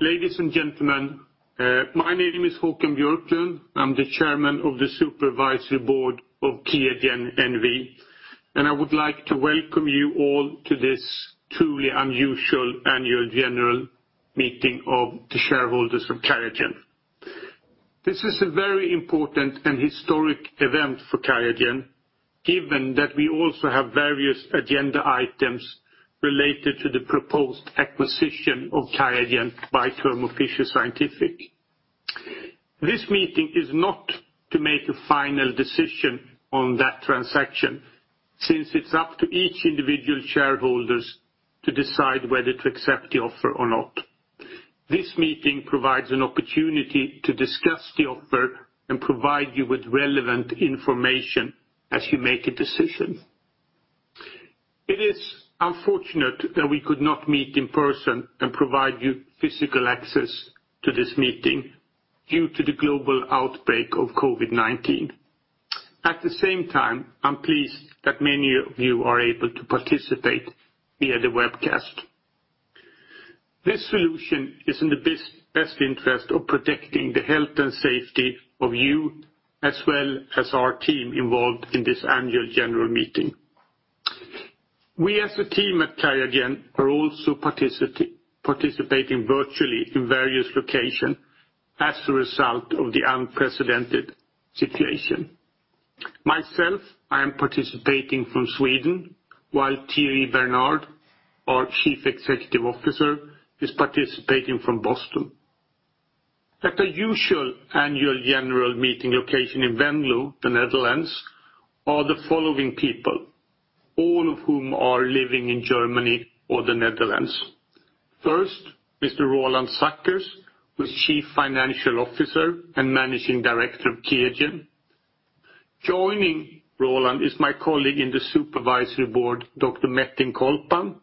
Ladies and gentlemen, my name is Håkan Björklund. I'm the Chairman of the Supervisory Board of QIAGEN NV, and I would like to welcome you all to this truly unusual Annual General Meeting of the shareholders of QIAGEN. This is a very important and historic event for QIAGEN, given that we also have various agenda items related to the proposed acquisition of QIAGEN by Thermo Fisher Scientific. This meeting is not to make a final decision on that transaction, since it's up to each individual shareholder to decide whether to accept the offer or not. This meeting provides an opportunity to discuss the offer and provide you with relevant information as you make a decision. It is unfortunate that we could not meet in person and provide you physical access to this meeting due to the global outbreak of COVID-19. At the same time, I'm pleased that many of you are able to participate via the webcast. This solution is in the best interest of protecting the health and safety of you, as well as our team involved in this Annual General Meeting. We, as a team at QIAGEN, are also participating virtually in various locations as a result of the unprecedented situation. Myself, I am participating from Sweden, while Thierry Bernard, our Chief Executive Officer, is participating from Boston. At the usual Annual General Meeting location in Venlo, the Netherlands, are the following people, all of whom are living in Germany or the Netherlands. First, Mr. Roland Sackers, who is Chief Financial Officer and Managing Director of QIAGEN. Joining Roland is my colleague in the Supervisory Board, Dr. Metin Colpan,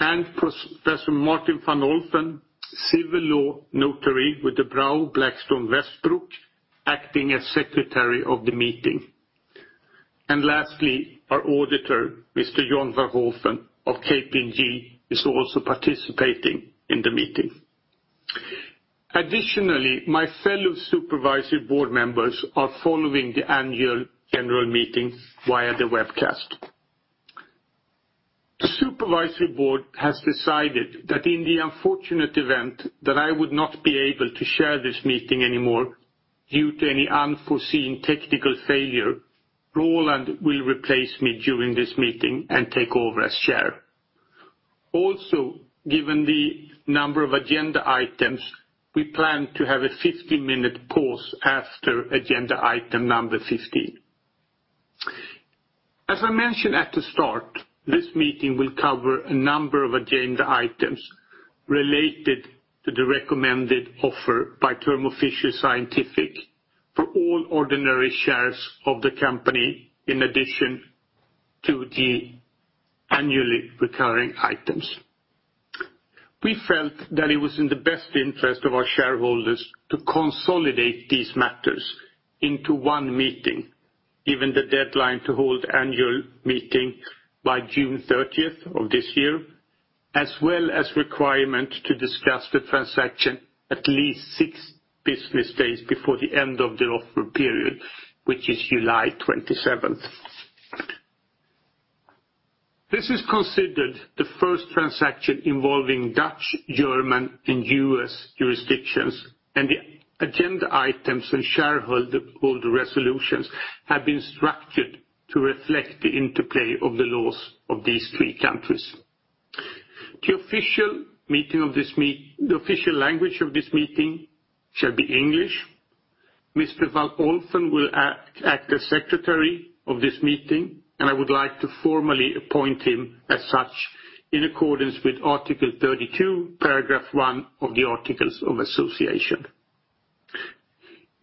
and Professor Martin van Olffen, civil law notary with De Brauw Blackstone Westbroek, acting as secretary of the meeting. And lastly, our auditor, Mr. John van Olden of KPMG, is also participating in the meeting. Additionally, my fellow Supervisory Board members are following the Annual General Meeting via the webcast. The Supervisory Board has decided that in the unfortunate event that I would not be able to share this meeting anymore due to any unforeseen technical failure, Roland will replace me during this meeting and take over as Chair. Also, given the number of agenda items, we plan to have a 15-minute pause after agenda item number 15. As I mentioned at the start, this meeting will cover a number of agenda items related to the recommended offer by Thermo Fisher Scientific for all ordinary shares of the company, in addition to the annually recurring items. We felt that it was in the best interest of our shareholders to consolidate these matters into one meeting, given the deadline to hold the annual meeting by June 30 of this year, as well as the requirement to discuss the transaction at least six business days before the end of the offer period, which is July 27. This is considered the first transaction involving Dutch, German, and U.S. jurisdictions, and the agenda items and shareholder resolutions have been structured to reflect the interplay of the laws of these three countries. The official language of this meeting shall be English. Mr. van Olffen will act as secretary of this meeting, and I would like to formally appoint him as such in accordance with Article 32, paragraph 1 of the Articles of Association.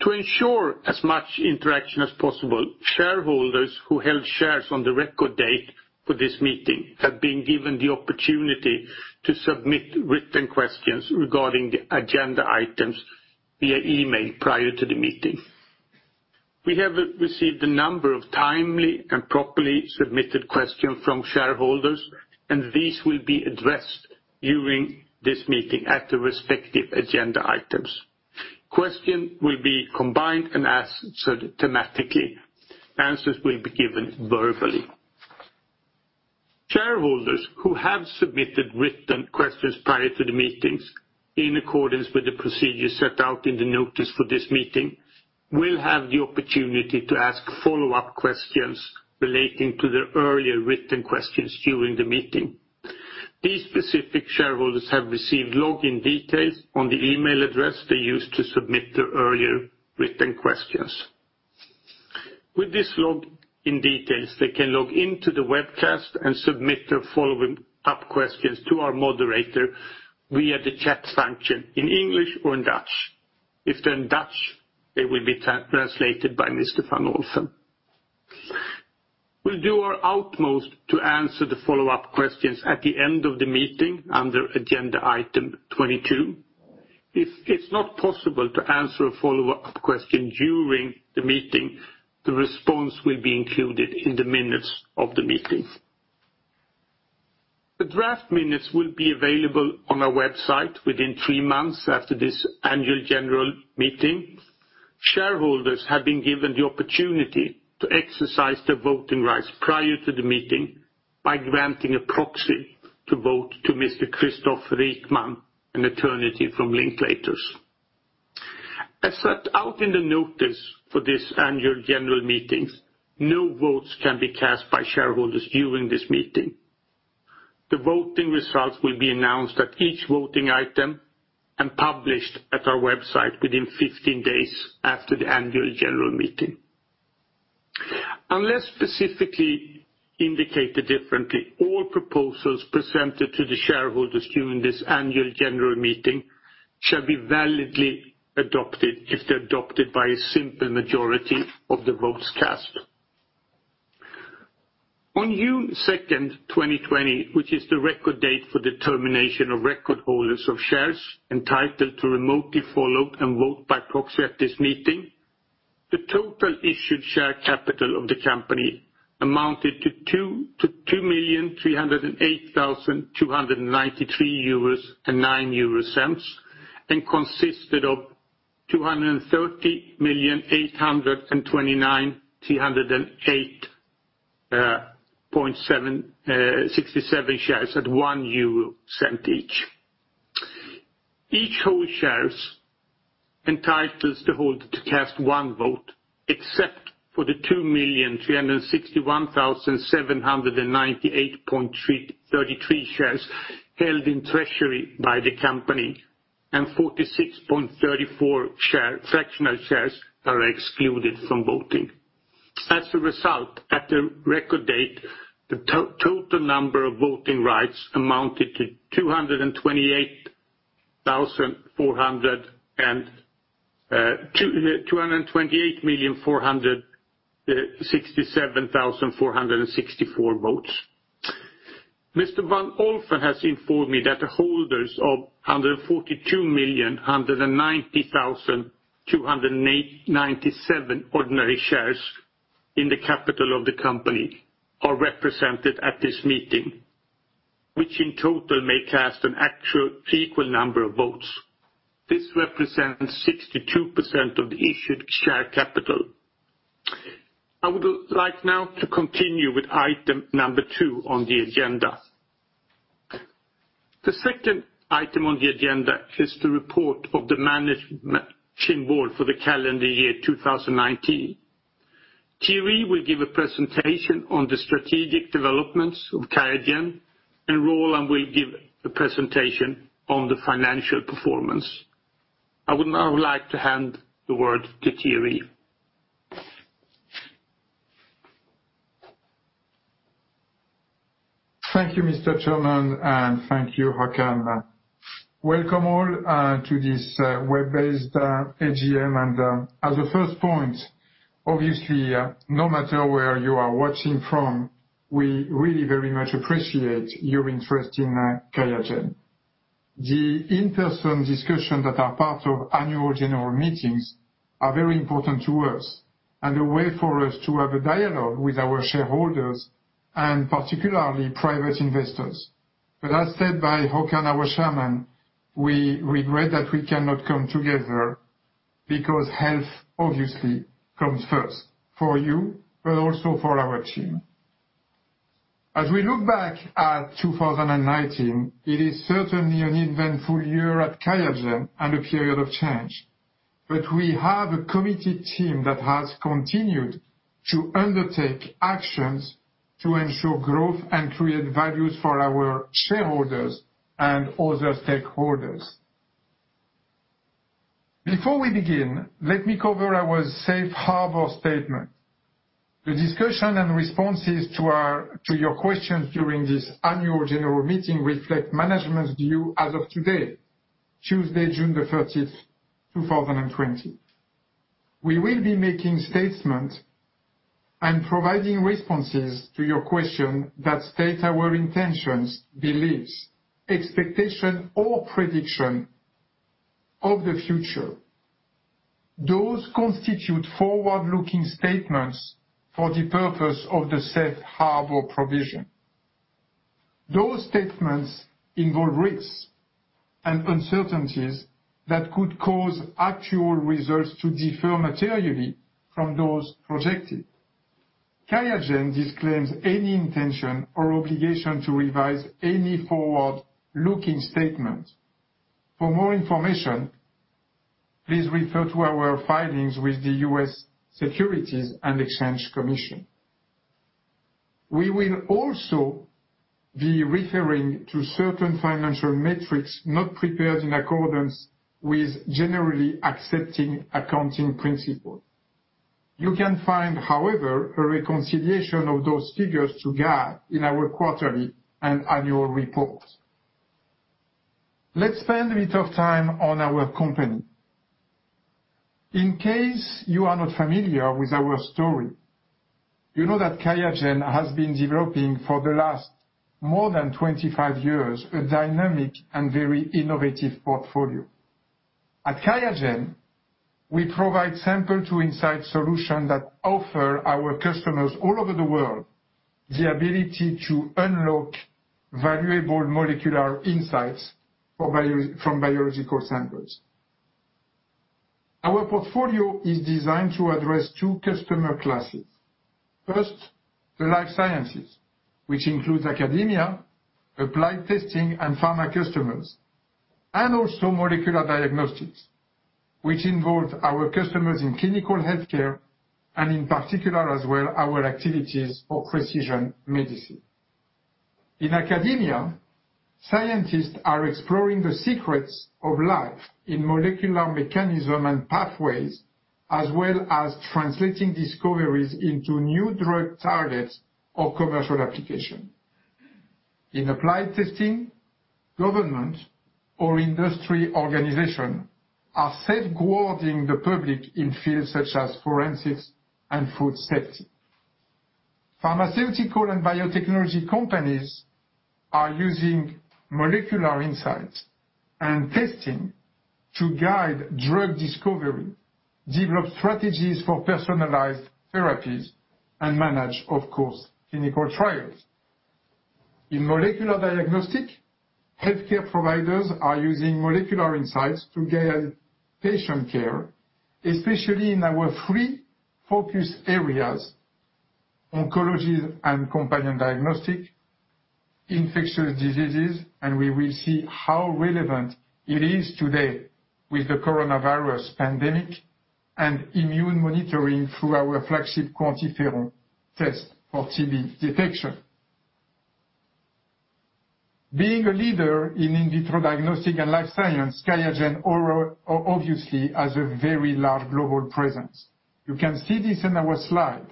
To ensure as much interaction as possible, shareholders who held shares on the record date for this meeting have been given the opportunity to submit written questions regarding the agenda items via email prior to the meeting. We have received a number of timely and properly submitted questions from shareholders, and these will be addressed during this meeting at the respective agenda items. Questions will be combined and answered thematically. Answers will be given verbally. Shareholders who have submitted written questions prior to the meetings, in accordance with the procedure set out in the notice for this meeting, will have the opportunity to ask follow-up questions relating to their earlier written questions during the meeting. These specific shareholders have received login details on the email address they used to submit their earlier written questions. With this login details, they can log into the webcast and submit their follow-up questions to our moderator via the chat function in English or in Dutch. If they're in Dutch, they will be translated by Mr. van Olffen. We'll do our utmost to answer the follow-up questions at the end of the meeting under agenda item 22. If it's not possible to answer a follow-up question during the meeting, the response will be included in the minutes of the meeting. The draft minutes will be available on our website within three months after this Annual General Meeting. Shareholders have been given the opportunity to exercise their voting rights prior to the meeting by granting a proxy to vote to Mr. Christoph Rieckmann, an attorney from Linklaters. As set out in the notice for this Annual General Meeting, no votes can be cast by shareholders during this meeting. The voting results will be announced at each voting item and published at our website within 15 days after the Annual General Meeting. Unless specifically indicated differently, all proposals presented to the shareholders during this Annual General Meeting shall be validly adopted if they're adopted by a simple majority of the votes cast. On June 2, 2020, which is the record date for determination of record holders of shares entitled to remotely follow and vote by proxy at this meeting, the total issued share capital of the company amounted to €2,308,293.09 and consisted of 230,829,308.67 shares at €1.00 each. Each whole shares entitles the holder to cast one vote, except for the 2,361,798.33 shares held in treasury by the company, and 46.34 fractional shares are excluded from voting. As a result, at the record date, the total number of voting rights amounted to 228,467,464 votes. Mr. van Olffen has informed me that the holders of 142,190,297 ordinary shares in the capital of the company are represented at this meeting, which in total may cast an actual equal number of votes. This represents 62% of the issued share capital. I would like now to continue with item number two on the agenda. The second item on the agenda is the report of the Managing Board for the calendar year 2019. Thierry will give a presentation on the strategic developments of QIAGEN, and Roland will give a presentation on the financial performance. I would now like to hand the word to Thierry. Thank you, Mr. Chairman, and thank you, Håkan. Welcome all to this web-based AGM, and as a first point, obviously, no matter where you are watching from, we really very much appreciate your interest in QIAGEN. The in-person discussions that are part of Annual General Meeting are very important to us and a way for us to have a dialogue with our shareholders and particularly private investors, but as said by Håkan, our Chairman, we regret that we cannot come together because health, obviously, comes first for you, but also for our team. As we look back at 2019, it is certainly an eventful year at QIAGEN and a period of change, but we have a committed team that has continued to undertake actions to ensure growth and create values for our shareholders and other stakeholders. Before we begin, let me cover our safe harbor statement. The discussion and responses to your questions during this Annual General Meeting reflect management's view as of today, Tuesday, June 30, 2020. We will be making statements and providing responses to your questions that state our intentions, beliefs, expectations, or predictions of the future. Those constitute forward-looking statements for the purpose of the safe harbor provision. Those statements involve risks and uncertainties that could cause actual results to differ materially from those projected. QIAGEN disclaims any intention or obligation to revise any forward-looking statement. For more information, please refer to our filings with the U.S. Securities and Exchange Commission. We will also be referring to certain financial metrics not prepared in accordance with generally accepted accounting principles. You can find, however, a reconciliation of those figures to GAAP in our quarterly and annual reports. Let's spend a bit of time on our company. In case you are not familiar with our story, you know that QIAGEN has been developing for the last more than 25 years a dynamic and very innovative portfolio. At QIAGEN, we provide Sample to Insight solutions that offer our customers all over the world the ability to unlock valuable molecular insights from biological samples. Our portfolio is designed to address two customer classes. First, the Life Sciences, which include academia, applied testing, and pharma customers, and also molecular diagnostics, which involve our customers in clinical healthcare and, in particular, as well, our activities for precision medicine. In academia, scientists are exploring the secrets of life in molecular mechanisms and pathways, as well as translating discoveries into new drug targets or commercial applications. In applied testing, governments or industry organizations are safeguarding the public in fields such as forensics and food safety. Pharmaceutical and biotechnology companies are using molecular insights and testing to guide drug discovery, develop strategies for personalized therapies, and manage, of course, clinical trials. In molecular diagnostics, healthcare providers are using molecular insights to guide patient care, especially in our three focus areas: oncology and companion diagnostics, infectious diseases, and we will see how relevant it is today with the coronavirus pandemic and immune monitoring through our flagship QuantiFERON test for TB detection. Being a leader in in Vitro Diagnostics and Life Sciences, QIAGEN obviously has a very large global presence. You can see this in our slide,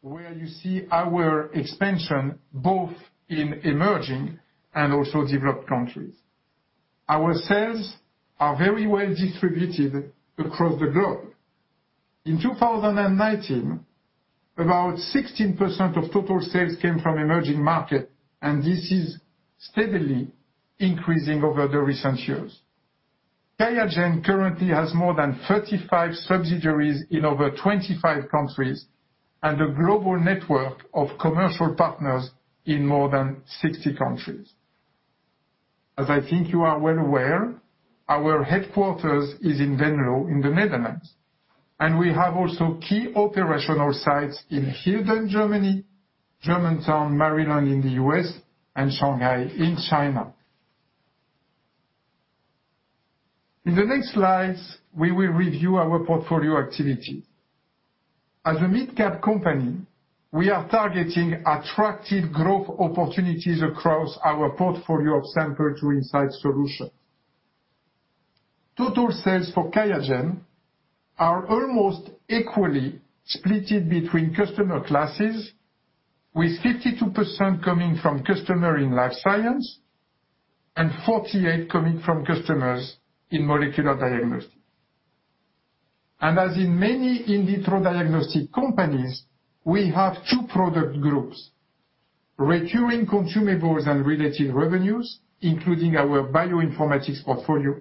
where you see our expansion both in emerging and also developed countries. Our sales are very well distributed across the globe. In 2019, about 16% of total sales came from emerging markets, and this is steadily increasing over the recent years. QIAGEN currently has more than 35 subsidiaries in over 25 countries and a global network of commercial partners in more than 60 countries. As I think you are well aware, our headquarters is in Venlo in the Netherlands, and we have also key operational sites in Hilden, Germany, Germantown, Maryland in the U.S., and Shanghai in China. In the next slides, we will review our portfolio activities. As a mid-cap company, we are targeting attractive growth opportunities across our portfolio of Sample to Insight solutions. Total sales for QIAGEN are almost equally split between customer classes, with 52% coming from customers in Life Sciences and 48% coming from customers in molecular diagnostics, and as in many in vitro diagnostic companies, we have two product groups: recurring consumables and related revenues, including our bioinformatics portfolio,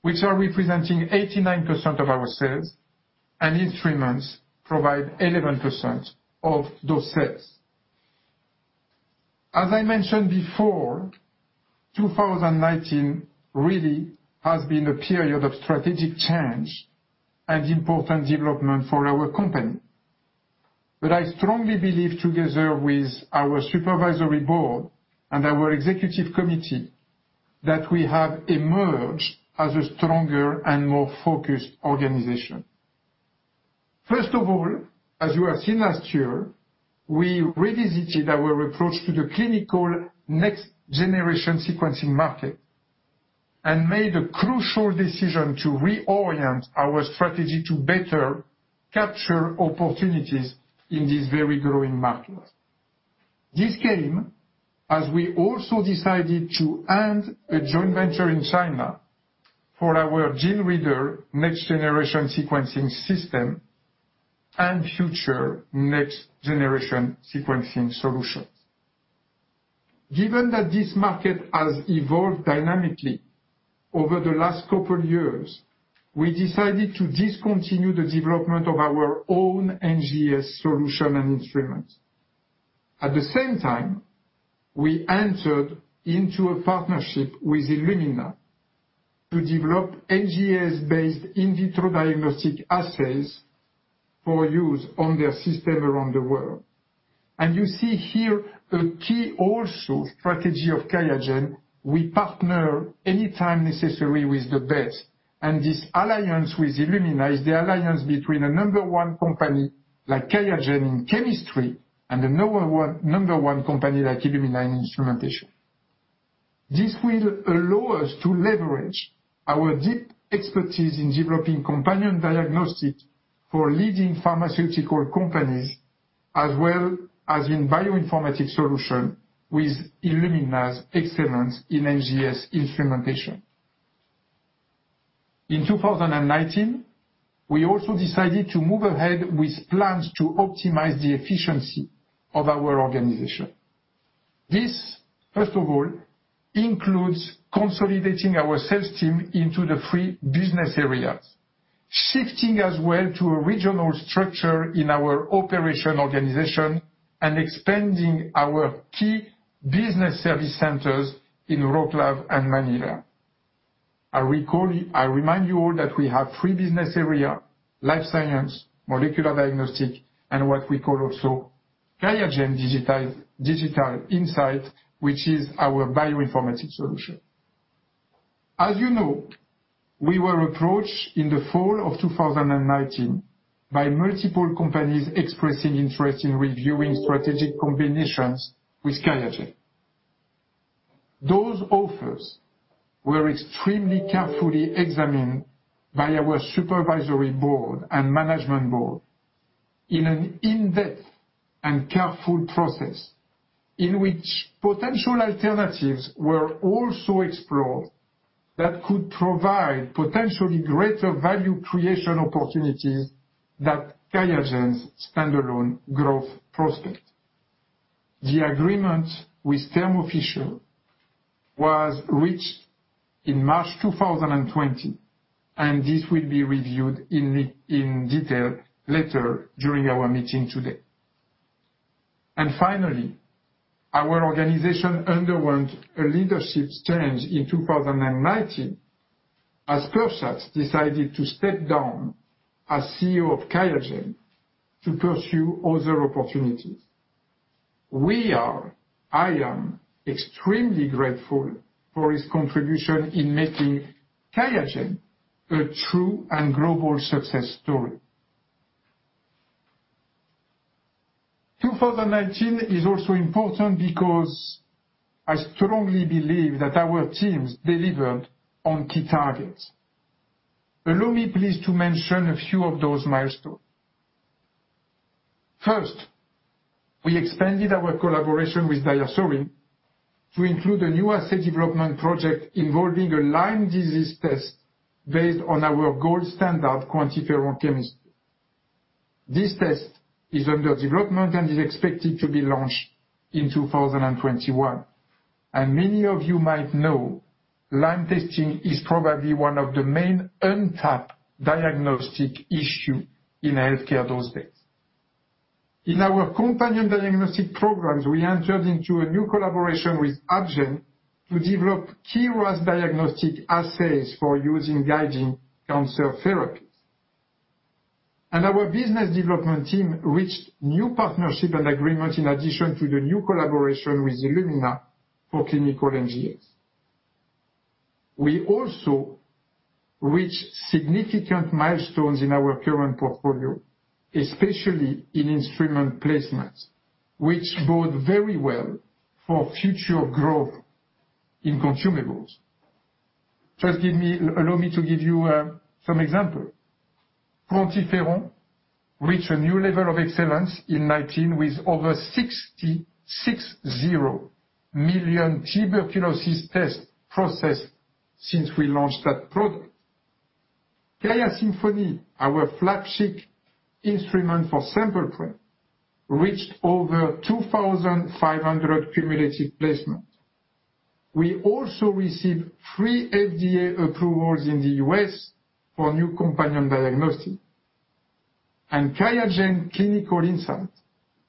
which are representing 89% of our sales, and instruments provide 11% of those sales. As I mentioned before, 2019 really has been a period of strategic change and important development for our company. But I strongly believe, together with our Supervisory Board and our Executive Committee, that we have emerged as a stronger and more focused organization. First of all, as you have seen last year, we revisited our approach to the clinical next-generation sequencing market and made a crucial decision to reorient our strategy to better capture opportunities in this very growing market. This came as we also decided to end a joint venture in China for our GeneReader next-generation sequencing system and future next-generation sequencing solutions. Given that this market has evolved dynamically over the last couple of years, we decided to discontinue the development of our own NGS solution and instruments. At the same time, we entered into a partnership with Illumina to develop NGS-based in vitro diagnostic assays for use on their system around the world. And you see here a key also strategy of QIAGEN. We partner anytime necessary with the best. And this alliance with Illumina is the alliance between a number one company like QIAGEN in chemistry and a number one company like Illumina in instrumentation. This will allow us to leverage our deep expertise in developing companion diagnostics for leading pharmaceutical companies, as well as in bioinformatics solutions with Illumina's excellence in NGS instrumentation. In 2019, we also decided to move ahead with plans to optimize the efficiency of our organization. This, first of all, includes consolidating our sales team into the three business areas, shifting as well to a regional structure in our operation organization, and expanding our key business service centers in Wrocław and Manila. I remind you all that we have three business areas: Life Science, Molecular Diagnostic, and what we call also QIAGEN Digital Insights, which is our bioinformatics solution. As you know, we were approached in the fall of 2019 by multiple companies expressing interest in reviewing strategic combinations with QIAGEN. Those offers were extremely carefully examined by our Supervisory Board and Management Board in an in-depth and careful process in which potential alternatives were also explored that could provide potentially greater value creation opportunities than QIAGEN's standalone growth prospect. The agreement with Thermo Fisher was reached in March 2020, and this will be reviewed in detail later during our meeting today. Finally, our organization underwent a leadership change in 2019 as Peer Schatz decided to step down as CEO of QIAGEN to pursue other opportunities. We are, I am extremely grateful for his contribution in making QIAGEN a true and global success story. 2019 is also important because I strongly believe that our teams delivered on key targets. Allow me please to mention a few of those milestones. First, we expanded our collaboration with DiaSorin to include a new assay development project involving a Lyme disease test based on our gold standard QuantiFERON chemistry. This test is under development and is expected to be launched in 2021. Many of you might know Lyme testing is probably one of the main untapped diagnostic issues in healthcare these days. In our companion diagnostic programs, we entered into a new collaboration with Amgen to develop KRAS diagnostic assays for using guiding cancer therapies, and our business development team reached new partnerships and agreements in addition to the new collaboration with Illumina for clinical NGS. We also reached significant milestones in our current portfolio, especially in instrument placements, which bode very well for future growth in consumables. Just give me, allow me to give you some examples. QuantiFERON reached a new level of excellence in 2019 with over 660 million tuberculosis tests processed since we launched that product. QIAsymphony, our flagship instrument for sample prep, reached over 2,500 cumulative placements. We also received three FDA approvals in the U.S. for new companion diagnostics. QIAGEN Clinical Insights,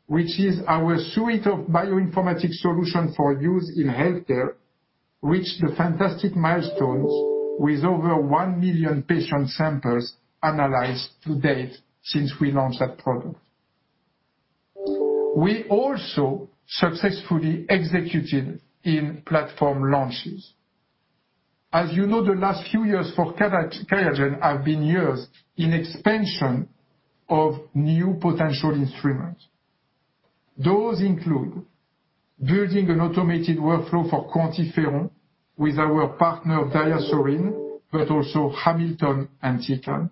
which is our suite of bioinformatics solutions for use in healthcare, reached fantastic milestones with over 1 million patient samples analyzed to date since we launched that product. We also successfully executed in platform launches. As you know, the last few years for QIAGEN have been years in expansion of new potential instruments. Those include building an automated workflow for QuantiFERON with our partner DiaSorin, but also Hamilton and Tecan,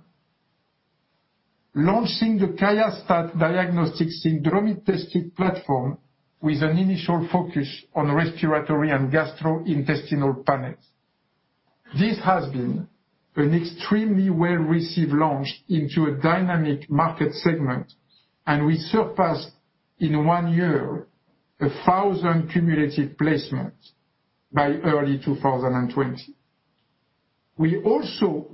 launching the QIAstat-Dx Syndromic Testing Platform with an initial focus on respiratory and gastrointestinal panels. This has been an extremely well-received launch into a dynamic market segment, and we surpassed in one year 1,000 cumulative placements by early 2020. We also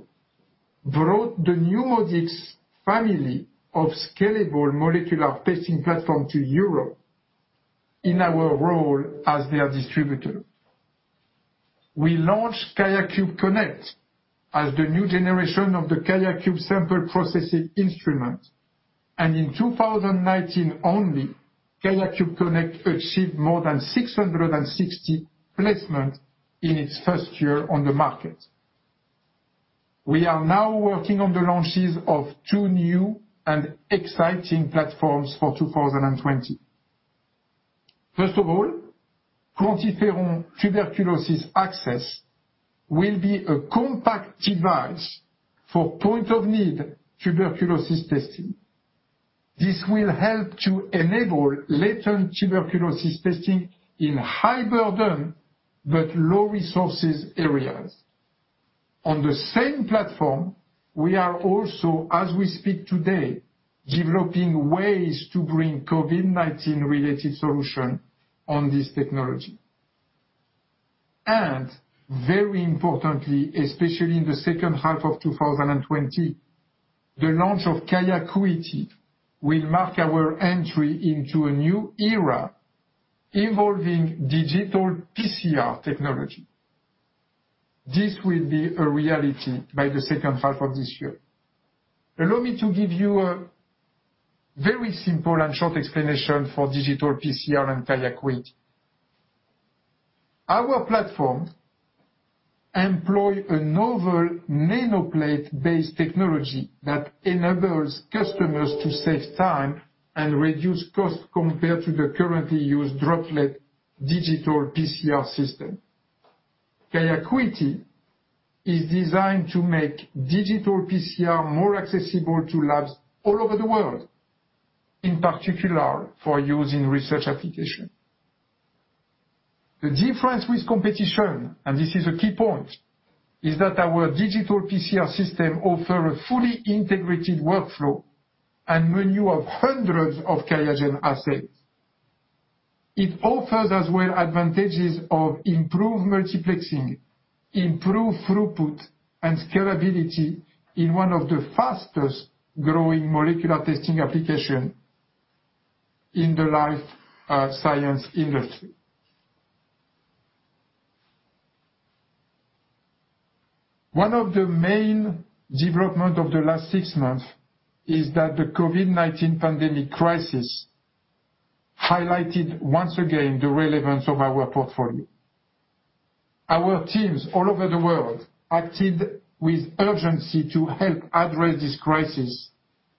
brought the NeuMoDx family of scalable molecular testing platforms to Europe in our role as their distributor. We launched QIAcube Connect as the new generation of the QIAcube sample processing instrument, and in 2019 only, QIAcube Connect achieved more than 660 placements in its first year on the market. We are now working on the launches of two new and exciting platforms for 2020. First of all, QuantiFERON-TB Access will be a compact device for point-of-need tuberculosis testing. This will help to enable latent tuberculosis testing in high-burden but low-resource areas. On the same platform, we are also, as we speak today, developing ways to bring COVID-19-related solutions on this technology, and very importantly, especially in the second half of 2020, the launch of QIAcuity will mark our entry into a new era involving digital PCR technology. This will be a reality by the second half of this year. Allow me to give you a very simple and short explanation for digital PCR and QIAcuity. Our platform employs a novel nanoplate-based technology that enables customers to save time and reduce costs compared to the currently used droplet digital PCR system. QIAcuity is designed to make digital PCR more accessible to labs all over the world, in particular for use in research applications. The difference with competition, and this is a key point, is that our digital PCR system offers a fully integrated workflow and menu of hundreds of QIAGEN assets. It offers as well advantages of improved multiplexing, improved throughput, and scalability in one of the fastest-growing molecular testing applications in the Life Science industry. One of the main developments of the last six months is that the COVID-19 pandemic crisis highlighted once again the relevance of our portfolio. Our teams all over the world acted with urgency to help address this crisis,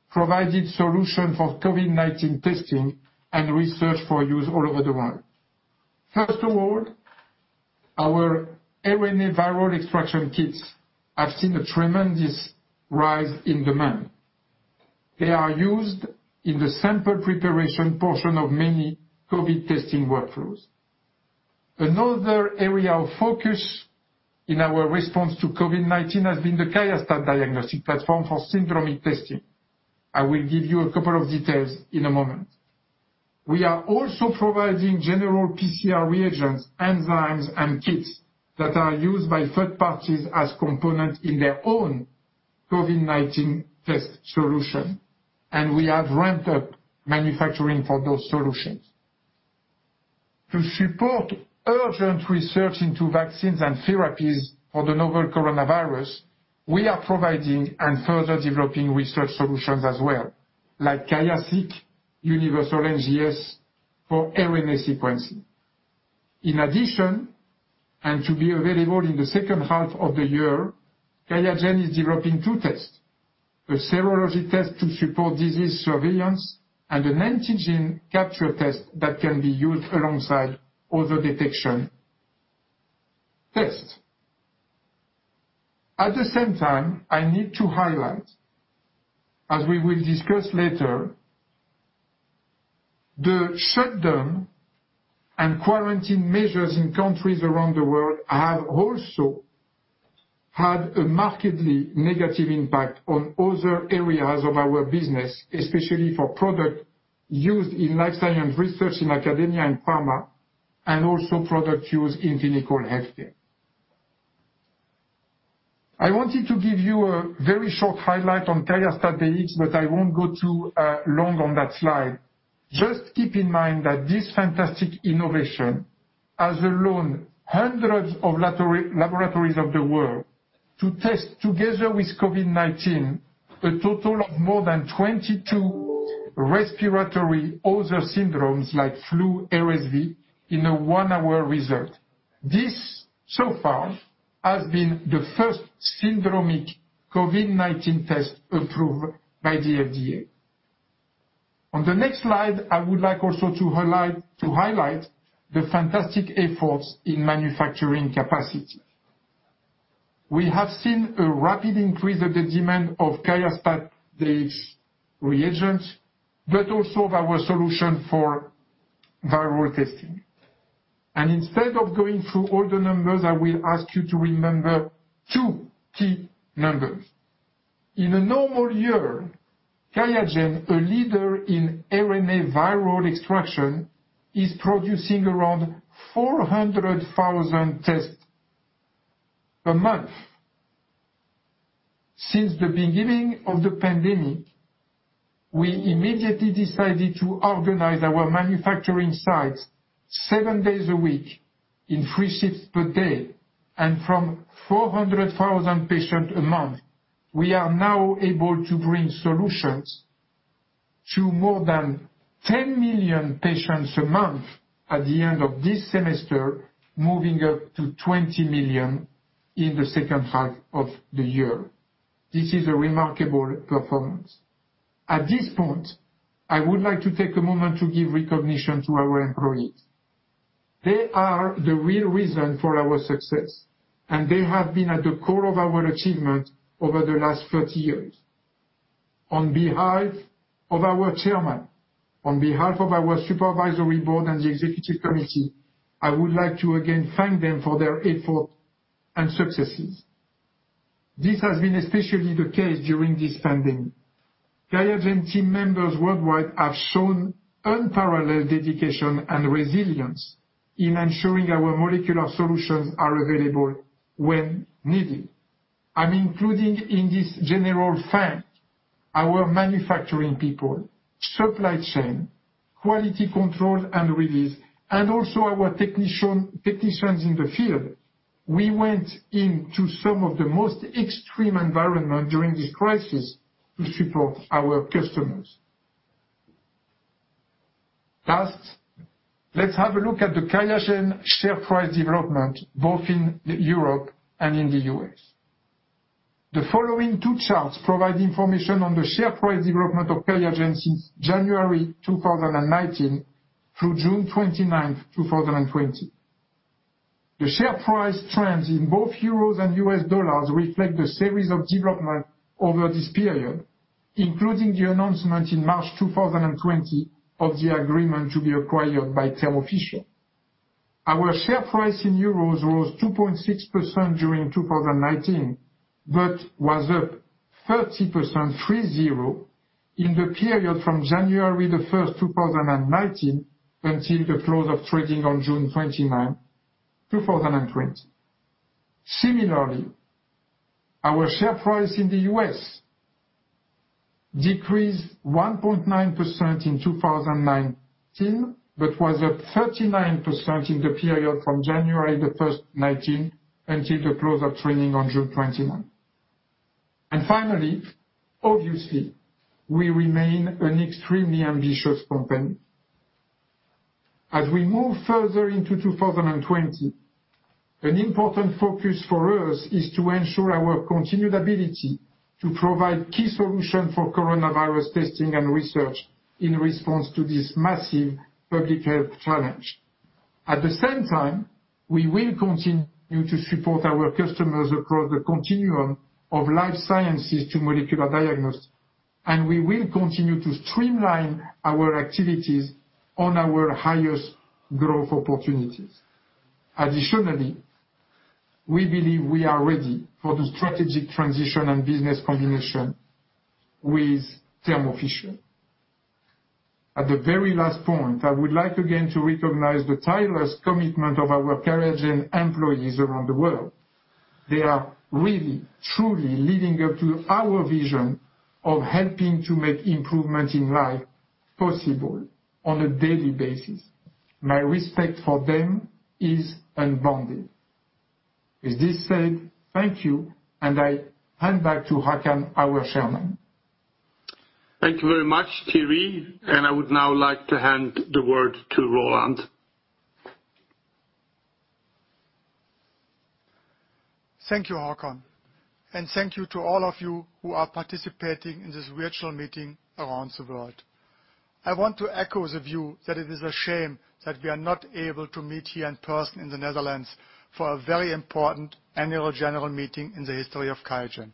providing solutions for COVID-19 testing and research for use all over the world. First of all, our RNA viral extraction kits have seen a tremendous rise in demand. They are used in the sample preparation portion of many COVID testing workflows. Another area of focus in our response to COVID-19 has been the QIAstat-Dx Diagnostic Platform for syndromic testing. I will give you a couple of details in a moment. We are also providing general PCR reagents, enzymes, and kits that are used by third parties as components in their own COVID-19 test solution, and we have ramped up manufacturing for those solutions. To support urgent research into vaccines and therapies for the novel coronavirus, we are providing and further developing research solutions as well, like QIAseq, universal NGS for RNA sequencing. In addition, and to be available in the second half of the year, QIAGEN is developing two tests: a serology test to support disease surveillance and an antigen capture test that can be used alongside other detection tests. At the same time, I need to highlight, as we will discuss later, the shutdown and quarantine measures in countries around the world have also had a markedly negative impact on other areas of our business, especially for products used in Life Science research in academia and pharma, and also products used in clinical healthcare. I wanted to give you a very short highlight on QIAstat-Dx, but I won't go too long on that slide. Just keep in mind that this fantastic innovation has allowed hundreds of laboratories around the world to test, together with COVID-19, a total of more than 22 respiratory other syndromes like flu, RSV, in a one-hour result. This, so far, has been the first syndromic COVID-19 test approved by the FDA. On the next slide, I would like also to highlight the fantastic efforts in manufacturing capacity. We have seen a rapid increase of the demand of QIAstat-Dx reagents, but also of our solution for viral testing, and instead of going through all the numbers, I will ask you to remember two key numbers. In a normal year, QIAGEN, a leader in RNA viral extraction, is producing around 400,000 tests per month. Since the beginning of the pandemic, we immediately decided to organize our manufacturing sites seven days a week in three shifts per day, and from 400,000 patients a month, we are now able to bring solutions to more than 10 million patients a month at the end of this semester, moving up to 20 million in the second half of the year. This is a remarkable performance. At this point, I would like to take a moment to give recognition to our employees. They are the real reason for our success, and they have been at the core of our achievement over the last 30 years. On behalf of our chairman, on behalf of our Supervisory Board and the Executive Committee, I would like to again thank them for their efforts and successes. This has been especially the case during this pandemic. QIAGEN team members worldwide have shown unparalleled dedication and resilience in ensuring our molecular solutions are available when needed. I'm including in this general thank our manufacturing people, supply chain, quality control, and release, and also our technicians in the field. We went into some of the most extreme environments during this crisis to support our customers. Last, let's have a look at the QIAGEN share price development both in Europe and in the U.S. The following two charts provide information on the share price development of QIAGEN since January 2019 through June 29, 2020. The share price trends in both euros and U.S. dollars reflect the series of developments over this period, including the announcement in March 2020 of the agreement to be acquired by Thermo Fisher. Our share price in euros rose 2.6% during 2019, but was up 30% in the period from January 1, 2019, until the close of trading on June 29, 2020. Similarly, our share price in the U.S. decreased 1.9% in 2019, but was up 39% in the period from January 1, 2019, until the close of trading on June 29, 2020. Finally, obviously, we remain an extremely ambitious company. As we move further into 2020, an important focus for us is to ensure our continued ability to provide key solutions for coronavirus testing and research in response to this massive public health challenge. At the same time, we will continue to support our customers across the continuum of Life Sciences to Molecular Diagnostics, and we will continue to streamline our activities on our highest growth opportunities. Additionally, we believe we are ready for the strategic transition and business combination with Thermo Fisher. At the very last point, I would like again to recognize the tireless commitment of our QIAGEN employees around the world. They are really, truly living up to our vision of helping to make improvements in life possible on a daily basis. My respect for them is unbounded. With this said, thank you, and I hand back to Håkan, our chairman. Thank you very much, Thierry, and I would now like to hand the word to Roland. Thank you, Håkan, and thank you to all of you who are participating in this virtual meeting around the world. I want to echo the view that it is a shame that we are not able to meet here in person in the Netherlands for a very important Annual General Meeting in the history of QIAGEN.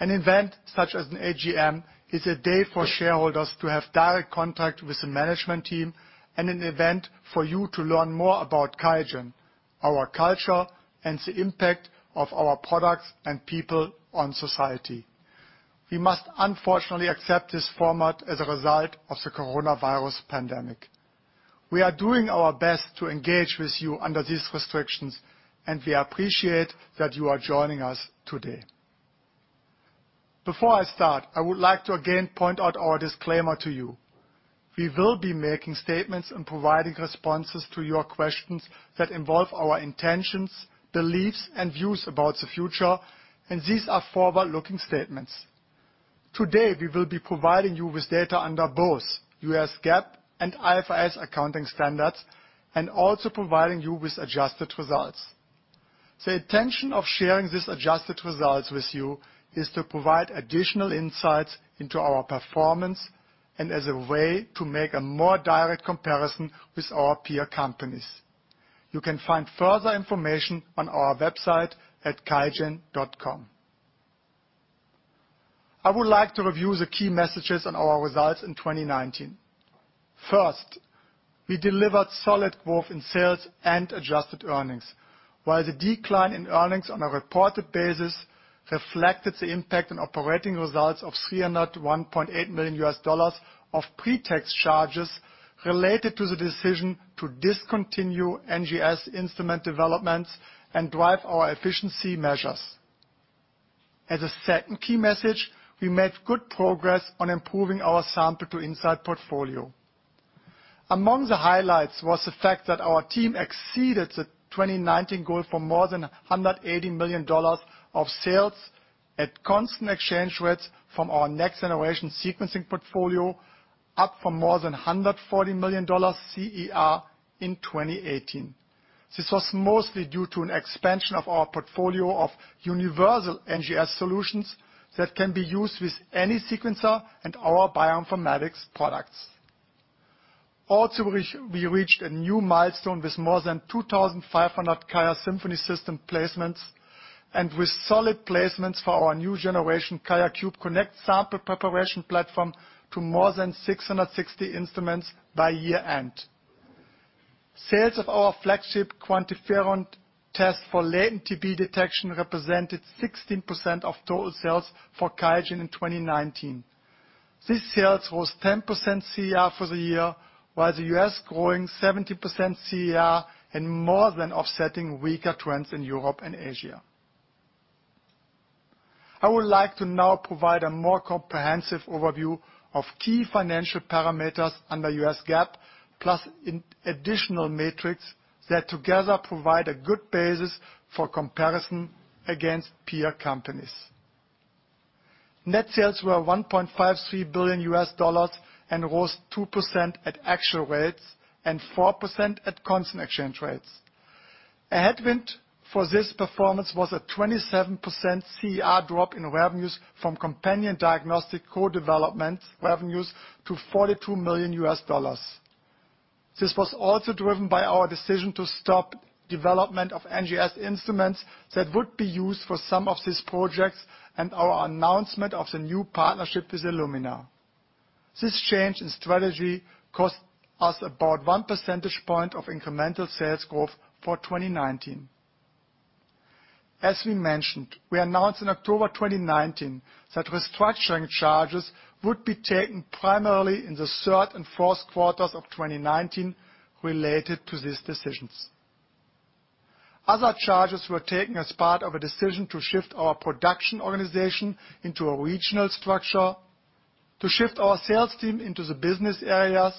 An event such as an AGM is a day for shareholders to have direct contact with the management team, and an event for you to learn more about QIAGEN, our culture, and the impact of our products and people on society. We must unfortunately accept this format as a result of the coronavirus pandemic. We are doing our best to engage with you under these restrictions, and we appreciate that you are joining us today. Before I start, I would like to again point out our disclaimer to you. We will be making statements and providing responses to your questions that involve our intentions, beliefs, and views about the future, and these are forward-looking statements. Today, we will be providing you with data under both U.S. GAAP and IFRS accounting standards, and also providing you with adjusted results. The intention of sharing these adjusted results with you is to provide additional insights into our performance and as a way to make a more direct comparison with our peer companies. You can find further information on our website at qiagen.com. I would like to review the key messages on our results in 2019. First, we delivered solid growth in sales and adjusted earnings, while the decline in earnings on a reported basis reflected the impact on operating results of $301.8 million of pre-tax charges related to the decision to discontinue NGS instrument developments and drive our efficiency measures. As a second key message, we made good progress on improving our Sample to Insight portfolio. Among the highlights was the fact that our team exceeded the 2019 goal for more than $180 million of sales at constant exchange rates from our next-generation sequencing portfolio, up from more than $140 million CER in 2018. This was mostly due to an expansion of our portfolio of universal NGS solutions that can be used with any sequencer and our bioinformatics products. Also, we reached a new milestone with more than 2,500 QIAsymphony system placements and with solid placements for our new generation QIAcube Connect sample preparation platform to more than 660 instruments by year-end. Sales of our flagship QuantiFERON test for latent TB detection represented 16% of total sales for QIAGEN in 2019. These sales rose 10% CER for the year, while the U.S. growing 17% CER and more than offsetting weaker trends in Europe and Asia. I would like to now provide a more comprehensive overview of key financial parameters under U.S. GAAP, plus additional metrics that together provide a good basis for comparison against peer companies. Net sales were $1.53 billion and rose 2% at actual rates and 4% at constant exchange rates. A headwind for this performance was a 27% CER drop in revenues from companion diagnostic co-development revenues to $42 million. This was also driven by our decision to stop development of NGS instruments that would be used for some of these projects and our announcement of the new partnership with Illumina. This change in strategy cost us about one percentage point of incremental sales growth for 2019. As we mentioned, we announced in October 2019 that restructuring charges would be taken primarily in the third and fourth quarters of 2019 related to these decisions. Other charges were taken as part of a decision to shift our production organization into a regional structure, to shift our sales team into the business areas,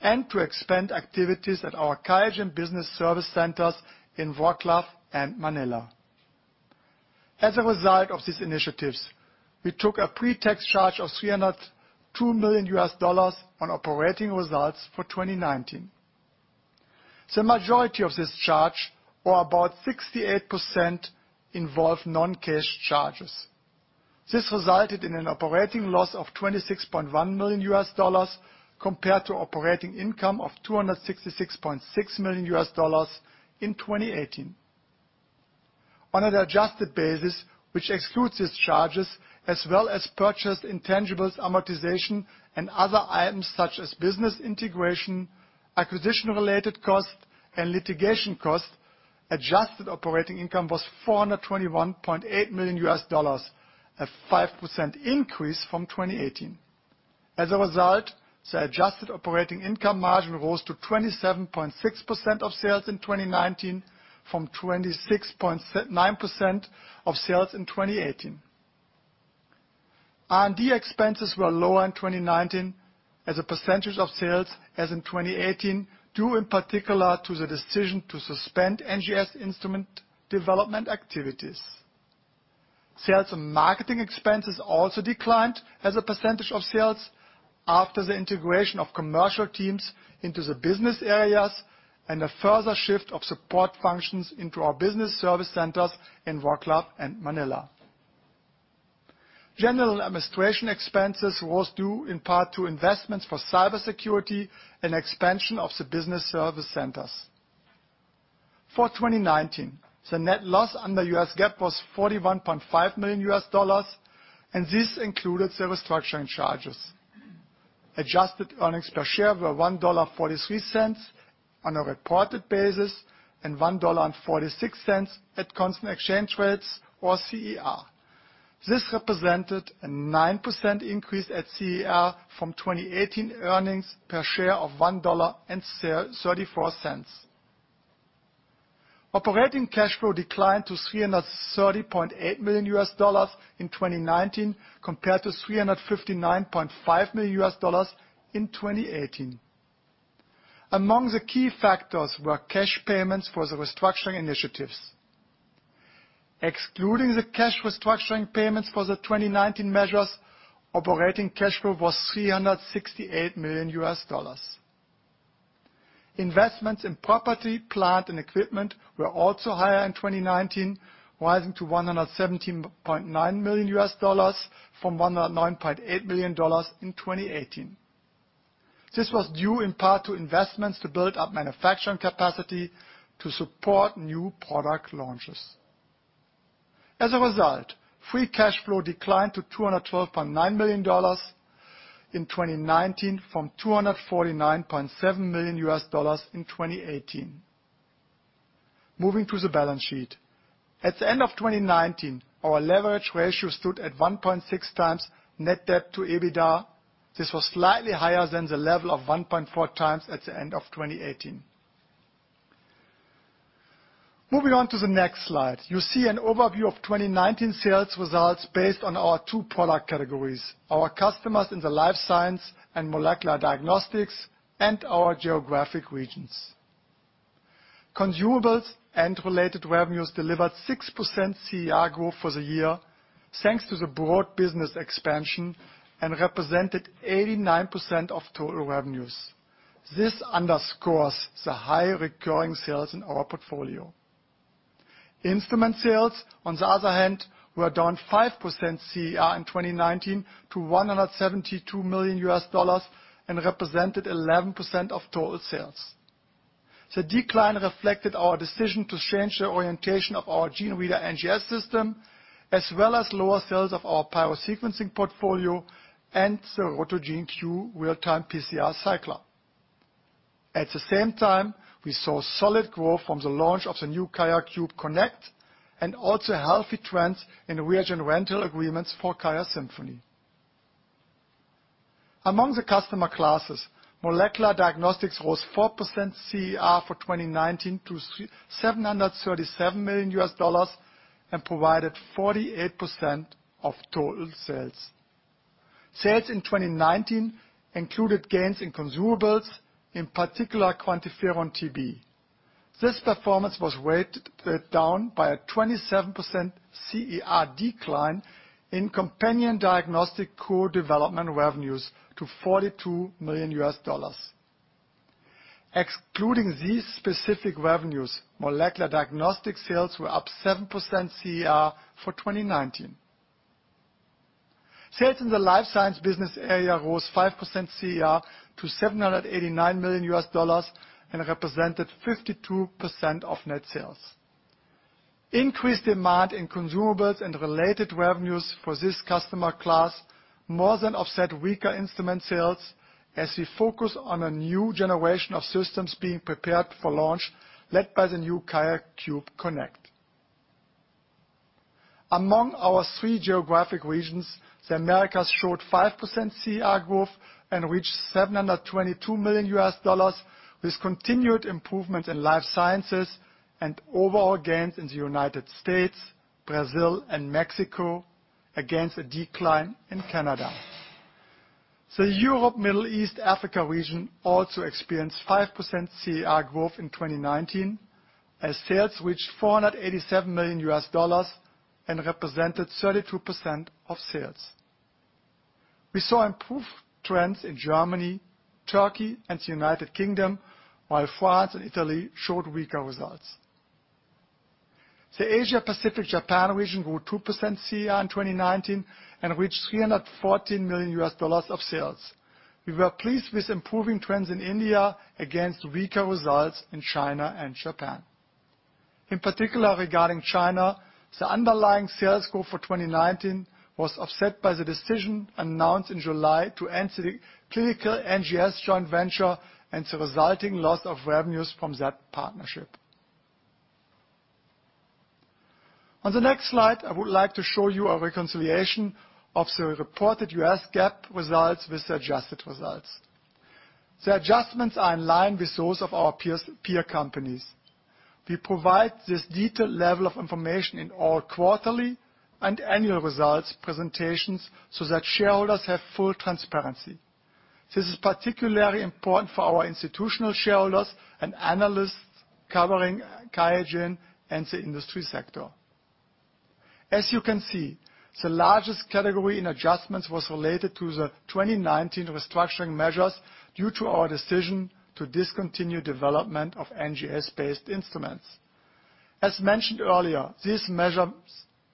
and to expand activities at our QIAGEN business service centers in Wrocław and Manila. As a result of these initiatives, we took a restructuring charge of $302 million on operating results for 2019. The majority of this charge, or about 68%, involved non-cash charges. This resulted in an operating loss of $26.1 million compared to operating income of $266.6 million in 2018. On an adjusted basis, which excludes these charges, as well as purchased intangibles amortization and other items such as business integration, acquisition-related costs, and litigation costs, adjusted operating income was $421.8 million, a 5% increase from 2018. As a result, the adjusted operating income margin rose to 27.6% of sales in 2019 from 26.9% of sales in 2018. R&D expenses were lower in 2019 as a percentage of sales as in 2018, due in particular to the decision to suspend NGS instrument development activities. Sales and marketing expenses also declined as a percentage of sales after the integration of commercial teams into the business areas and a further shift of support functions into our business service centers in Wrocław and Manila. General Administration Expenses rose due in part to investments for cybersecurity and expansion of the business service centers. For 2019, the net loss under U.S. GAAP was $41.5 million, and this included the restructuring charges. Adjusted earnings per share were $1.43 on a reported basis and $1.46 at constant exchange rates, or CER. This represented a 9% increase at CER from 2018 earnings per share of $1.34. Operating cash flow declined to $330.8 million in 2019 compared to $359.5 million in 2018. Among the key factors were cash payments for the restructuring initiatives. Excluding the cash restructuring payments for the 2019 measures, operating cash flow was $368 million. Investments in property, plant, and equipment were also higher in 2019, rising to $117.9 million from $109.8 million in 2018. This was due in part to investments to build up manufacturing capacity to support new product launches. As a result, free cash flow declined to $212.9 million in 2019 from $249.7 million in 2018. Moving to the balance sheet, at the end of 2019, our leverage ratio stood at 1.6x net debt to EBITDA. This was slightly higher than the level of 1.4x at the end of 2018. Moving on to the next slide, you see an overview of 2019 sales results based on our two product categories: our customers in the Life Sciences and Molecular Diagnostics and our geographic regions. Consumables and related revenues delivered 6% CER growth for the year, thanks to the broad business expansion, and represented 89% of total revenues. This underscores the high recurring sales in our portfolio. Instrument sales, on the other hand, were down 5% CER in 2019 to $172 million and represented 11% of total sales. The decline reflected our decision to change the orientation of our GeneReader NGS System, as well as lower sales of our pyrosequencing portfolio and the Rotor-Gene Q real-time PCR cycler. At the same time, we saw solid growth from the launch of the new QIAcube Connect and also healthy trends in reagent rental agreements for QIAsymphony. Among the customer classes, molecular diagnostics rose 4% CER for 2019 to $737 million and provided 48% of total sales. Sales in 2019 included gains in consumables, in particular QuantiFERON-TB. This performance was weighted down by a 27% CER decline in companion diagnostic co-development revenues to $42 million. Excluding these specific revenues, molecular diagnostic sales were up 7% CER for 2019. Sales in the Life Science business area rose 5% CER to $789 million and represented 52% of net sales. Increased demand in consumables and related revenues for this customer class more than offset weaker instrument sales as we focus on a new generation of systems being prepared for launch led by the new QIAcube Connect. Among our three geographic regions, the Americas showed 5% CER growth and reached $722 million with continued improvements in Life Sciences and overall gains in the United States, Brazil, and Mexico, against a decline in Canada. The Europe, Middle East, and Africa region also experienced 5% CER growth in 2019 as sales reached $487 million and represented 32% of sales. We saw improved trends in Germany, Turkey, and the United Kingdom, while France and Italy showed weaker results. The Asia-Pacific-Japan region grew 2% CER in 2019 and reached $314 million of sales. We were pleased with improving trends in India against weaker results in China and Japan. In particular, regarding China, the underlying sales growth for 2019 was offset by the decision announced in July to end the clinical NGS joint venture and the resulting loss of revenues from that partnership. On the next slide, I would like to show you a reconciliation of the reported U.S. GAAP results with the adjusted results. The adjustments are in line with those of our peer companies. We provide this detailed level of information in all quarterly and annual results presentations so that shareholders have full transparency. This is particularly important for our institutional shareholders and analysts covering QIAGEN and the industry sector. As you can see, the largest category in adjustments was related to the 2019 restructuring measures due to our decision to discontinue development of NGS-based instruments. As mentioned earlier, these measures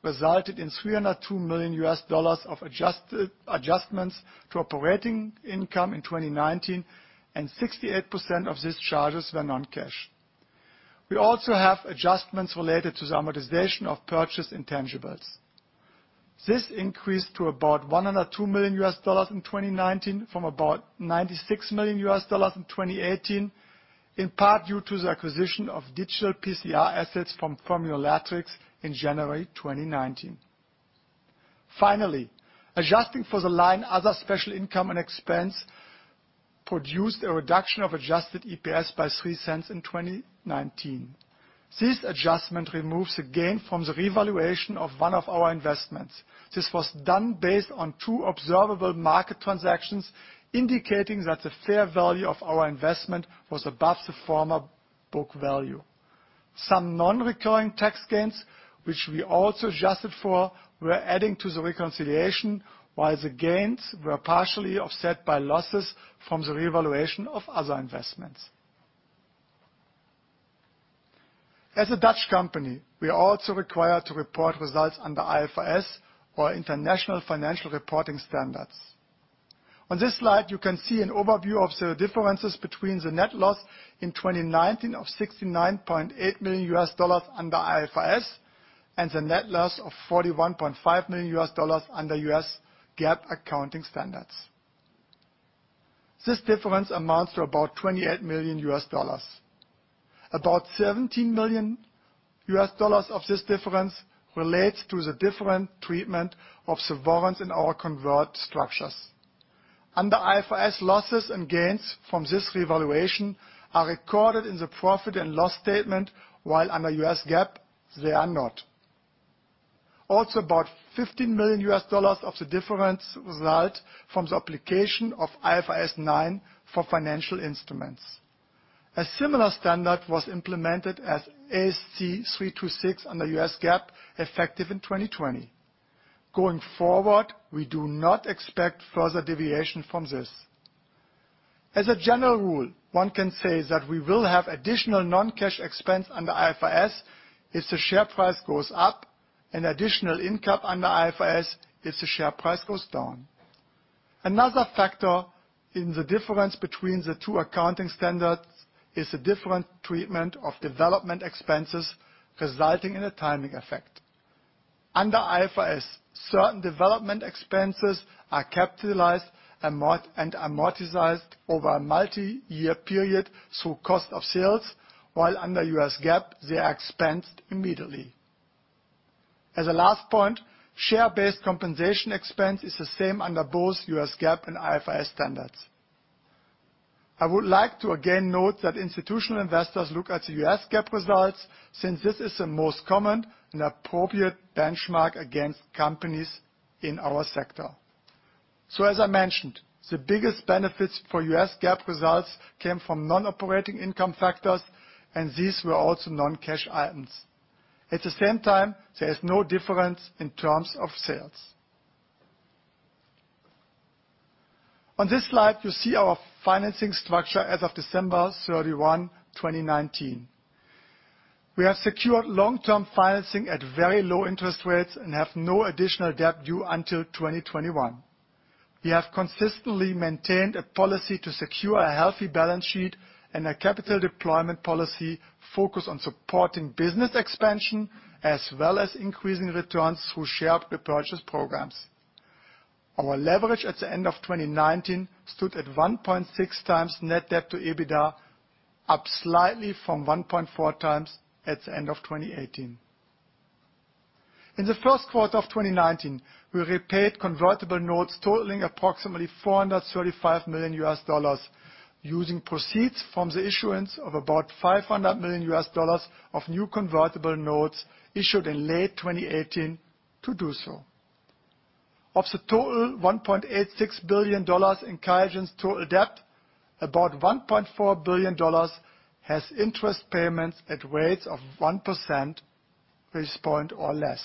resulted in $302 million of adjustments to operating income in 2019, and 68% of these charges were non-cash. We also have adjustments related to the amortization of purchased intangibles. This increased to about $102 million in 2019 from about $96 million in 2018, in part due to the acquisition of digital PCR assets from Formulatrix in January 2019. Finally, adjusting for the line other special income and expense produced a reduction of adjusted EPS by $0.03 in 2019. This adjustment removes a gain from the revaluation of one of our investments. This was done based on two observable market transactions indicating that the fair value of our investment was above the former book value. Some non-recurring tax gains, which we also adjusted for, were adding to the reconciliation, while the gains were partially offset by losses from the revaluation of other investments. As a Dutch company, we are also required to report results under IFRS, or International Financial Reporting Standards. On this slide, you can see an overview of the differences between the net loss in 2019 of $69.8 million under IFRS and the net loss of $41.5 million under U.S. GAAP accounting standards. This difference amounts to about $28 million. About $17 million of this difference relates to the different treatment of revaluations in our corporate structures. Under IFRS, losses and gains from this revaluation are recorded in the profit and loss statement, while under U.S. GAAP, they are not. Also, about $15 million of the difference result from the application of IFRS 9 for financial instruments. A similar standard was implemented as ASC 326 under U.S. GAAP, effective in 2020. Going forward, we do not expect further deviation from this. As a general rule, one can say that we will have additional non-cash expense under IFRS if the share price goes up and additional income under IFRS if the share price goes down. Another factor in the difference between the two accounting standards is the different treatment of development expenses resulting in a timing effect. Under IFRS, certain development expenses are capitalized and amortized over a multi-year period through cost of sales, while under U.S. GAAP, they are expensed immediately. As a last point, share-based compensation expense is the same under both U.S. GAAP and IFRS standards. I would like to again note that institutional investors look at the U.S. GAAP results since this is the most common and appropriate benchmark against companies in our sector. As I mentioned, the biggest benefits for U.S. GAAP results came from non-operating income factors, and these were also non-cash items. At the same time, there is no difference in terms of sales. On this slide, you see our financing structure as of December 31, 2019. We have secured long-term financing at very low interest rates and have no additional debt due until 2021. We have consistently maintained a policy to secure a healthy balance sheet and a capital deployment policy focused on supporting business expansion as well as increasing returns through share repurchase programs. Our leverage at the end of 2019 stood at 1.6x net debt to EBITDA, up slightly from 1.4x at the end of 2018. In the first quarter of 2019, we repaid convertible notes totaling approximately $435 million using proceeds from the issuance of about $500 million of new convertible notes issued in late 2018 to do so. Of the total $1.86 billion in QIAGEN's total debt, about $1.4 billion has interest payments at rates of 1% or less.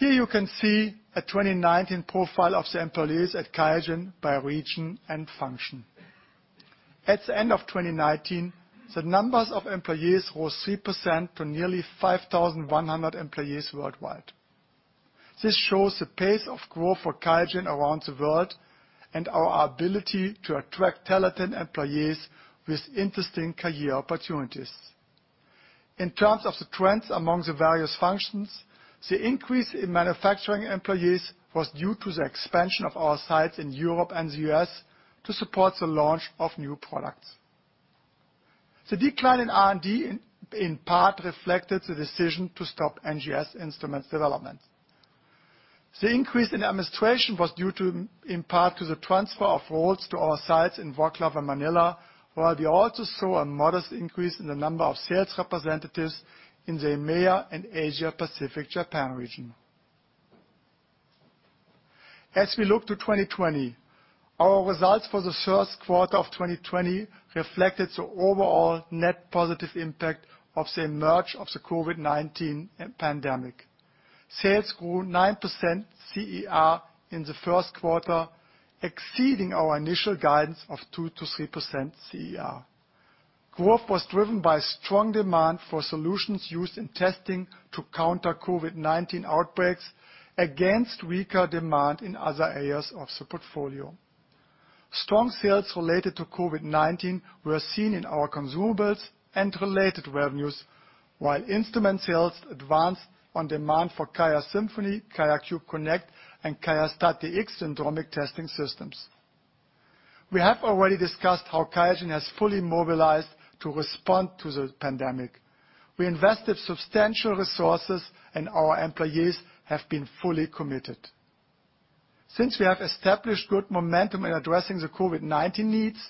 Here you can see a 2019 profile of the employees at QIAGEN by region and function. At the end of 2019, the numbers of employees rose 3% to nearly 5,100 employees worldwide. This shows the pace of growth for QIAGEN around the world and our ability to attract talented employees with interesting career opportunities. In terms of the trends among the various functions, the increase in manufacturing employees was due to the expansion of our sites in Europe and the U.S. to support the launch of new products. The decline in R&D in part reflected the decision to stop NGS instruments development. The increase in administration was due to, in part, the transfer of roles to our sites in Wrocław and Manila, while we also saw a modest increase in the number of sales representatives in the Americas and Asia-Pacific-Japan region. As we look to 2020, our results for the first quarter of 2020 reflected the overall net positive impact of the emergence of the COVID-19 pandemic. Sales grew 9% CER in the first quarter, exceeding our initial guidance of 2%-3% CER. Growth was driven by strong demand for solutions used in testing to counter COVID-19 outbreaks against weaker demand in other areas of the portfolio. Strong sales related to COVID-19 were seen in our consumables and related revenues, while instrument sales advanced on demand for QIAsymphony, QIAcube Connect, and QIAstat-Dx syndromic testing systems. We have already discussed how QIAGEN has fully mobilized to respond to the pandemic. We invested substantial resources, and our employees have been fully committed. Since we have established good momentum in addressing the COVID-19 needs,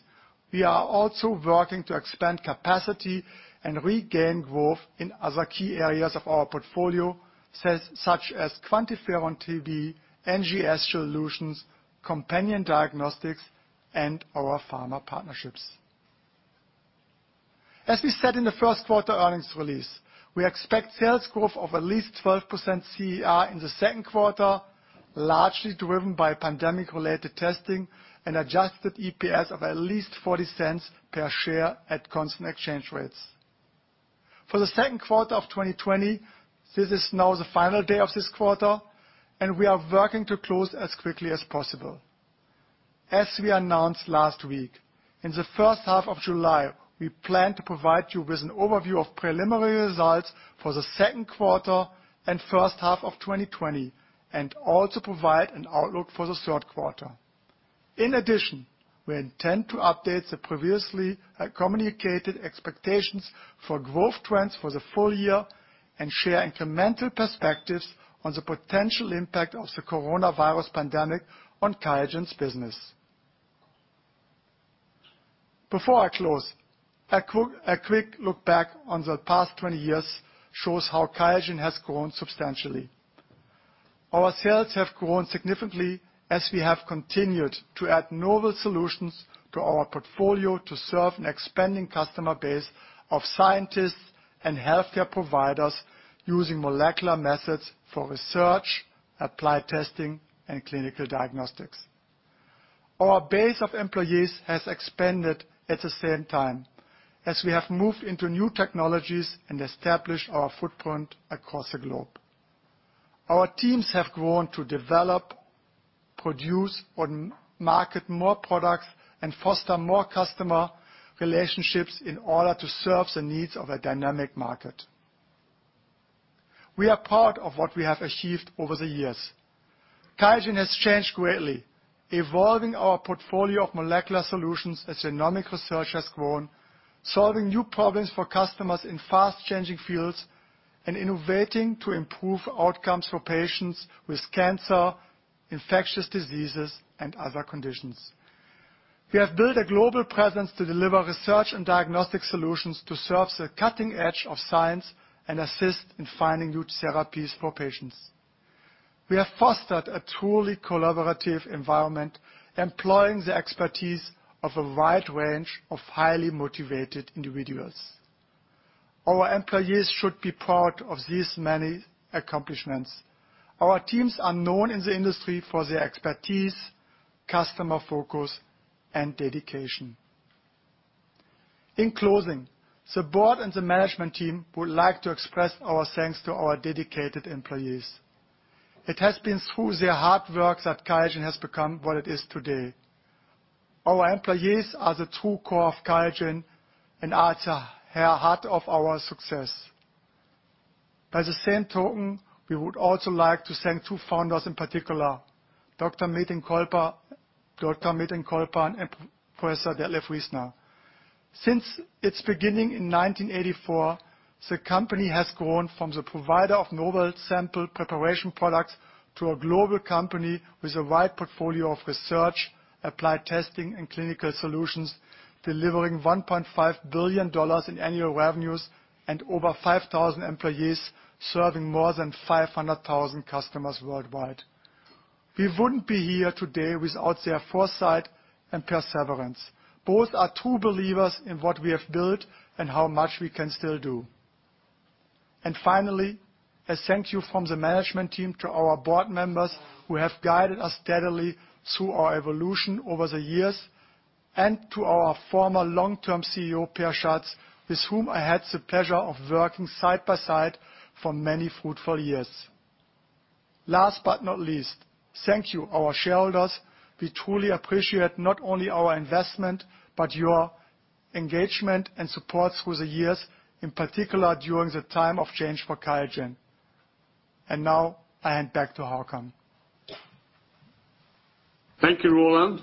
we are also working to expand capacity and regain growth in other key areas of our portfolio, such as QuantiFERON-TB, NGS solutions, companion diagnostics, and our pharma partnerships. As we said in the first quarter earnings release, we expect sales growth of at least 12% CER in the second quarter, largely driven by pandemic-related testing and adjusted EPS of at least $0.40 per share at constant exchange rates. For the second quarter of 2020, this is now the final day of this quarter, and we are working to close as quickly as possible. As we announced last week, in the first half of July, we plan to provide you with an overview of preliminary results for the second quarter and first half of 2020 and also provide an outlook for the third quarter. In addition, we intend to update the previously communicated expectations for growth trends for the full year and share incremental perspectives on the potential impact of the coronavirus pandemic on QIAGEN's business. Before I close, a quick look back on the past 20 years shows how QIAGEN has grown substantially. Our sales have grown significantly as we have continued to add novel solutions to our portfolio to serve an expanding customer base of scientists and healthcare providers using molecular methods for research, applied testing, and clinical diagnostics. Our base of employees has expanded at the same time as we have moved into new technologies and established our footprint across the globe. Our teams have grown to develop, produce, and market more products and foster more customer relationships in order to serve the needs of a dynamic market. We are proud of what we have achieved over the years. QIAGEN has changed greatly, evolving our portfolio of molecular solutions as genomic research has grown, solving new problems for customers in fast-changing fields, and innovating to improve outcomes for patients with cancer, infectious diseases, and other conditions. We have built a global presence to deliver research and diagnostic solutions to serve the cutting edge of science and assist in finding new therapies for patients. We have fostered a truly collaborative environment, employing the expertise of a wide range of highly motivated individuals. Our employees should be proud of these many accomplishments. Our teams are known in the industry for their expertise, customer focus, and dedication. In closing, the board and the management team would like to express our thanks to our dedicated employees. It has been through their hard work that QIAGEN has become what it is today. Our employees are the true core of QIAGENand are at the heart of our success. By the same token, we would also like to thank two founders in particular, Dr. Metin Colpan and Professor Dr. Detlev Riesner. Since its beginning in 1984, the company has grown from the provider of novel sample preparation products to a global company with a wide portfolio of research, applied testing, and clinical solutions, delivering $1.5 billion in annual revenues and over 5,000 employees serving more than 500,000 customers worldwide. We wouldn't be here today without their foresight and perseverance. Both are true believers in what we have built and how much we can still do. And finally, a thank you from the management team to our board members who have guided us steadily through our evolution over the years and to our former long-term CEO, Peer Schatz, with whom I had the pleasure of working side by side for many fruitful years. Last but not least, thank you, our shareholders. We truly appreciate not only our investment but your engagement and support through the years, in particular during the time of change for QIAGEN. And now, I hand back to Håkan. Thank you, Roland.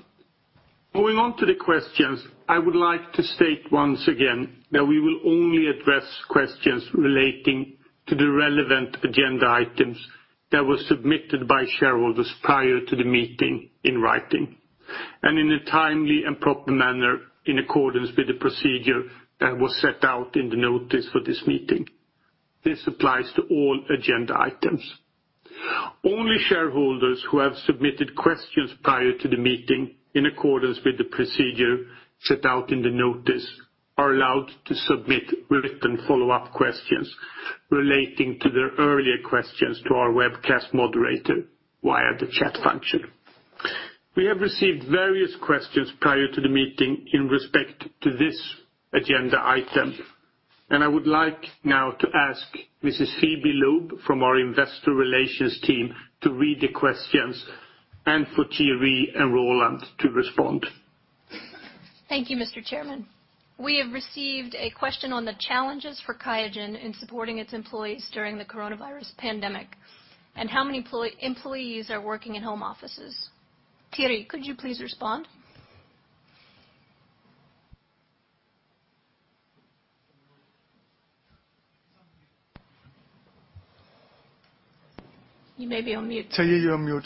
Moving on to the questions, I would like to state once again that we will only address questions relating to the relevant agenda items that were submitted by shareholders prior to the meeting in writing and in a timely and proper manner in accordance with the procedure that was set out in the notice for this meeting. This applies to all agenda items. Only shareholders who have submitted questions prior to the meeting in accordance with the procedure set out in the notice are allowed to submit written follow-up questions relating to their earlier questions to our webcast moderator via the chat function. We have received various questions prior to the meeting in respect to this agenda item, and I would like now to ask Mrs. Phoebe Loh from our investor relations team to read the questions and for Thierry and Roland to respond. Thank you, Mr. Chairman. We have received a question on the challenges for QIAGEN in supporting its employees during the coronavirus pandemic and how many employees are working in home offices. Thierry, could you please respond? You may be on mute. Thierry, you're on mute.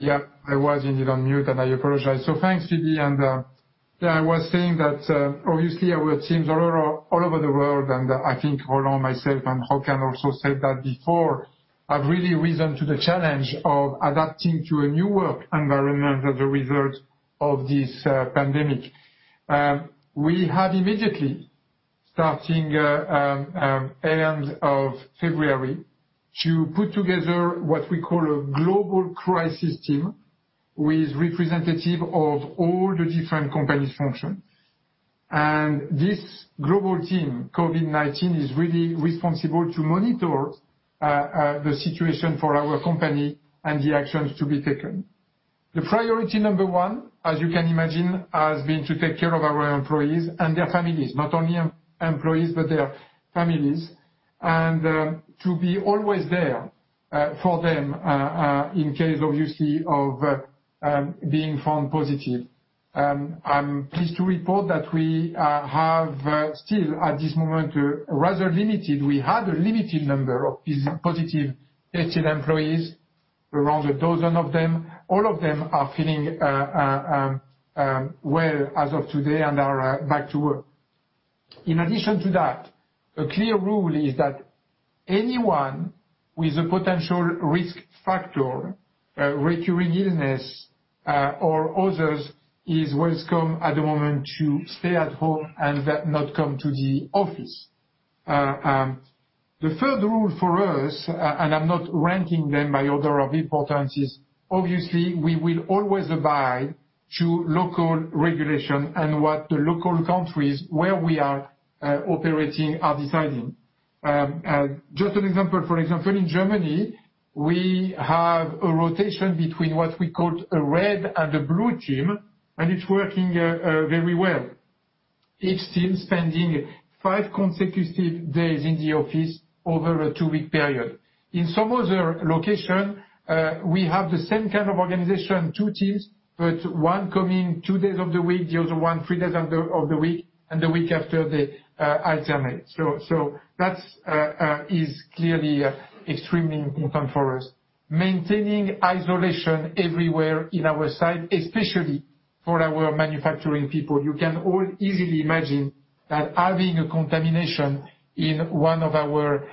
Yeah, I was indeed on mute, and I apologize. So thanks, Phoebe. And yeah, I was saying that obviously our teams are all over the world, and I think Roland, myself, and Håkan also said that before, have really risen to the challenge of adapting to a new work environment as a result of this pandemic. We have immediately, starting at the end of February, put together what we call a global crisis team with representatives of all the different companies' functions. And this global team, COVID-19, is really responsible to monitor the situation for our company and the actions to be taken. The priority number one, as you can imagine, has been to take care of our employees and their families, not only employees, but their families, and to be always there for them in case, obviously, of being found positive. I'm pleased to report that we have still, at this moment, rather limited. We had a limited number of positive tested employees, around a dozen of them. All of them are feeling well as of today and are back to work. In addition to that, a clear rule is that anyone with a potential risk factor, recurring illness, or others is welcome at the moment to stay at home and not come to the office. The third rule for us, and I'm not ranking them by order of importance, is obviously we will always abide to local regulation and what the local countries where we are operating are deciding. Just an example, for example, in Germany, we have a rotation between what we called a red and a blue team, and it's working very well. Each team spending five consecutive days in the office over a two-week period. In some other location, we have the same kind of organization, two teams, but one coming two days of the week, the other one three days of the week, and the week after, they alternate. So that is clearly extremely important for us. Maintaining isolation everywhere in our site, especially for our manufacturing people. You can all easily imagine that having a contamination in one of our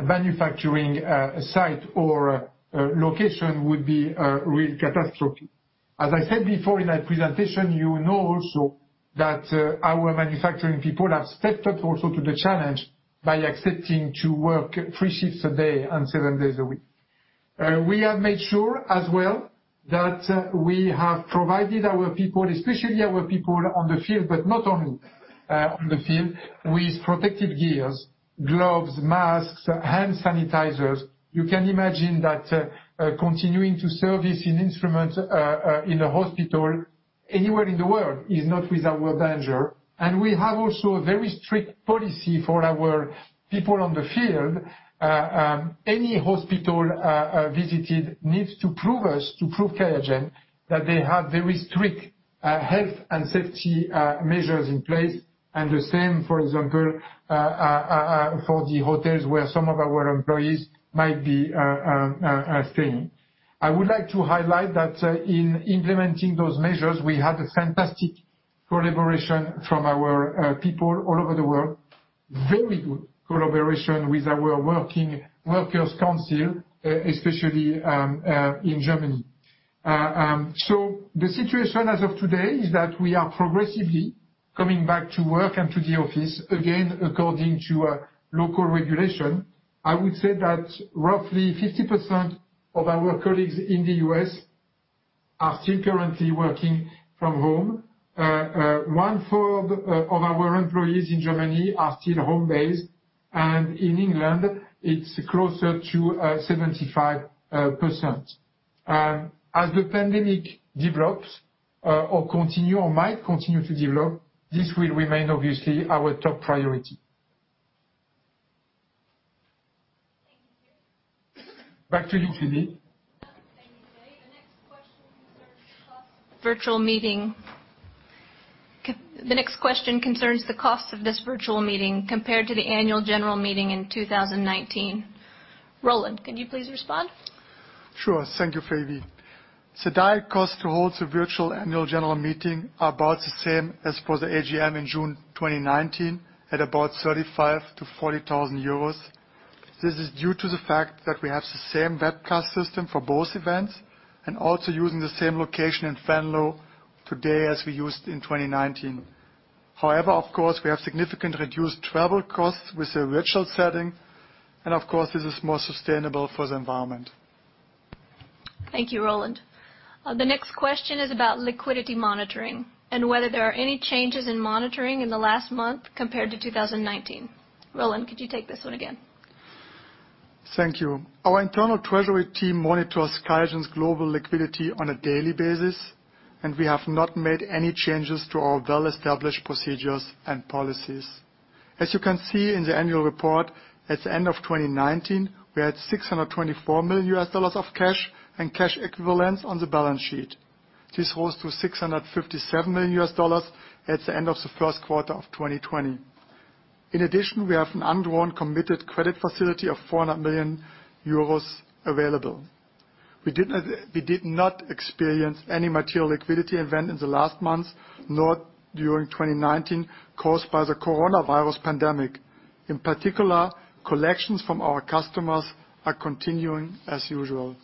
manufacturing sites or locations would be a real catastrophe. As I said before in my presentation, you know also that our manufacturing people have stepped up also to the challenge by accepting to work three shifts a day and seven days a week. We have made sure as well that we have provided our people, especially our people on the field, but not only on the field, with protective gears, gloves, masks, hand sanitizers. You can imagine that continuing to service in instruments in a hospital anywhere in the world is not without danger. We have also a very strict policy for our people on the field. Any hospital visited needs to prove us, to prove QIAGEN, that they have very strict health and safety measures in place and the same, for example, for the hotels where some of our employees might be staying. I would like to highlight that in implementing those measures, we had a fantastic collaboration from our people all over the world, very good collaboration with our works council, especially in Germany. The situation as of today is that we are progressively coming back to work and to the office again according to local regulation. I would say that roughly 50% of our colleagues in the U.S. are still currently working from home. One fourth of our employees in Germany are still home-based, and in England, it's closer to 75%. As the pandemic develops or continues or might continue to develop, this will remain, obviously, our top priority. Thank you. Back to you, Phoebe. Thank you, Thierry. The next question concerns the cost of the virtual meeting. The next question concerns the cost of this virtual meeting compared to the Annual General Meeting in 2019. Roland, can you please respond? Sure. Thank you, Phoebe. The direct cost to hold the virtual Annual General Meeting is about the same as for the AGM in June 2019 at about 35,000-40,000 euros. This is due to the fact that we have the same webcast system for both events and also using the same location in Venlo today as we used in 2019. However, of course, we have significantly reduced travel costs with the virtual setting, and of course, this is more sustainable for the environment. Thank you, Roland. The next question is about liquidity monitoring and whether there are any changes in monitoring in the last month compared to 2019. Roland, could you take this one again? Thank you. Our internal treasury team monitors QIAGEN's global liquidity on a daily basis, and we have not made any changes to our well-established procedures and policies. As you can see in the annual report, at the end of 2019, we had $624 million of cash and cash equivalents on the balance sheet. This rose to $657 million at the end of the first quarter of 2020. In addition, we have an undrawn committed credit facility of 400 million euros available. We did not experience any material liquidity event in the last months, nor during 2019, caused by the coronavirus pandemic. In particular, collections from our customers are continuing as usual.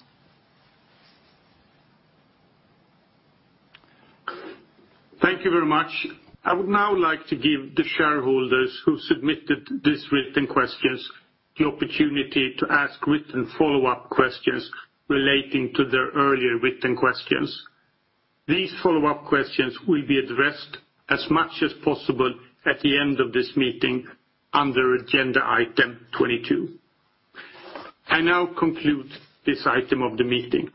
Thank you very much. I would now like to give the shareholders who submitted these written questions the opportunity to ask written follow-up questions relating to their earlier written questions. These follow-up questions will be addressed as much as possible at the end of this meeting under agenda item 22. I now conclude this item of the meeting.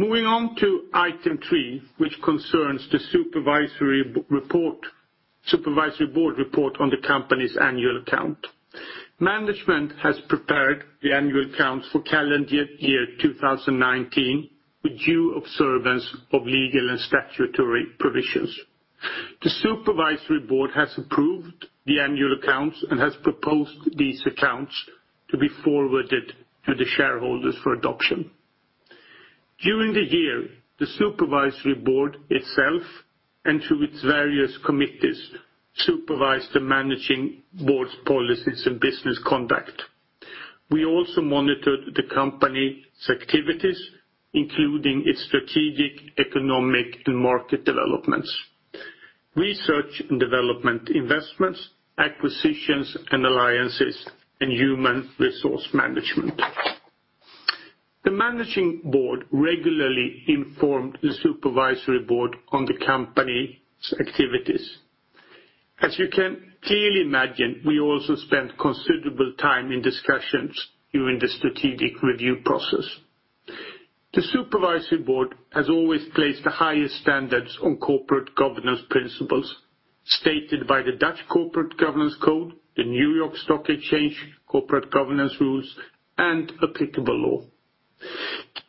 Moving on to item three, which concerns the Supervisory Board report on the company's annual account. Management has prepared the annual accounts for calendar year 2019 with due observance of legal and statutory provisions. The Supervisory Board has approved the annual accounts and has proposed these accounts to be forwarded to the shareholders for adoption. During the year, the Supervisory Board itself and through its various committees supervised the Managing Board's policies and business conduct. We also monitored the company's activities, including its strategic, economic, and market developments, research and development investments, acquisitions and alliances, and human resource management. The Managing Board regularly informed the Supervisory Board on the company's activities. As you can clearly imagine, we also spent considerable time in discussions during the strategic review process. The Supervisory Board has always placed the highest standards on corporate governance principles stated by the Dutch Corporate Governance Code, the New York Stock Exchange corporate governance rules, and applicable law.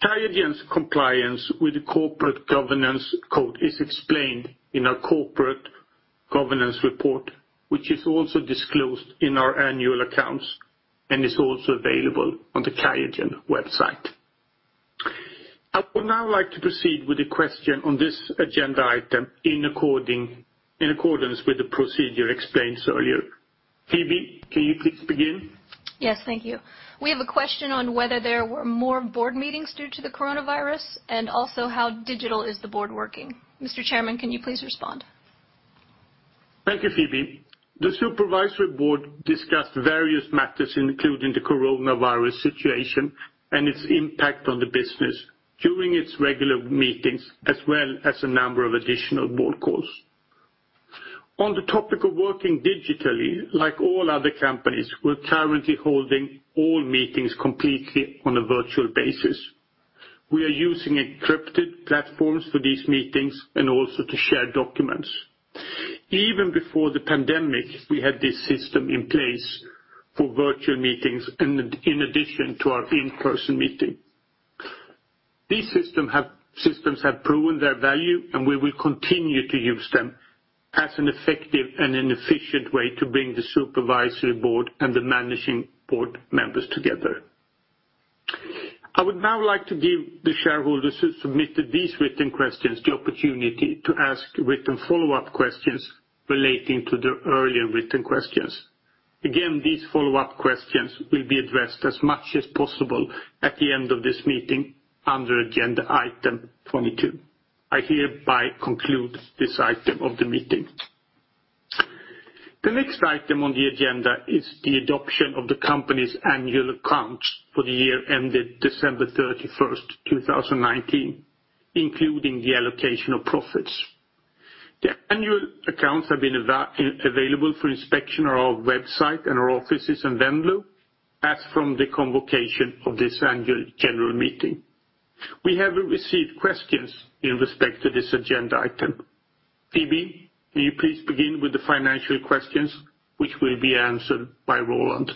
QIAGEN's compliance with the Corporate Governance Code is explained in our corporate governance report, which is also disclosed in our annual accounts and is also available on the Qiagen website. I would now like to proceed with a question on this agenda item in accordance with the procedure explained earlier. Phoebe, can you please begin? Yes, thank you. We have a question on whether there were more board meetings due to the coronavirus and also how digital is the board working. Mr. Chairman, can you please respond? Thank you, Phoebe. The Supervisory Board discussed various matters, including the coronavirus situation and its impact on the business during its regular meetings, as well as a number of additional board calls. On the topic of working digitally, like all other companies, we're currently holding all meetings completely on a virtual basis. We are using encrypted platforms for these meetings and also to share documents. Even before the pandemic, we had this system in place for virtual meetings in addition to our in-person meeting. These systems have proven their value, and we will continue to use them as an effective and an efficient way to bring the Supervisory Board and the Managing Board members together. I would now like to give the shareholders who submitted these written questions the opportunity to ask written follow-up questions relating to the earlier written questions. Again, these follow-up questions will be addressed as much as possible at the end of this meeting under agenda item 22. I hereby conclude this item of the meeting. The next item on the agenda is the adoption of the company's annual accounts for the year ended December 31st, 2019, including the allocation of profits. The annual accounts have been available for inspection on our website and our offices in Venlo as from the convocation of this Annual General Meeting. We have received questions in respect to this agenda item. Phoebe, can you please begin with the financial questions, which will be answered by Roland?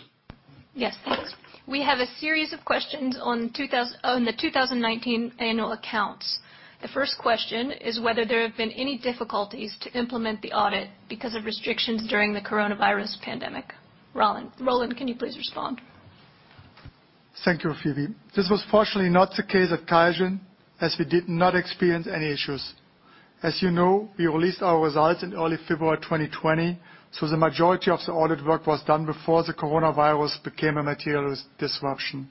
Yes, thanks. We have a series of questions on the 2019 annual accounts. The first question is whether there have been any difficulties to implement the audit because of restrictions during the coronavirus pandemic. Roland, can you please respond? Thank you, Phoebe. This was partially not the case at QIAGEN, as we did not experience any issues. As you know, we released our results in early February 2020, so the majority of the audit work was done before the coronavirus became a material disruption.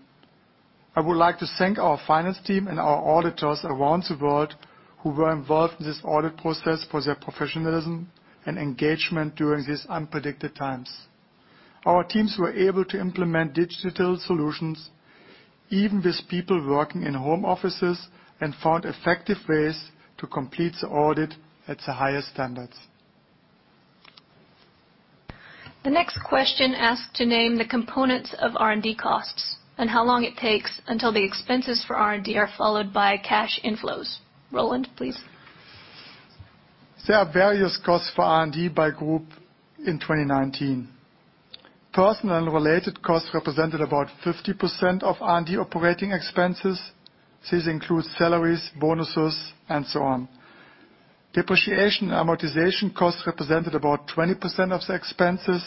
I would like to thank our finance team and our auditors around the world who were involved in this audit process for their professionalism and engagement during these unprecedented times. Our teams were able to implement digital solutions even with people working in home offices and found effective ways to complete the audit at the highest standards. The next question asks to name the components of R&D costs and how long it takes until the expenses for R&D are followed by cash inflows. Roland, please. There are various costs for R&D by group in 2019. Personnel-related costs represented about 50% of R&D operating expenses. These include salaries, bonuses, and so on. Depreciation and amortization costs represented about 20% of the expenses.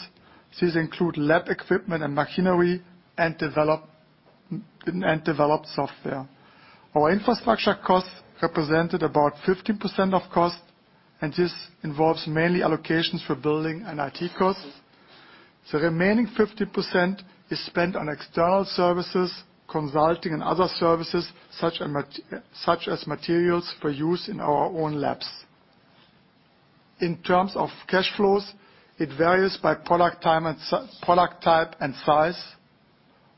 These include lab equipment and machinery and developed software. Our infrastructure costs represented about 15% of costs, and this involves mainly allocations for building and IT costs. The remaining 15% is spent on external services, consulting, and other services such as materials for use in our own labs. In terms of cash flows, it varies by product type and size,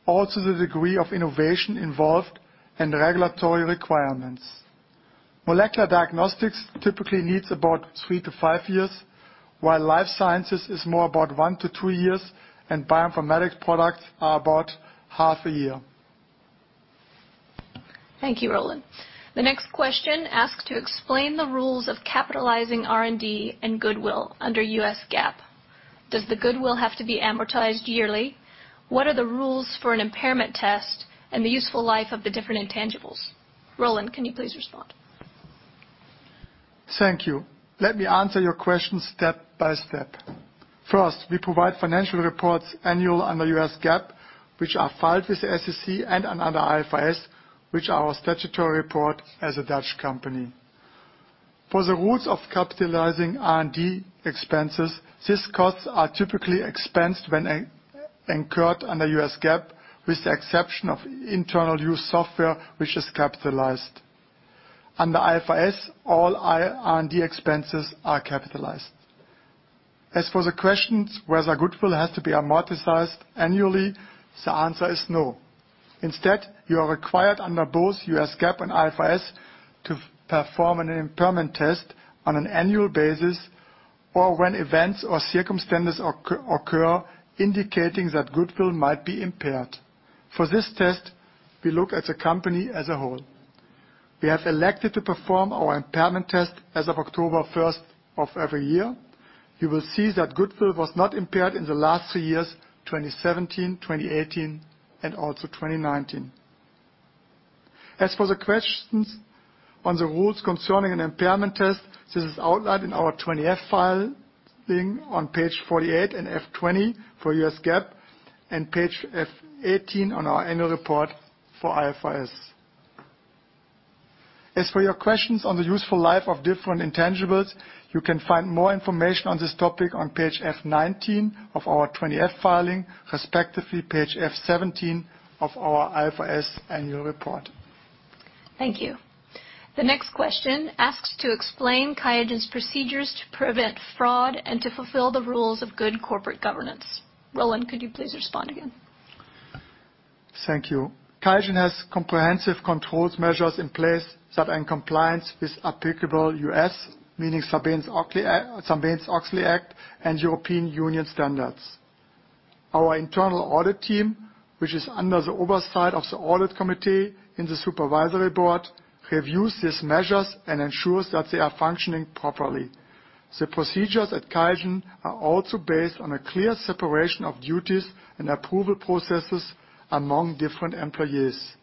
also the degree of innovation involved and regulatory requirements. Molecular diagnostics typically needs about three to five years, while Life Sciences is more about one to two years, and bioinformatics products are about half a year. Thank you, Roland. The next question asks to explain the rules of capitalizing R&D and goodwill under U.S. GAAP. Does the goodwill have to be amortized yearly? What are the rules for an impairment test and the useful life of the different intangibles? Roland, can you please respond? Thank you. Let me answer your question step by step. First, we provide financial reports annually under U.S. GAAP, which are filed with the SEC and under IFRS, which are our statutory report as a Dutch company. For the rules of capitalizing R&D expenses, these costs are typically expensed when incurred under U.S. GAAP, with the exception of internal-use software, which is capitalized. Under IFRS, all R&D expenses are capitalized. As for the question whether goodwill has to be amortized annually, the answer is no. Instead, you are required under both U.S. GAAP and IFRS to perform an impairment test on an annual basis or when events or circumstances occur indicating that goodwill might be impaired. For this test, we look at the company as a whole. We have elected to perform our impairment test as of October 1st of every year. You will see that goodwill was not impaired in the last three years, 2017, 2018, and also 2019. As for the questions on the rules concerning an impairment test, this is outlined in our 20-F filing on page 48 and F-20 for U.S. GAAP and page F-18 on our annual report for IFRS. As for your questions on the useful life of different intangibles, you can find more information on this topic on page F-19 of our 20-F filing, respectively page F-17 of our IFRS annual report. Thank you. The next question asks to explain QIAGEN's procedures to prevent fraud and to fulfill the rules of good corporate governance. Roland, could you please respond again? Thank you. QIAGEN has comprehensive control measures in place that are in compliance with applicable U.S., meaning Sarbanes-Oxley Act and European Union standards. Our internal audit team, which is under the oversight of the Audit Committee in the Supervisory Board, reviews these measures and ensures that they are functioning properly. The procedures at QIAGEN are also based on a clear separation of duties and approval processes among different employees.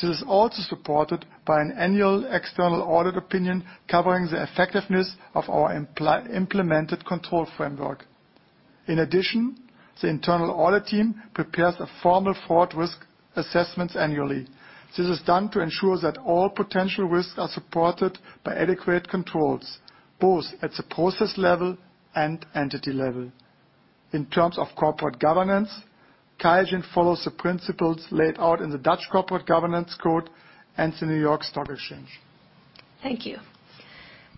This is also supported by an annual external audit opinion covering the effectiveness of our implemented control framework. In addition, the internal audit team prepares a formal fraud risk assessment annually. This is done to ensure that all potential risks are supported by adequate controls, both at the process level and entity level. In terms of corporate governance, QIAGEN follows the principles laid out in the Dutch Corporate Governance Code and the New York Stock Exchange. Thank you.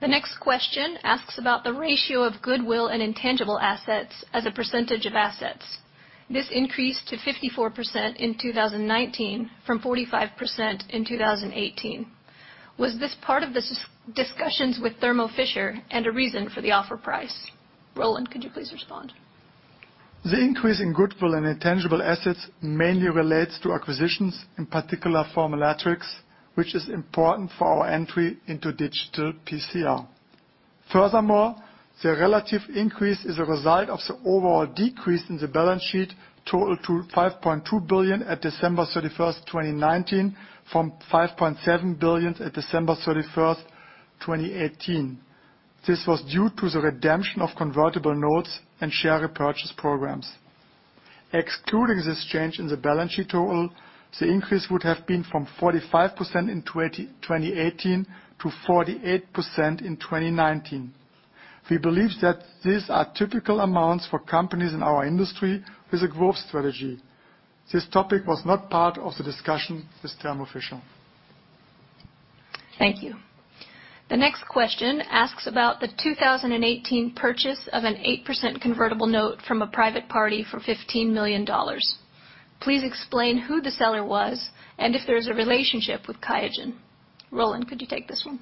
The next question asks about the ratio of goodwill and intangible assets as a percentage of assets. This increased to 54% in 2019 from 45% in 2018. Was this part of the discussions with Thermo Fisher and a reason for the offer price? Roland, could you please respond? The increase in goodwill and intangible assets mainly relates to acquisitions, in particular Formulatrix, which is important for our entry into digital PCR. Furthermore, the relative increase is a result of the overall decrease in the balance sheet total to 5.2 billion at December 31st, 2019, from 5.7 billion at December 31st, 2018. This was due to the redemption of convertible notes and share repurchase programs. Excluding this change in the balance sheet total, the increase would have been from 45% in 2018 to 48% in 2019. We believe that these are typical amounts for companies in our industry with a growth strategy. This topic was not part of the discussion with Thermo Fisher. Thank you. The next question asks about the 2018 purchase of an 8% convertible note from a private party for $15 million. Please explain who the seller was and if there is a relationship with QIAGEN. Roland, could you take this one?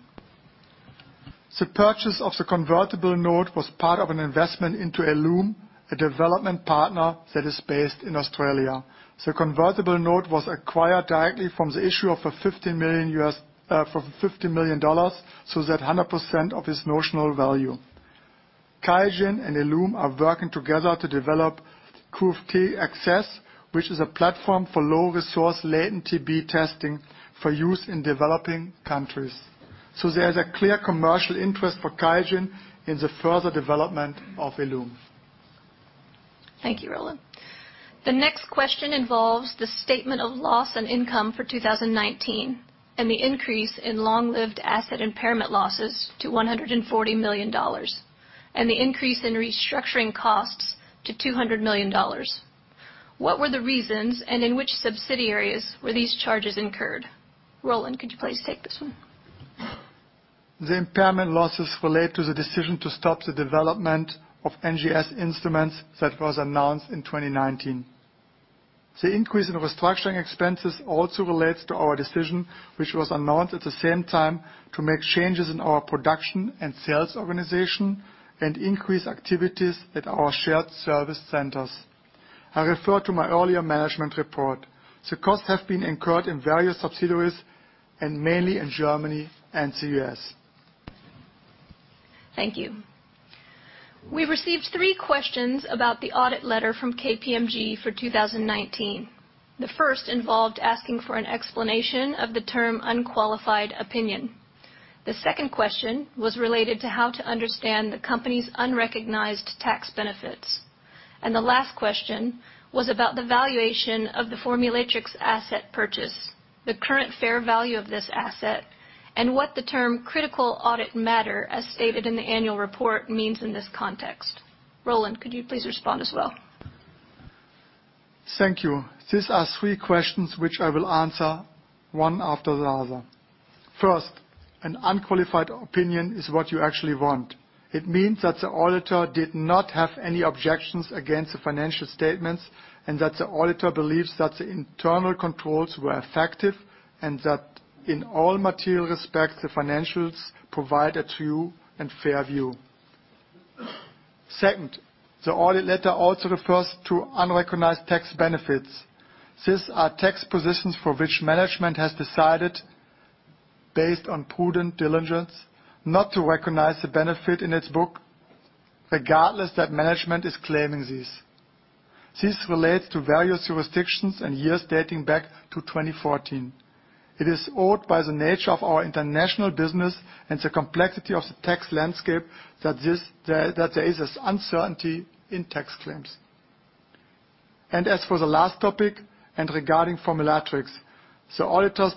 The purchase of the convertible note was part of an investment into Ellume, a development partner that is based in Australia. The convertible note was acquired directly from the issuer for $15 million so that 100% of its notional value. QIAGEN and Ellume are working together to develop QuantiFERON-TB Access, which is a platform for low-resource latent TB testing for use in developing countries. So there is a clear commercial interest for QIAGEN in the further development of Ellume. Thank you, Roland. The next question involves the statement of loss and income for 2019 and the increase in long-lived asset impairment losses to $140 million and the increase in restructuring costs to $200 million. What were the reasons and in which subsidiaries were these charges incurred? Roland, could you please take this one? The impairment losses relate to the decision to stop the development of NGS instruments that was announced in 2019. The increase in restructuring expenses also relates to our decision, which was announced at the same time, to make changes in our production and sales organization and increase activities at our shared service centers. I refer to my earlier management report. The costs have been incurred in various subsidiaries and mainly in Germany and the U.S. Thank you. We received three questions about the audit letter from KPMG for 2019. The first involved asking for an explanation of the term unqualified opinion. The second question was related to how to understand the company's unrecognized tax benefits. The last question was about the valuation of the Formulatrix asset purchase, the current fair value of this asset, and what the term critical audit matter, as stated in the annual report, means in this context. Roland, could you please respond as well? Thank you. These are three questions which I will answer one after the other. First, an unqualified opinion is what you actually want. It means that the auditor did not have any objections against the financial statements and that the auditor believes that the internal controls were effective and that in all material respects, the financials provide a true and fair view. Second, the audit letter also refers to unrecognized tax benefits. These are tax positions for which management has decided, based on prudent diligence, not to recognize the benefit in its book, regardless that management is claiming these. This relates to various jurisdictions and years dating back to 2014. It is due to the nature of our international business and the complexity of the tax landscape that there is an uncertainty in tax claims, and as for the last topic and regarding Formulatrix, the auditors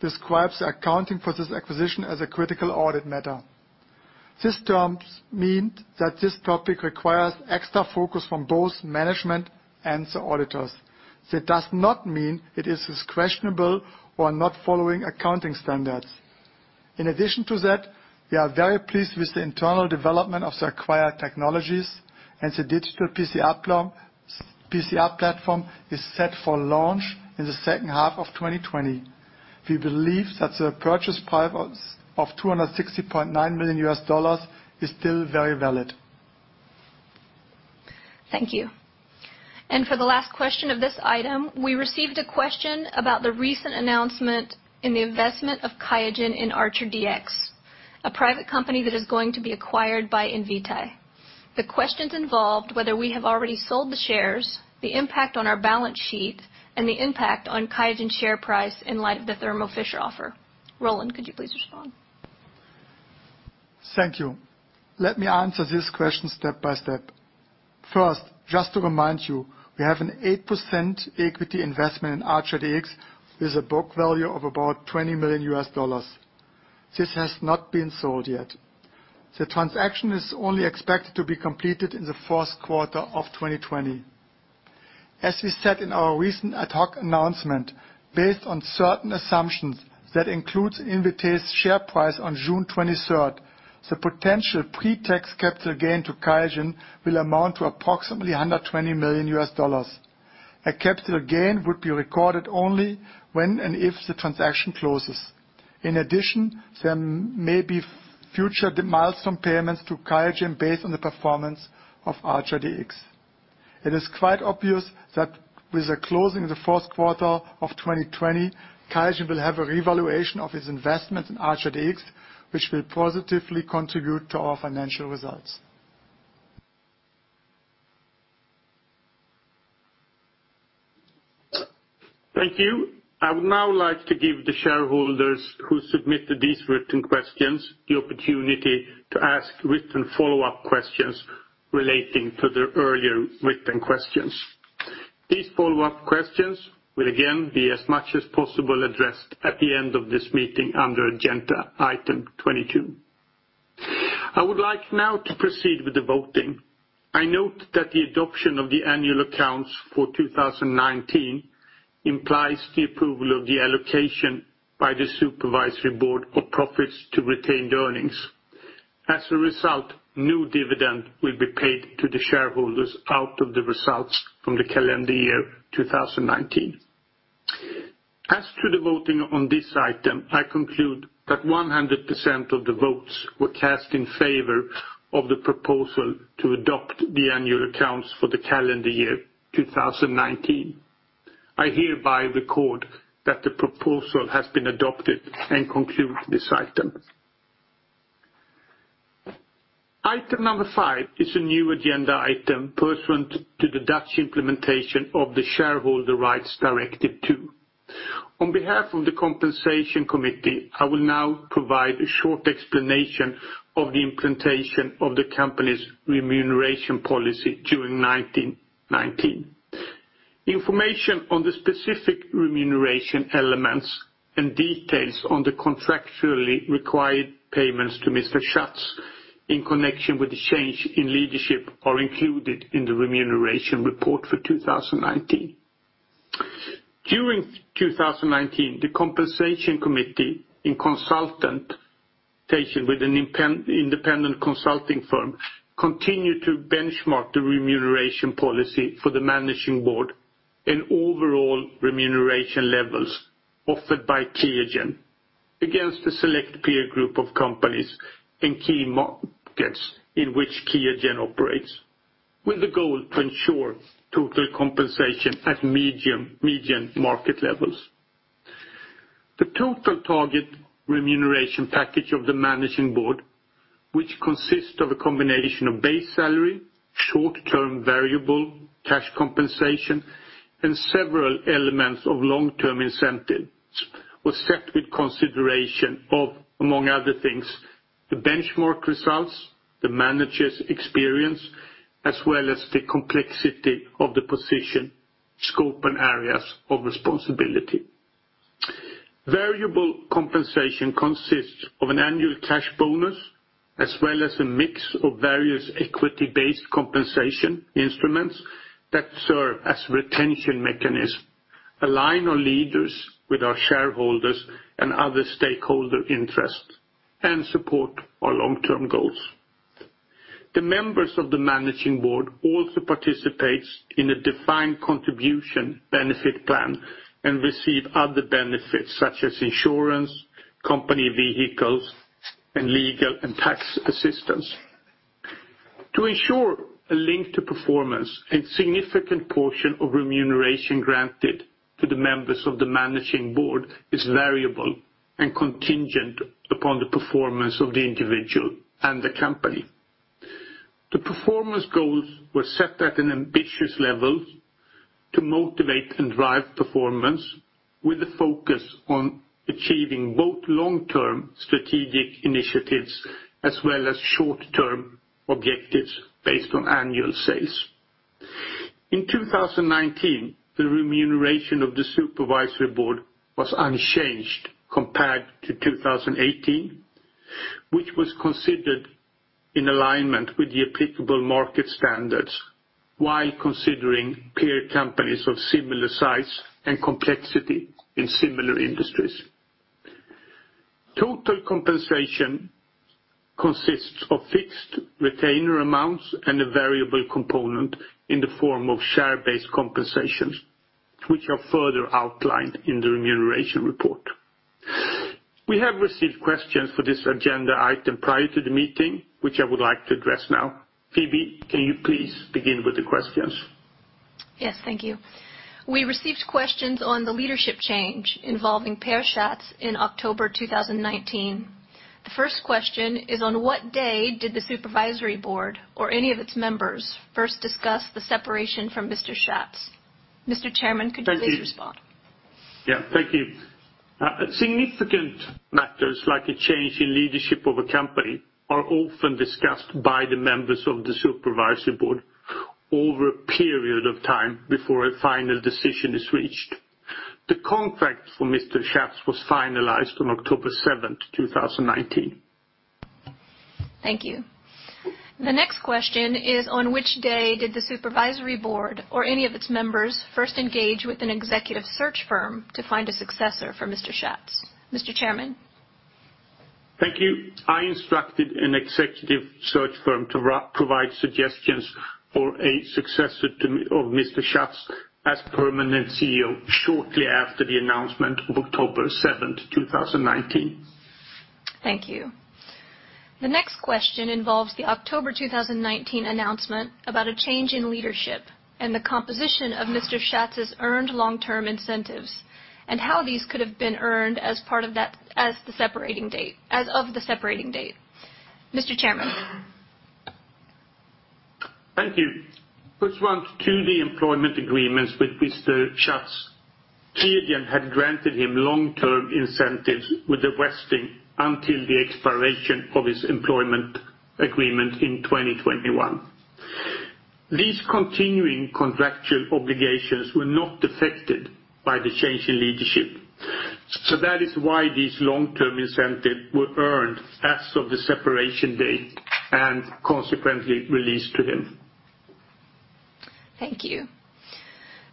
describe the accounting for this acquisition as a critical audit matter. This term means that this topic requires extra focus from both management and the auditors. It does not mean it is questionable or not following accounting standards. In addition to that, we are very pleased with the internal development of the acquired technologies and the digital PCR platform is set for launch in the second half of 2020. We believe that the purchase price of $260.9 million is still very valid. Thank you. For the last question of this item, we received a question about the recent announcement in the investment of QIAGEN in ArcherDX, a private company that is going to be acquired by Invitae. The questions involved whether we have already sold the shares, the impact on our balance sheet, and the impact on QIAGEN's share price in light of the Thermo Fisher offer. Roland, could you please respond? Thank you. Let me answer this question step by step. First, just to remind you, we have an 8% equity investment in ArcherDX with a book value of about $20 million. This has not been sold yet. The transaction is only expected to be completed in the fourth quarter of 2020. As we said in our recent ad hoc announcement, based on certain assumptions that include Invitae's share price on June 23rd, the potential pre-tax capital gain to QIAGEN will amount to approximately $120 million. A capital gain would be recorded only when and if the transaction closes. In addition, there may be future milestone payments to QIAGEN based on the performance of ArcherDX. It is quite obvious that with the closing of the fourth quarter of 2020, QIAGEN will have a revaluation of its investments in ArcherDX, which will positively contribute to our financial results. Thank you. I would now like to give the shareholders who submitted these written questions the opportunity to ask written follow-up questions relating to the earlier written questions. These follow-up questions will again be, as much as possible, addressed at the end of this meeting under agenda item 22. I would like now to proceed with the voting. I note that the adoption of the annual accounts for 2019 implies the approval of the allocation by the Supervisory Board of profits to retained earnings. As a result, no dividend will be paid to the shareholders out of the results from the calendar year 2019. As to the voting on this item, I conclude that 100% of the votes were cast in favor of the proposal to adopt the annual accounts for the calendar year 2019. I hereby record that the proposal has been adopted and conclude this item. Item number five is a new agenda item pursuant to the Dutch implementation of the Shareholder Rights Directive II. On behalf of the Compensation Committee, I will now provide a short explanation of the implementation of the company's remuneration policy during 2019. Information on the specific remuneration elements and details on the contractually required payments to Mr. Schatz in connection with the change in leadership are included in the remuneration report for 2019. During 2019, the Compensation Committee in consultation with an independent consulting firm continued to benchmark the remuneration policy for the Managing Board and overall remuneration levels offered by QIAGEN against the select peer group of companies and key markets in which QIAGEN operates, with the goal to ensure total compensation at median market levels. The total target remuneration package of the Managing Board, which consists of a combination of base salary, short-term variable cash compensation, and several elements of long-term incentives, was set with consideration of, among other things, the benchmark results, the manager's experience, as well as the complexity of the position, scope, and areas of responsibility. Variable compensation consists of an annual cash bonus as well as a mix of various equity-based compensation instruments that serve as a retention mechanism, align our leaders with our shareholders and other stakeholder interests, and support our long-term goals. The members of the Managing Board also participate in a defined contribution benefit plan and receive other benefits such as insurance, company vehicles, and legal and tax assistance. To ensure a link to performance, a significant portion of remuneration granted to the members of the Managing Board is variable and contingent upon the performance of the individual and the company. The performance goals were set at an ambitious level to motivate and drive performance, with a focus on achieving both long-term strategic initiatives as well as short-term objectives based on annual sales. In 2019, the remuneration of the Supervisory Board was unchanged compared to 2018, which was considered in alignment with the applicable market standards while considering peer companies of similar size and complexity in similar industries. Total compensation consists of fixed retainer amounts and a variable component in the form of share-based compensations, which are further outlined in the remuneration report. We have received questions for this agenda item prior to the meeting, which I would like to address now. Phoebe, can you please begin with the questions? Yes, thank you. We received questions on the leadership change involving Peer Schatz in October 2019. The first question is, on what day did the Supervisory Board or any of its members first discuss the separation from Mr. Schatz? Mr. Chairman, could you please respond? Thank you. Yeah, thank you. Significant matters like a change in leadership of a company are often discussed by the members of the Supervisory Board over a period of time before a final decision is reached. The contract for Mr. Schatz was finalized on October 7th, 2019. Thank you. The next question is, on which day did the Supervisory Board or any of its members first engage with an executive search firm to find a successor for Mr. Schatz? Mr. Chairman? Thank you. I instructed an executive search firm to provide suggestions for a successor of Mr. Schatz as permanent CEO shortly after the announcement of October 7th, 2019. Thank you. The next question involves the October 2019 announcement about a change in leadership and the composition of Mr. Schatz's earned long-term incentives and how these could have been earned as part of the separating date as of the separating date. Mr. Chairman? Thank you. Respond to the employment agreements with Mr. Schatz. QIAGEN had granted him long-term incentives with the vesting until the expiration of his employment agreement in 2021. These continuing contractual obligations were not affected by the change in leadership. So that is why these long-term incentives were earned as of the separation date and consequently released to him. Thank you.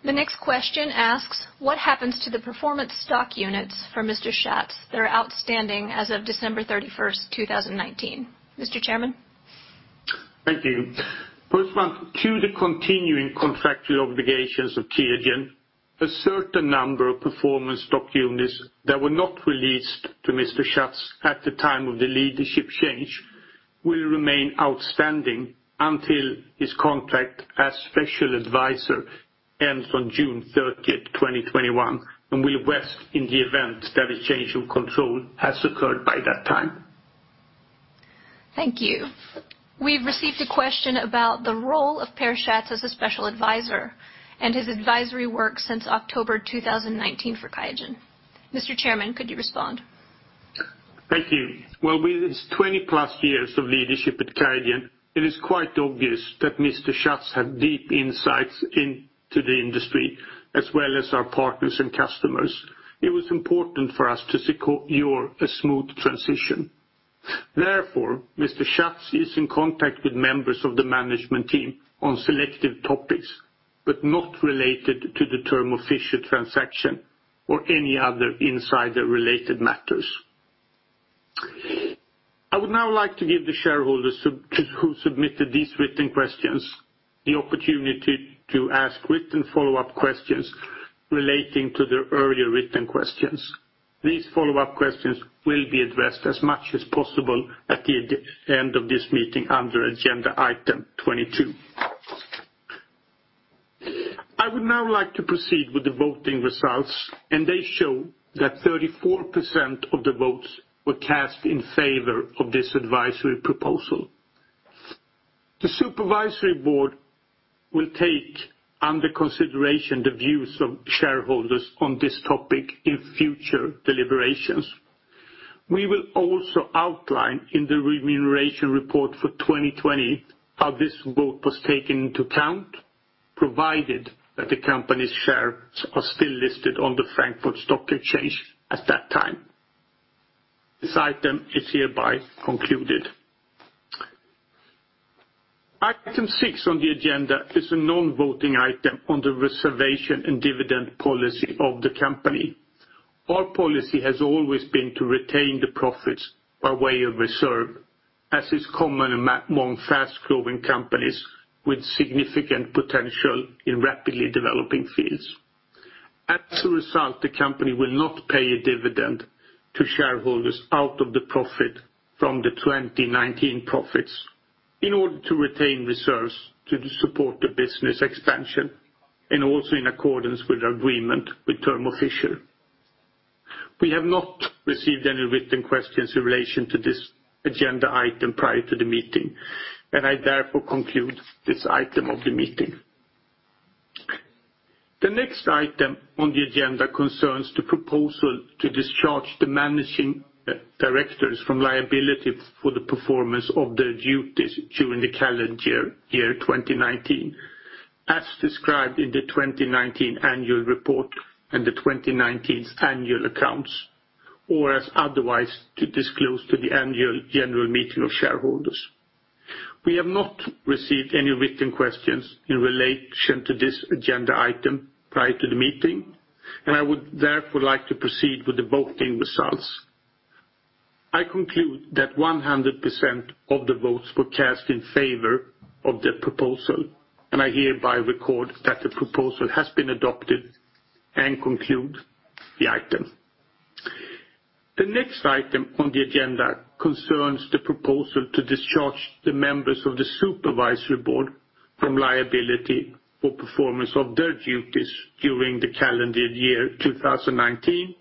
The next question asks, what happens to the performance stock units for Mr. Schatz that are outstanding as of December 31st, 2019? Mr. Chairman? Thank you. Respond to the continuing contractual obligations of QIAGEN. A certain number of performance stock units that were not released to Mr. Schatz at the time of the leadership change will remain outstanding until his contract as special advisor ends on June 30th, 2021, and will vest in the event that a change of control has occurred by that time. Thank you. We've received a question about the role of Peer Schatz as a special advisor and his advisory work since October 2019 for QIAGEN. Mr. Chairman, could you respond? Thank you. With his +20 years of leadership at QIAGEN, it is quite obvious that Mr. Schatz had deep insights into the industry as well as our partners and customers. It was important for us to secure a smooth transition. Therefore, Mr. Schatz is in contact with members of the management team on selective topics, but not related to the Thermo Fisher transaction or any other insider-related matters. I would now like to give the shareholders who submitted these written questions the opportunity to ask written follow-up questions relating to the earlier written questions. These follow-up questions will be addressed as much as possible at the end of this meeting under agenda item 22. I would now like to proceed with the voting results, and they show that 34% of the votes were cast in favor of this advisory proposal. The Supervisory Board will take under consideration the views of shareholders on this topic in future deliberations. We will also outline in the Remuneration Report for 2020 how this vote was taken into account, provided that the company's shares are still listed on the Frankfurt Stock Exchange at that time. This item is hereby concluded. Item six on the agenda is a non-voting item on the reserves and dividend policy of the company. Our policy has always been to retain the profits by way of reserves, as is common among fast-growing companies with significant potential in rapidly developing fields. As a result, the company will not pay a dividend to shareholders out of the profit from the 2019 profits in order to retain reserves to support the business expansion and also in accordance with the agreement with Thermo Fisher. We have not received any written questions in relation to this agenda item prior to the meeting, and I therefore conclude this item of the meeting. The next item on the agenda concerns the proposal to discharge the managing directors from liability for the performance of their duties during the calendar year 2019, as described in the 2019 annual report and the 2019 annual accounts, or as otherwise to disclose to the Annual General Meeting of shareholders. We have not received any written questions in relation to this agenda item prior to the meeting, and I would therefore like to proceed with the voting results. I conclude that 100% of the votes were cast in favor of the proposal, and I hereby record that the proposal has been adopted and conclude the item. The next item on the agenda concerns the proposal to discharge the members of the Supervisory Board from liability for performance of their duties during the calendar year 2019,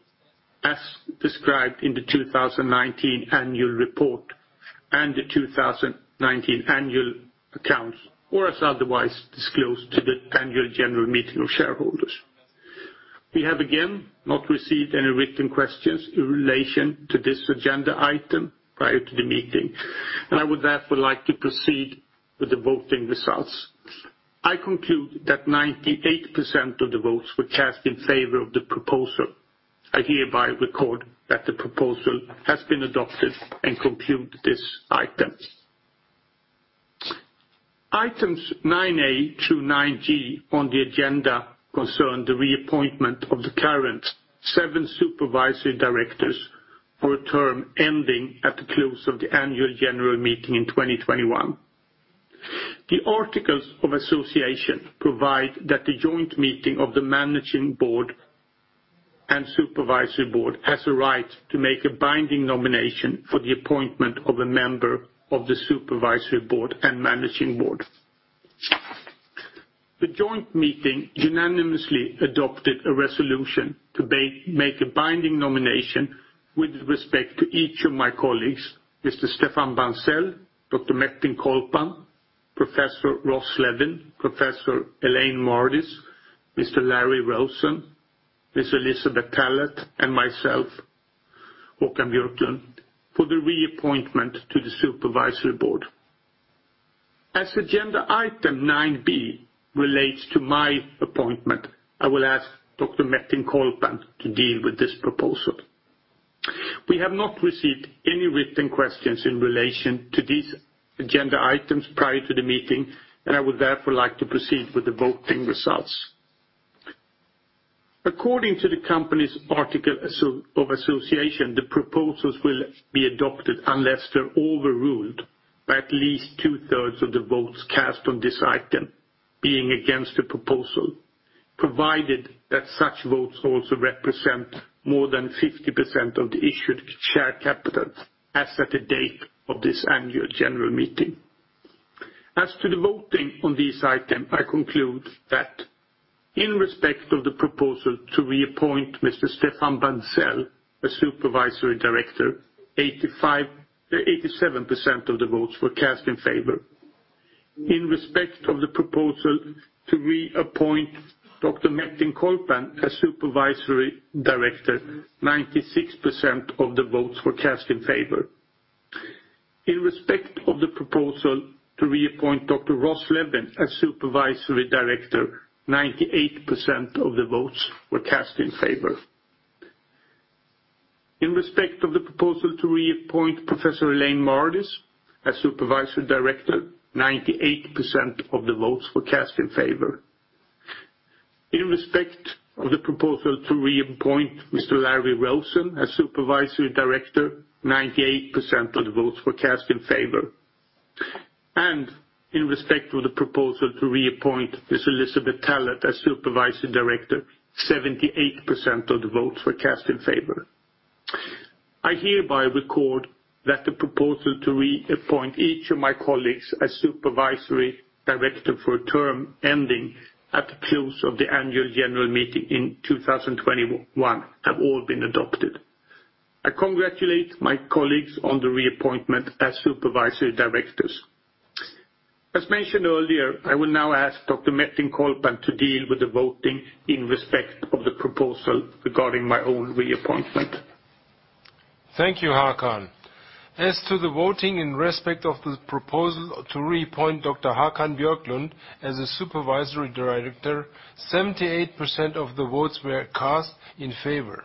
as described in the 2019 annual report and the 2019 annual accounts, or as otherwise disclosed to the Annual General Meeting of shareholders. We have again not received any written questions in relation to this agenda item prior to the meeting, and I would therefore like to proceed with the voting results. I conclude that 98% of the votes were cast in favor of the proposal. I hereby record that the proposal has been adopted and conclude this item. Items 9A through 9G on the agenda concern the reappointment of the current seven supervisory directors for a term ending at the close of the Annual General Meeting in 2021. The articles of association provide that the joint meeting of the Managing Board and Supervisory Board has a right to make a binding nomination for the appointment of a member of the Supervisory Board and Managing Board. The joint meeting unanimously adopted a resolution to make a binding nomination with respect to each of my colleagues, Mr. Stéphane Bancel, Dr. Metin Colpan, Professor Dr. Ross L. Levine, Professor Dr. Elaine Mardis, Mr. Lawrence Rosen, Ms. Elizabeth E. Tallett, and myself, Håkan Björklund, for the reappointment to the Supervisory Board. As agenda item 9B relates to my appointment, I will ask Dr. Metin Colpan to deal with this proposal. We have not received any written questions in relation to these agenda items prior to the meeting, and I would therefore like to proceed with the voting results. According to the company's Article of Association, the proposals will be adopted unless they're overruled by at least two-thirds of the votes cast on this item being against the proposal, provided that such votes also represent more than 50% of the issued share capital as at the date of this Annual General Meeting. As to the voting on this item, I conclude that in respect of the proposal to reappoint Mr. Stéphane Bancel, a supervisory director, 87% of the votes were cast in favor. In respect of the proposal to reappoint Dr. Metin Colpan as supervisory director, 96% of the votes were cast in favor. In respect of the proposal to reappoint Dr. Ross Levine as supervisory director, 98% of the votes were cast in favor. In respect of the proposal to reappoint Professor Elaine Mardis as supervisory director, 98% of the votes were cast in favor. In respect of the proposal to reappoint Mr. Larry Rosen as supervisory director, 98% of the votes were cast in favor. In respect of the proposal to reappoint Ms. Elizabeth Tallett as supervisory director, 78% of the votes were cast in favor. I hereby record that the proposal to reappoint each of my colleagues as supervisory director for a term ending at the close of the Annual General Meeting in 2021 have all been adopted. I congratulate my colleagues on the reappointment as supervisory directors. As mentioned earlier, I will now ask Dr. Metin Colpan to deal with the voting in respect of the proposal regarding my own reappointment. Thank you, Håkan. As to the voting in respect of the proposal to reappoint Dr. Håkan Björklund as a supervisory director, 78% of the votes were cast in favor.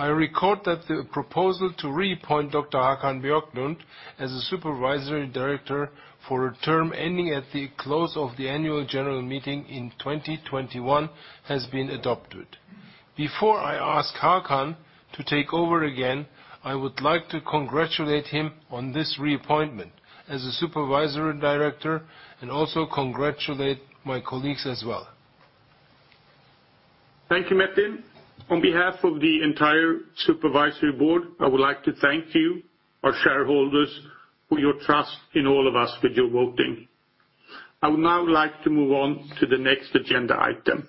I record that the proposal to reappoint Dr. Håkan Björklund as a supervisory director for a term ending at the close of the Annual General Meeting in 2021 has been adopted. Before I ask Håkan to take over again, I would like to congratulate him on this reappointment as a supervisory director and also congratulate my colleagues as well. Thank you, Metin. On behalf of the entire Supervisory Board, I would like to thank you, our shareholders, for your trust in all of us with your voting. I would now like to move on to the next agenda item.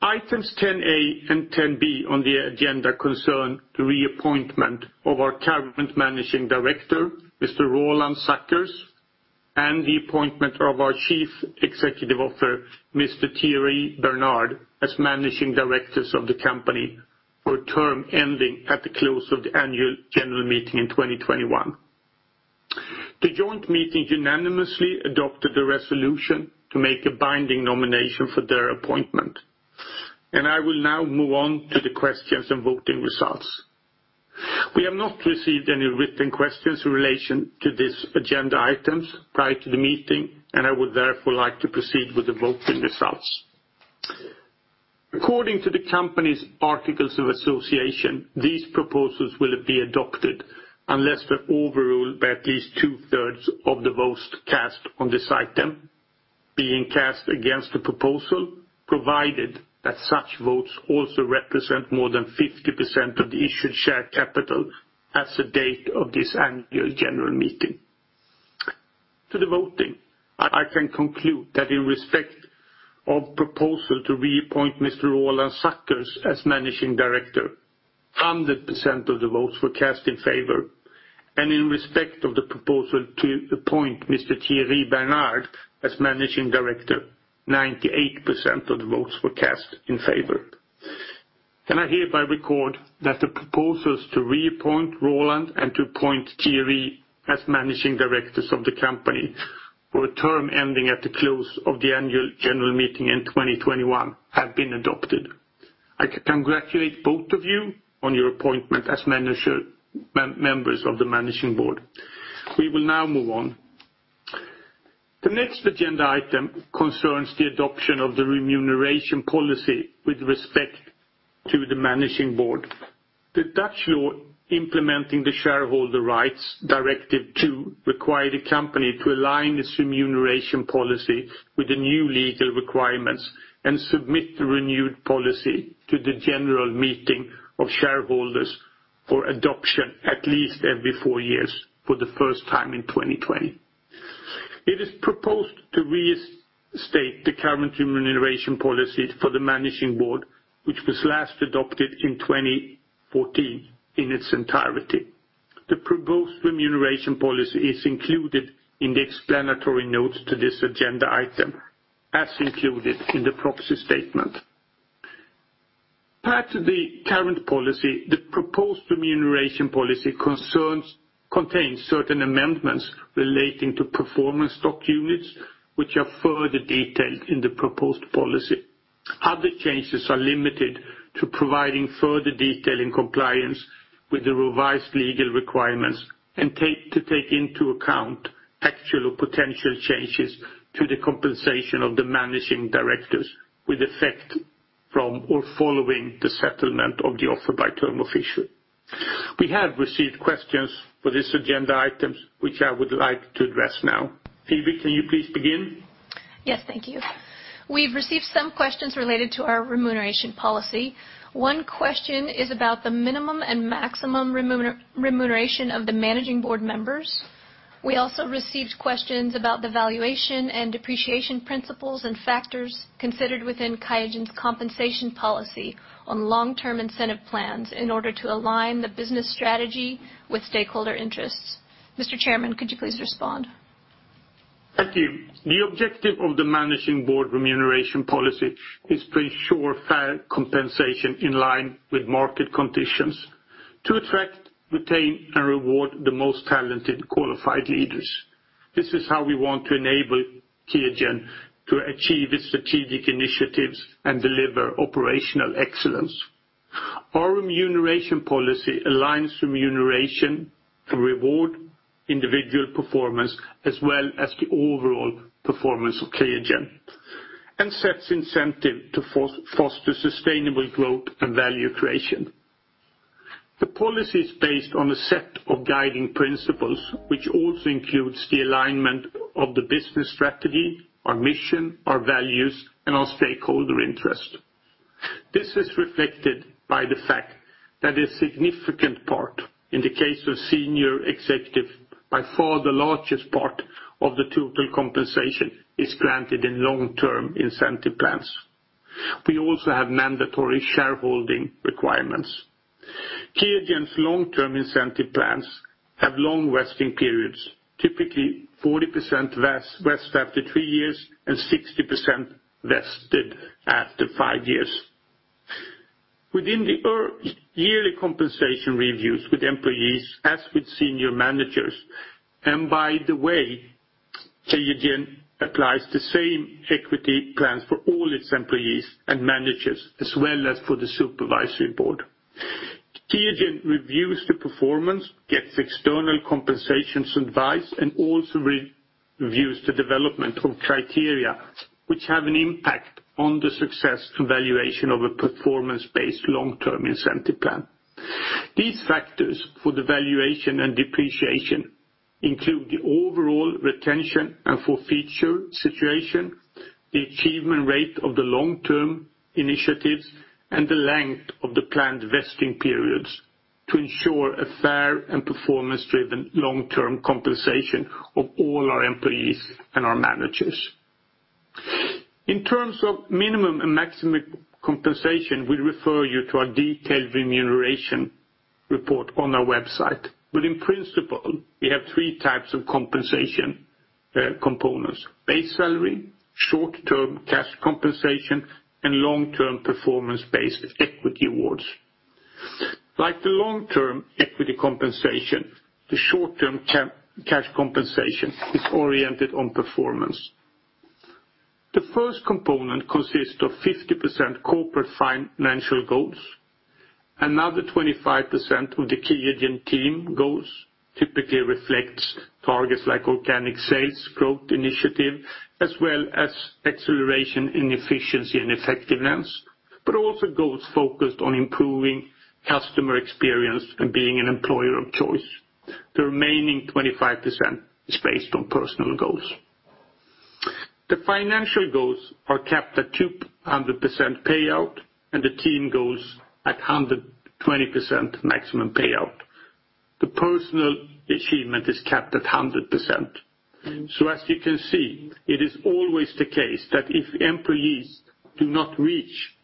Items 10A and 10B on the agenda concern the reappointment of our current managing director, Mr. Roland Sackers, and the appointment of our Chief Executive Officer, Mr. Thierry Bernard, as managing directors of the company for a term ending at the close of the Annual General Meeting in 2021. The joint meeting unanimously adopted the resolution to make a binding nomination for their appointment. And I will now move on to the questions and voting results. We have not received any written questions in relation to this agenda items prior to the meeting, and I would therefore like to proceed with the voting results. According to the company's articles of association, these proposals will be adopted unless they're overruled by at least two-thirds of the votes cast on this item, being cast against the proposal, provided that such votes also represent more than 50% of the issued share capital as of the date of this Annual General Meeting. To the voting, I can conclude that in respect of the proposal to reappoint Mr. Roland Sackers as managing director, 100% of the votes were cast in favor. In respect of the proposal to appoint Mr. Thierry Bernard as managing director, 98% of the votes were cast in favor. I hereby record that the proposals to reappoint Roland and to appoint Thierry as managing directors of the company for a term ending at the close of the Annual General Meeting in 2021 have been adopted. I congratulate both of you on your appointment as members of the Managing Board. We will now move on. The next agenda item concerns the adoption of the remuneration policy with respect to the Managing Board. The Dutch law implementing the Shareholder Rights Directive II required a company to align its remuneration policy with the new legal requirements and submit the renewed policy to the general meeting of shareholders for adoption at least every four years for the first time in 2020. It is proposed to reinstate the current remuneration policy for the Managing Board, which was last adopted in 2014 in its entirety. The proposed remuneration policy is included in the explanatory notes to this agenda item, as included in the proxy statement. Prior to the current policy, the proposed remuneration policy contains certain amendments relating to performance stock units, which are further detailed in the proposed policy. Other changes are limited to providing further detail in compliance with the revised legal requirements and to take into account actual or potential changes to the compensation of the managing directors with effect from or following the settlement of the offer by Thermo Fisher. We have received questions for this agenda item, which I would like to address now. Phoebe, can you please begin? Yes, thank you. We've received some questions related to our remuneration policy. One question is about the minimum and maximum remuneration of the Managing Board members. We also received questions about the valuation and depreciation principles and factors considered within QIAGEN's compensation policy on long-term incentive plans in order to align the business strategy with stakeholder interests. Mr. Chairman, could you please respond? Thank you. The objective of the Managing Board remuneration policy is to ensure fair compensation in line with market conditions to attract, retain, and reward the most talented, qualified leaders. This is how we want to enable QIAGEN to achieve its strategic initiatives and deliver operational excellence. Our remuneration policy aligns remuneration and reward individual performance as well as the overall performance of QIAGEN and sets incentive to foster sustainable growth and value creation. The policy is based on a set of guiding principles, which also includes the alignment of the business strategy, our mission, our values, and our stakeholder interests. This is reflected by the fact that a significant part, in the case of senior executives, by far the largest part of the total compensation is granted in long-term incentive plans. We also have mandatory shareholding requirements. QIAGEN's long-term incentive plans have long vesting periods, typically 40% vest after three years and 60% vested after five years. Within the yearly compensation reviews with employees, as with senior managers, and by the way, QIAGEN applies the same equity plans for all its employees and managers, as well as for the Supervisory Board. QIAGEN reviews the performance, gets external compensation advice, and also reviews the development of criteria which have an impact on the success and valuation of a performance-based long-term incentive plan. These factors for the valuation and depreciation include the overall retention and forfeiture situation, the achievement rate of the long-term initiatives, and the length of the planned vesting periods to ensure a fair and performance-driven long-term compensation of all our employees and our managers. In terms of minimum and maximum compensation, we refer you to our detailed remuneration report on our website. But in principle, we have three types of compensation components: base salary, short-term cash compensation, and long-term performance-based equity awards. Like the long-term equity compensation, the short-term cash compensation is oriented on performance. The first component consists of 50% corporate financial goals. Another 25% of the QIAGEN team goals typically reflects targets like organic sales growth initiative, as well as acceleration in efficiency and effectiveness, but also goals focused on improving customer experience and being an employer of choice. The remaining 25% is based on personal goals. The financial goals are capped at 200% payout, and the team goals at 120% maximum payout. The personal achievement is capped at 100%. So as you can see, it is always the case that if employees do not reach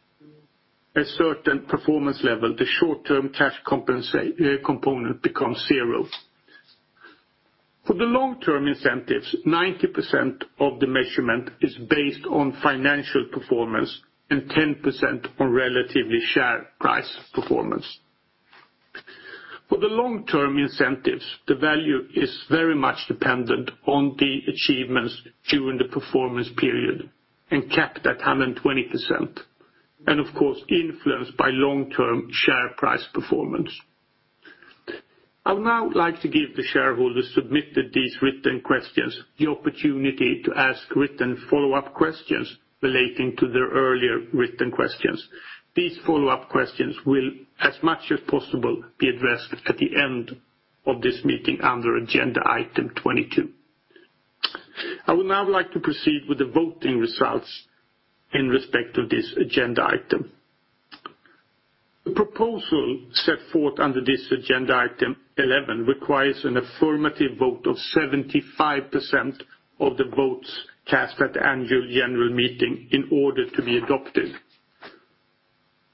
a certain performance level, the short-term cash component becomes zero. For the long-term incentives, 90% of the measurement is based on financial performance and 10% on relatively share price performance. For the long-term incentives, the value is very much dependent on the achievements during the performance period and capped at 120%, and of course, influenced by long-term share price performance. I would now like to give the shareholders who submitted these written questions the opportunity to ask written follow-up questions relating to their earlier written questions. These follow-up questions will, as much as possible, be addressed at the end of this meeting under agenda item 22. I would now like to proceed with the voting results in respect of this agenda item. The proposal set forth under this agenda item 11 requires an affirmative vote of 75% of the votes cast at the Annual General Meeting in order to be adopted.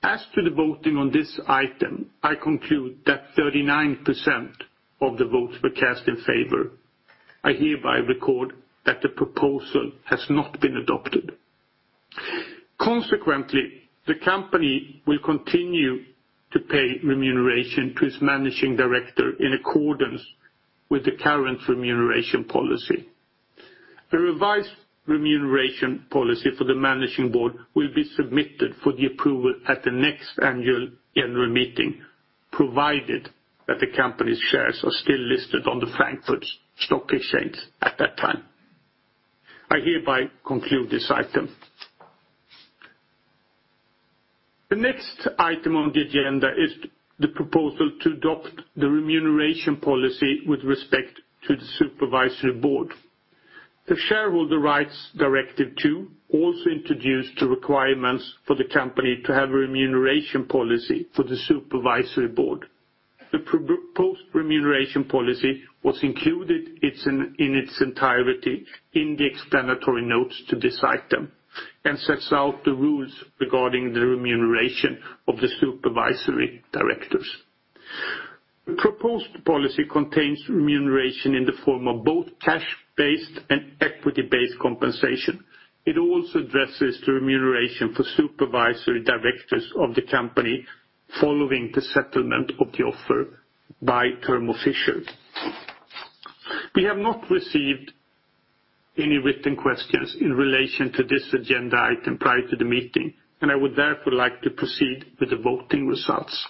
As to the voting on this item, I conclude that 39% of the votes were cast in favor. I hereby record that the proposal has not been adopted. Consequently, the company will continue to pay remuneration to its managing director in accordance with the current remuneration policy. A revised remuneration policy for the Managing Board will be submitted for the approval at the next Annual General Meeting, provided that the company's shares are still listed on the Frankfurt Stock Exchange at that time. I hereby conclude this item. The next item on the agenda is the proposal to adopt the remuneration policy with respect to the Supervisory Board. The Shareholder Rights Directive II also introduced the requirements for the company to have a remuneration policy for the Supervisory Board. The proposed remuneration policy was included in its entirety in the explanatory notes to this item and sets out the rules regarding the remuneration of the supervisory directors. The proposed policy contains remuneration in the form of both cash-based and equity-based compensation. It also addresses the remuneration for supervisory directors of the company following the settlement of the offer by Thermo Fisher. We have not received any written questions in relation to this agenda item prior to the meeting, and I would therefore like to proceed with the voting results.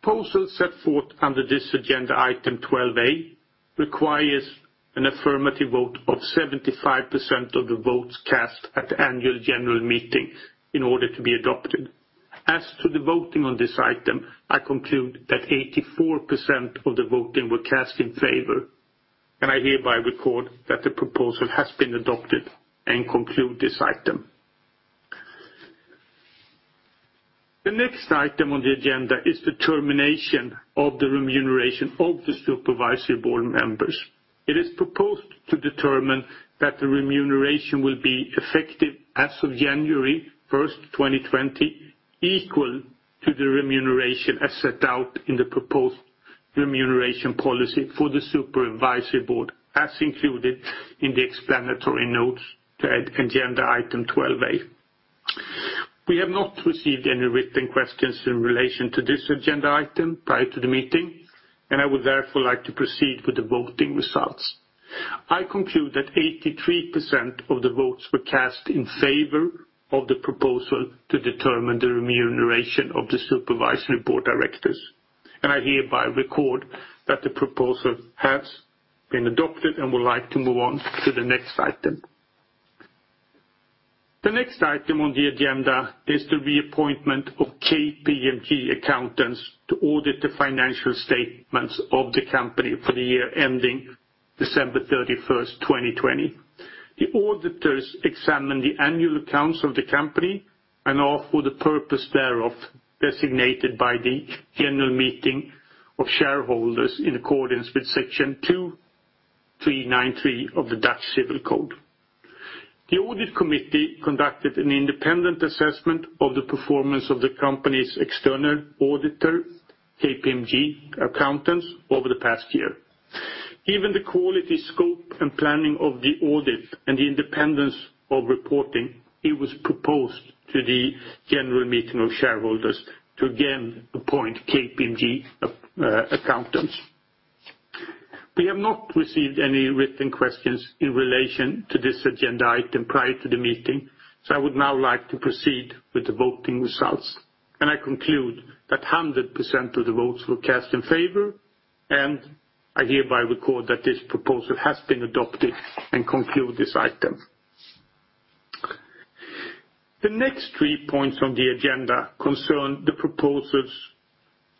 The proposal set forth under this agenda item 12A requires an affirmative vote of 75% of the votes cast at the Annual General Meeting in order to be adopted. As to the voting on this item, I conclude that 84% of the votes were cast in favor, and I hereby record that the proposal has been adopted. I conclude this item. The next item on the agenda is the determination of the remuneration of the Supervisory Board members. It is proposed to determine that the remuneration will be effective as of January 1st, 2020, equal to the remuneration as set out in the proposed remuneration policy for the Supervisory Board, as included in the explanatory notes to agenda item 12A. We have not received any written questions in relation to this agenda item prior to the meeting, and I would therefore like to proceed with the voting results. I conclude that 83% of the votes were cast in favor of the proposal to determine the remuneration of the Supervisory Board Directors, and I hereby record that the proposal has been adopted and would like to move on to the next item. The next item on the agenda is the reappointment of KPMG accountants to audit the financial statements of the company for the year ending December 31st, 2020. The auditors examine the annual accounts of the company and are for the purpose thereof designated by the general meeting of shareholders in accordance with Section 2393 of the Dutch Civil Code. The Audit Committee conducted an independent assessment of the performance of the company's external auditor, KPMG accountants, over the past year. Given the quality, scope, and planning of the audit and the independence of reporting, it was proposed to the general meeting of shareholders to again appoint KPMG accountants. We have not received any written questions in relation to this agenda item prior to the meeting, so I would now like to proceed with the voting results, and I conclude that 100% of the votes were cast in favor, and I hereby record that this proposal has been adopted and conclude this item. The next three points on the agenda concern the proposals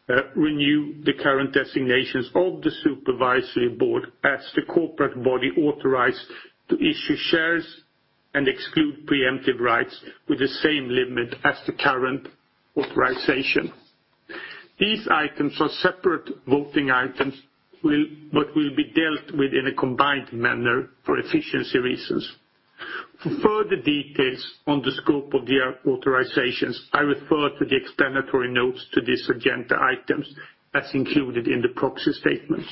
to renew the current designations of the Supervisory Board as the corporate body authorized to issue shares and exclude preemptive rights with the same limit as the current authorization. These items are separate voting items but will be dealt with in a combined manner for efficiency reasons. For further details on the scope of the authorizations, I refer to the explanatory notes to this agenda item as included in the proxy statement.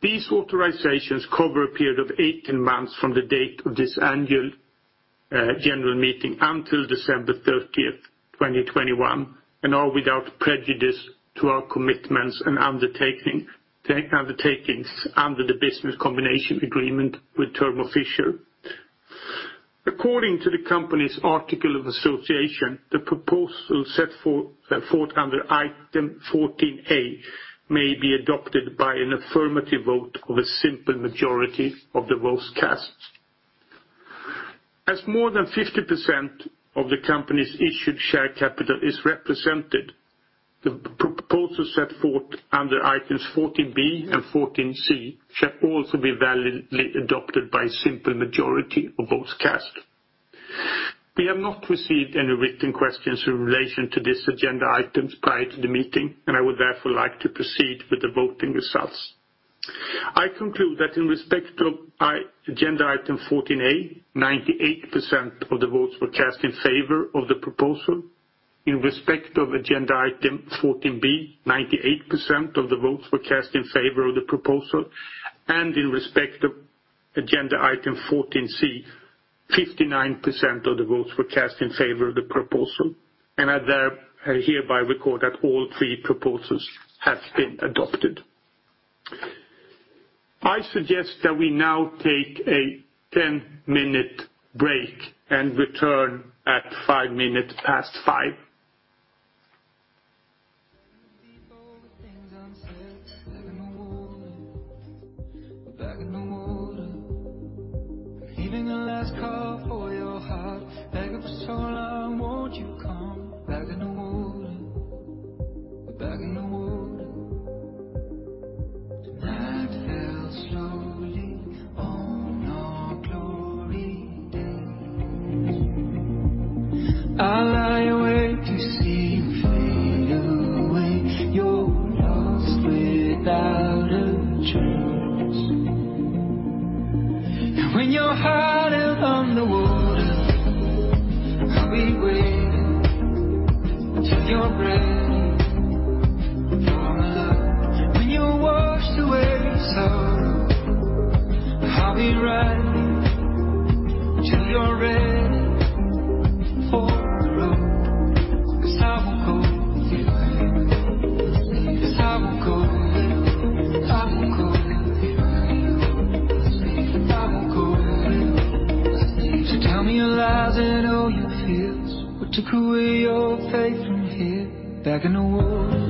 These authorizations cover a period of 18 months from the date of this Annual General Meeting until December 30th, 2021, and are without prejudice to our commitments and undertakings under the Business Combination Agreement with Thermo Fisher. According to the company's articles of association, the proposal set forth under item 14A may be adopted by an affirmative vote of a simple majority of the votes cast. As more than 50% of the company's issued share capital is represented, the proposal set forth under items 14B and 14C shall also be validly adopted by a simple majority of votes cast. We have not received any written questions in relation to this agenda item prior to the meeting, and I would therefore like to proceed with the voting results. I conclude that in respect of agenda item 14A, 98% of the votes were cast in favor of the proposal. In respect of agenda item 14B, 98% of the votes were cast in favor of the proposal. And in respect of agenda item 14C, 59% of the votes were cast in favor of the proposal. And I hereby record that all three proposals have been adopted. I suggest that we now take a 10-minute break and return at 5:05 P.M. Welcome back, everybody. The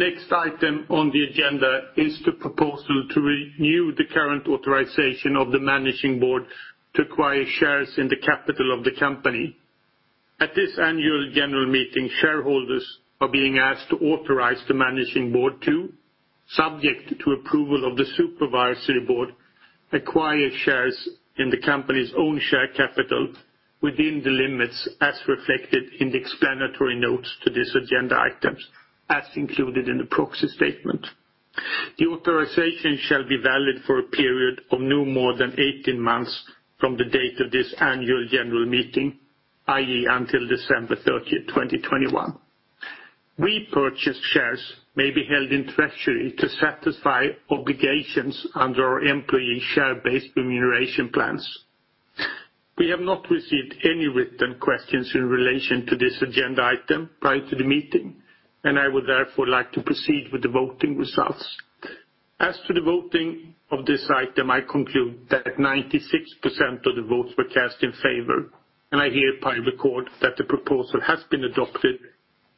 next item on the agenda is the proposal to renew the current authorization of the Managing Board to acquire shares in the capital of the company. At this Annual General Meeting, shareholders are being asked to authorize the Managing Board to, subject to approval of the Supervisory Board, acquire shares in the company's own share capital within the limits as reflected in the explanatory notes to this agenda item, as included in the proxy statement. The authorization shall be valid for a period of no more than 18 months from the date of this Annual General Meeting, i.e., until December 30, 2021. Repurchased shares may be held in treasury to satisfy obligations under our employee share-based remuneration plans. We have not received any written questions in relation to this agenda item prior to the meeting, and I would therefore like to proceed with the voting results. As to the voting of this item, I conclude that 96% of the votes were cast in favor, and I hereby record that the proposal has been adopted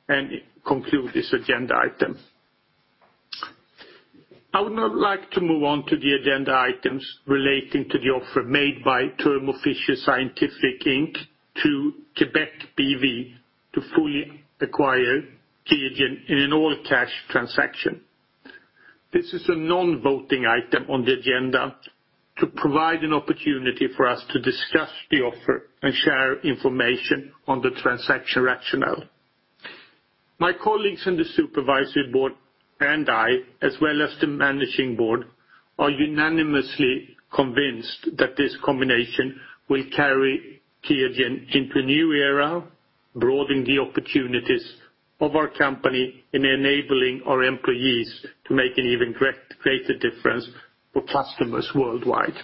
and conclude this agenda item. I would now like to move on to the agenda items relating to the offer made by Thermo Fisher Scientific Inc. to QIAGEN NV to fully acquire QIAGEN in an all-cash transaction. This is a non-voting item on the agenda to provide an opportunity for us to discuss the offer and share information on the transaction rationale. My colleagues in the Supervisory Board and I, as well as the Managing Board, are unanimously convinced that this combination will carry QIAGEN into a new era, broadening the opportunities of our company and enabling our employees to make an even greater difference for customers worldwide.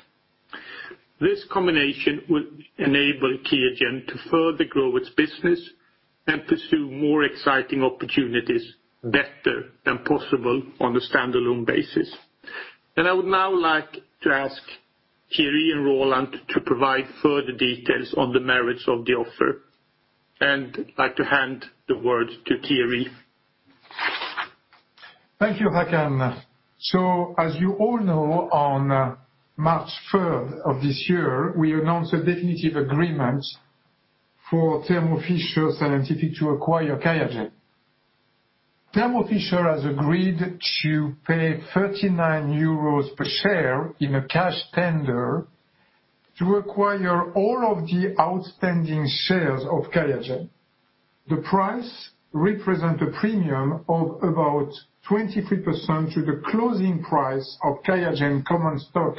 This combination will enable QIAGEN to further grow its business and pursue more exciting opportunities better than possible on a standalone basis. And I would now like to ask Thierry and Roland to provide further details on the merits of the offer, and I'd like to hand the word to Thierry. Thank you, Håkan. So, as you all know, on March 3rd of this year, we announced a definitive agreement for Thermo Fisher Scientific to acquire QIAGEN. Thermo Fisher has agreed to pay 39 euros per share in a cash tender to acquire all of the outstanding shares of QIAGEN. The price represents a premium of about 23% to the closing price of QIAGEN common stock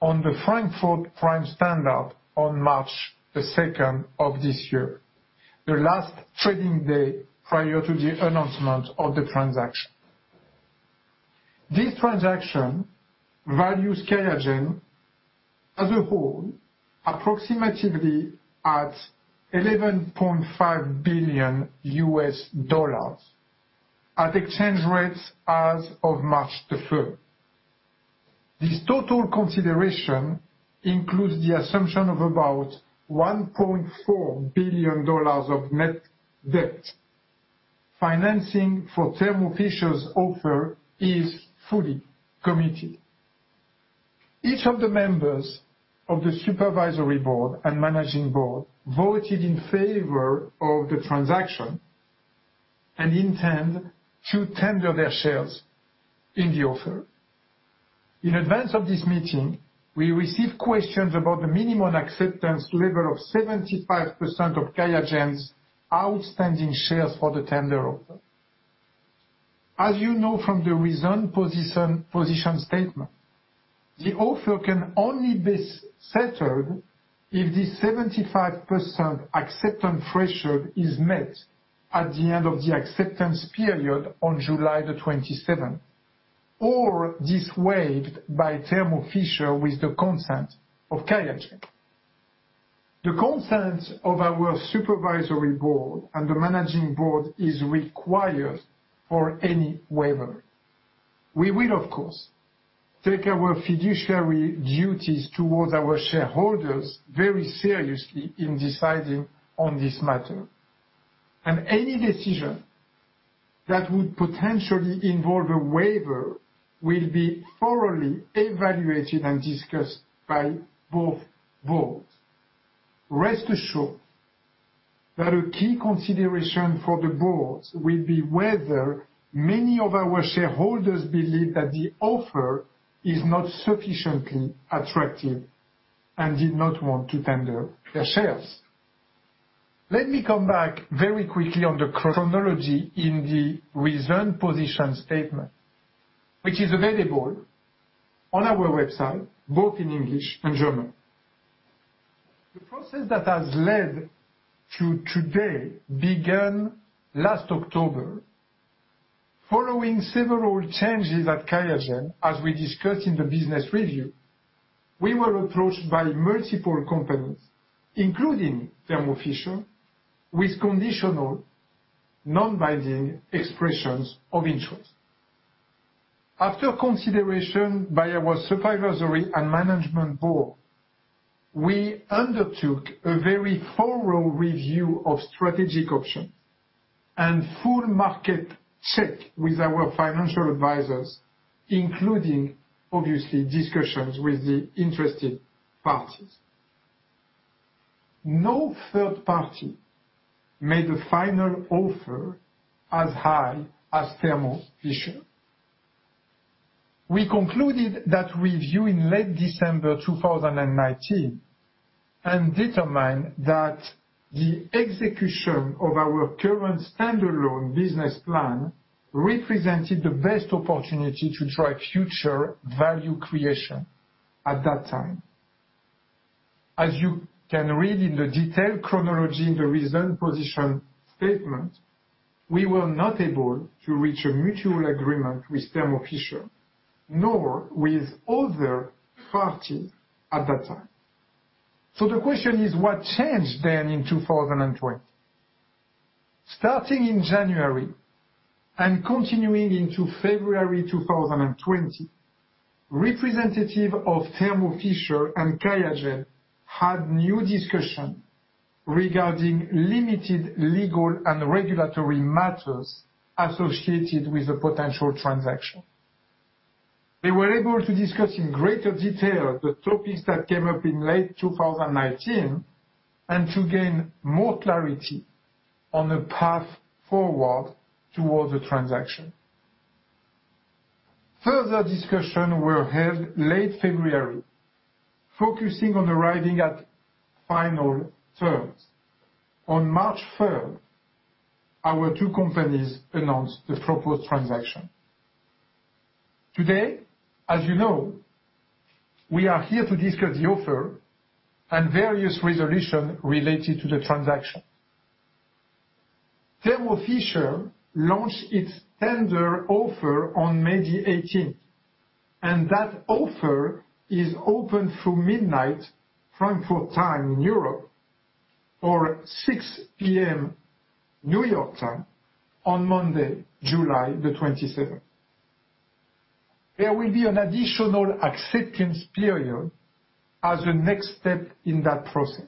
on the Frankfurt Prime Standard on March 2nd of this year, the last trading day prior to the announcement of the transaction. This transaction values QIAGEN as a whole approximately at $11.5 billion at exchange rates as of March 3rd. This total consideration includes the assumption of about $1.4 billion of net debt. Financing for Thermo Fisher's offer is fully committed. Each of the members of the Supervisory Board and Managing Board voted in favor of the transaction and intend to tender their shares in the offer. In advance of this meeting, we received questions about the minimum acceptance level of 75% of QIAGEN's outstanding shares for the tender offer. As you know from the Reasoned Position Statement, the offer can only be settled if the 75% acceptance threshold is met at the end of the acceptance period on July the 27th, or waived by Thermo Fisher with the consent of QIAGEN. The consent of our Supervisory Board and the Managing Board is required for any waiver. We will, of course, take our fiduciary duties towards our shareholders very seriously in deciding on this matter, and any decision that would potentially involve a waiver will be thoroughly evaluated and discussed by both boards. Rest assured that a key consideration for the boards will be whether many of our shareholders believe that the offer is not sufficiently attractive and did not want to tender their shares. Let me come back very quickly on the chronology in the Reasoned Position Statement, which is available on our website, both in English and German. The process that has led to today began last October. Following several changes at QIAGEN, as we discussed in the business review, we were approached by multiple companies, including Thermo Fisher, with conditional, non-binding expressions of interest. After consideration by our Supervisory and Management Board, we undertook a very thorough review of strategic options and full market check with our financial advisors, including, obviously, discussions with the interested parties. No third party made a final offer as high as Thermo Fisher. We concluded that review in late December 2019 and determined that the execution of our current standalone business plan represented the best opportunity to drive future value creation at that time. As you can read in the detailed chronology in the Reasoned Position Statement, we were not able to reach a mutual agreement with Thermo Fisher, nor with other parties at that time. So the question is, what changed then in 2020? Starting in January and continuing into February 2020, representatives of Thermo Fisher and QIAGEN had new discussions regarding limited legal and regulatory matters associated with the potential transaction. They were able to discuss in greater detail the topics that came up in late 2019 and to gain more clarity on the path forward towards the transaction. Further discussions were held late February, focusing on arriving at final terms. On March 3rd, our two companies announced the proposed transaction. Today, as you know, we are here to discuss the offer and various resolutions related to the transaction. Thermo Fisher launched its tender offer on May the 18th, and that offer is open through midnight Frankfurt time in Europe or 6:00 P.M. New York time on Monday, July the 27th. There will be an additional acceptance period as a next step in that process.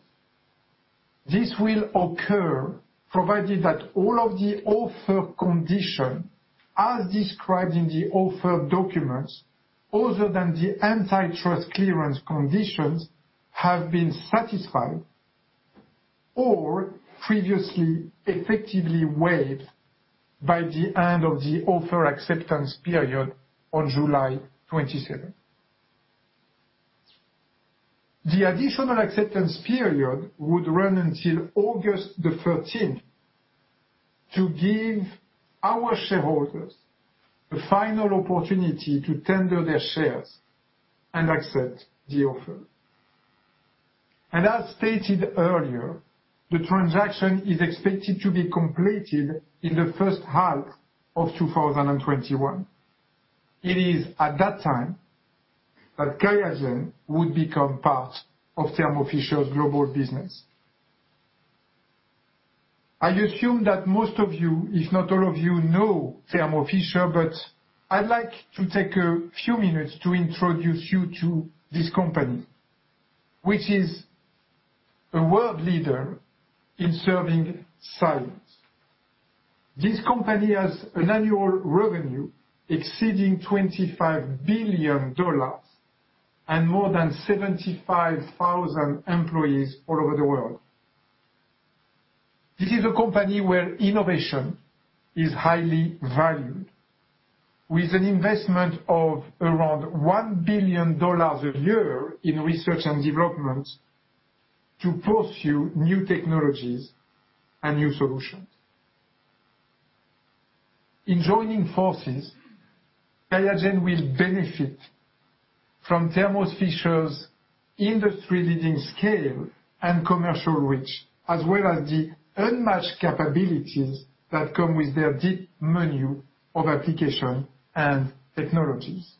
This will occur provided that all of the offer conditions, as described in the offer documents, other than the antitrust clearance conditions, have been satisfied or previously effectively waived by the end of the offer acceptance period on July 27th. The additional acceptance period would run until August the 13th to give our shareholders the final opportunity to tender their shares and accept the offer, and as stated earlier, the transaction is expected to be completed in the first half of 2021. It is at that time that QIAGEN would become part of Thermo Fisher's global business. I assume that most of you, if not all of you, know Thermo Fisher, but I'd like to take a few minutes to introduce you to this company, which is a world leader in serving science. This company has an annual revenue exceeding $25 billion and more than 75,000 employees all over the world. This is a company where innovation is highly valued, with an investment of around $1 billion a year in research and development to pursue new technologies and new solutions. In joining forces, QIAGEN will benefit from Thermo Fisher's industry-leading scale and commercial reach, as well as the unmatched capabilities that come with their deep menu of application and technologies.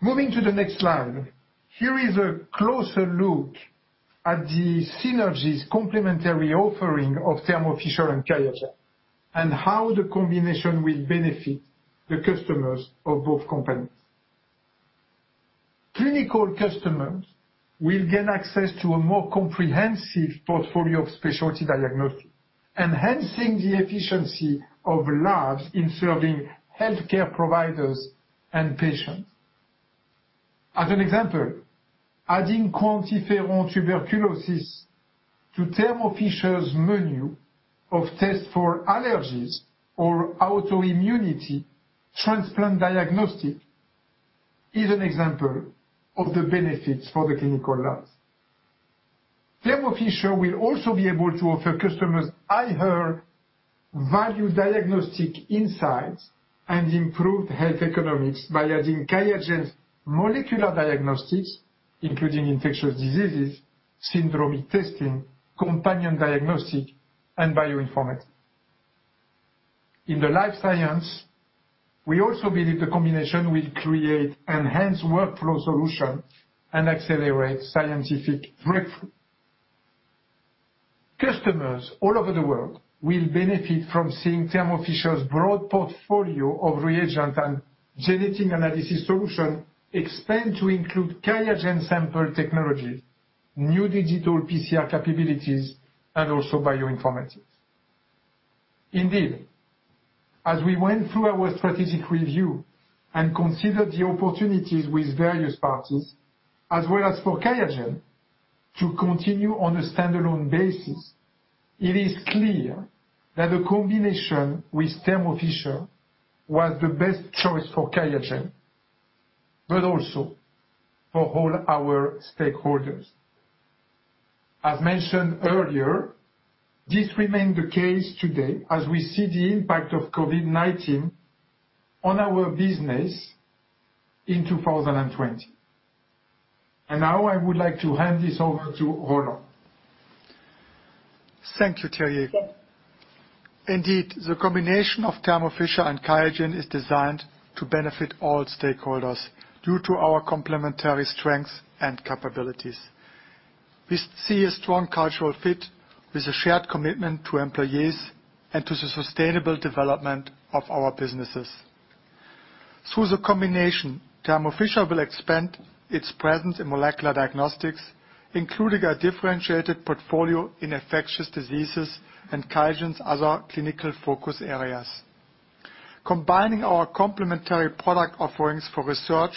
Moving to the next slide, here is a closer look at the synergies complementary offering of Thermo Fisher and QIAGEN and how the combination will benefit the customers of both companies. Clinical customers will gain access to a more comprehensive portfolio of specialty diagnostics, enhancing the efficiency of labs in serving healthcare providers and patients. As an example, adding QuantiFERON-TB to Thermo Fisher's menu of tests for allergies or autoimmunity transplant diagnostic is an example of the benefits for the clinical labs. Thermo Fisher will also be able to offer customers higher-value diagnostic insights and improved health economics by adding QIAGEN's molecular diagnostics, including infectious diseases, syndromic testing, companion diagnostic, and bioinformatics. In the Life Science, we also believe the combination will create enhanced workflow solutions and accelerate scientific breakthroughs. Customers all over the world will benefit from seeing Thermo Fisher's broad portfolio of reagent and genetic analysis solutions expand to include QIAGEN sample technologies, new digital PCR capabilities, and also bioinformatics. Indeed, as we went through our strategic review and considered the opportunities with various parties, as well as for Qiagen to continue on a standalone basis, it is clear that the combination with Thermo Fisher was the best choice for QIAGEN, but also for all our stakeholders. As mentioned earlier, this remains the case today as we see the impact of COVID-19 on our business in 2020, and now I would like to hand this over to Roland. Thank you, Thierry. Indeed, the combination of Thermo Fisher and QIAGEN is designed to benefit all stakeholders due to our complementary strengths and capabilities. We see a strong cultural fit with a shared commitment to employees and to the sustainable development of our businesses. Through the combination, Thermo Fisher will expand its presence in molecular diagnostics, including a differentiated portfolio in infectious diseases and QIAGEN's other clinical focus areas. Combining our complementary product offerings for research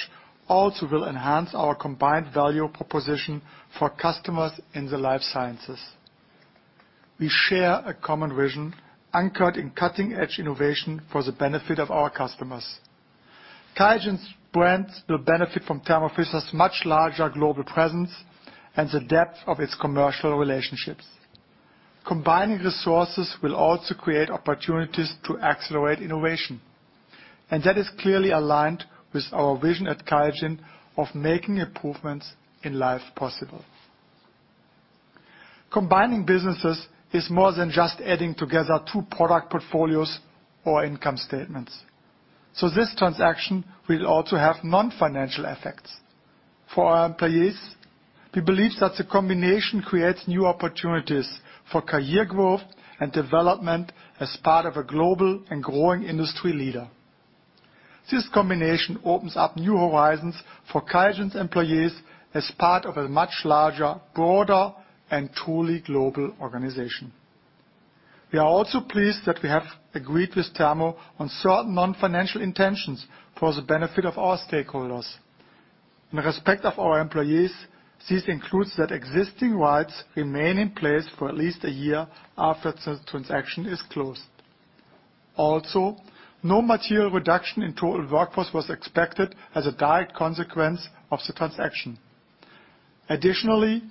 also will enhance our combined value proposition for customers in the Life Sciences. We share a common vision anchored in cutting-edge innovation for the benefit of our customers. QIAGEN's brand will benefit from Thermo Fisher's much larger global presence and the depth of its commercial relationships. Combining resources will also create opportunities to accelerate innovation, and that is clearly aligned with our vision at QIAGEN of making improvements in life possible. Combining businesses is more than just adding together two product portfolios or income statements. So this transaction will also have non-financial effects. For our employees, we believe that the combination creates new opportunities for career growth and development as part of a global and growing industry leader. This combination opens up new horizons for QIAGEN's employees as part of a much larger, broader, and truly global organization. We are also pleased that we have agreed with Thermo on certain non-financial intentions for the benefit of our stakeholders. In respect of our employees, this includes that existing rights remain in place for at least a year after the transaction is closed. Also, no material reduction in total workforce was expected as a direct consequence of the transaction. Additionally,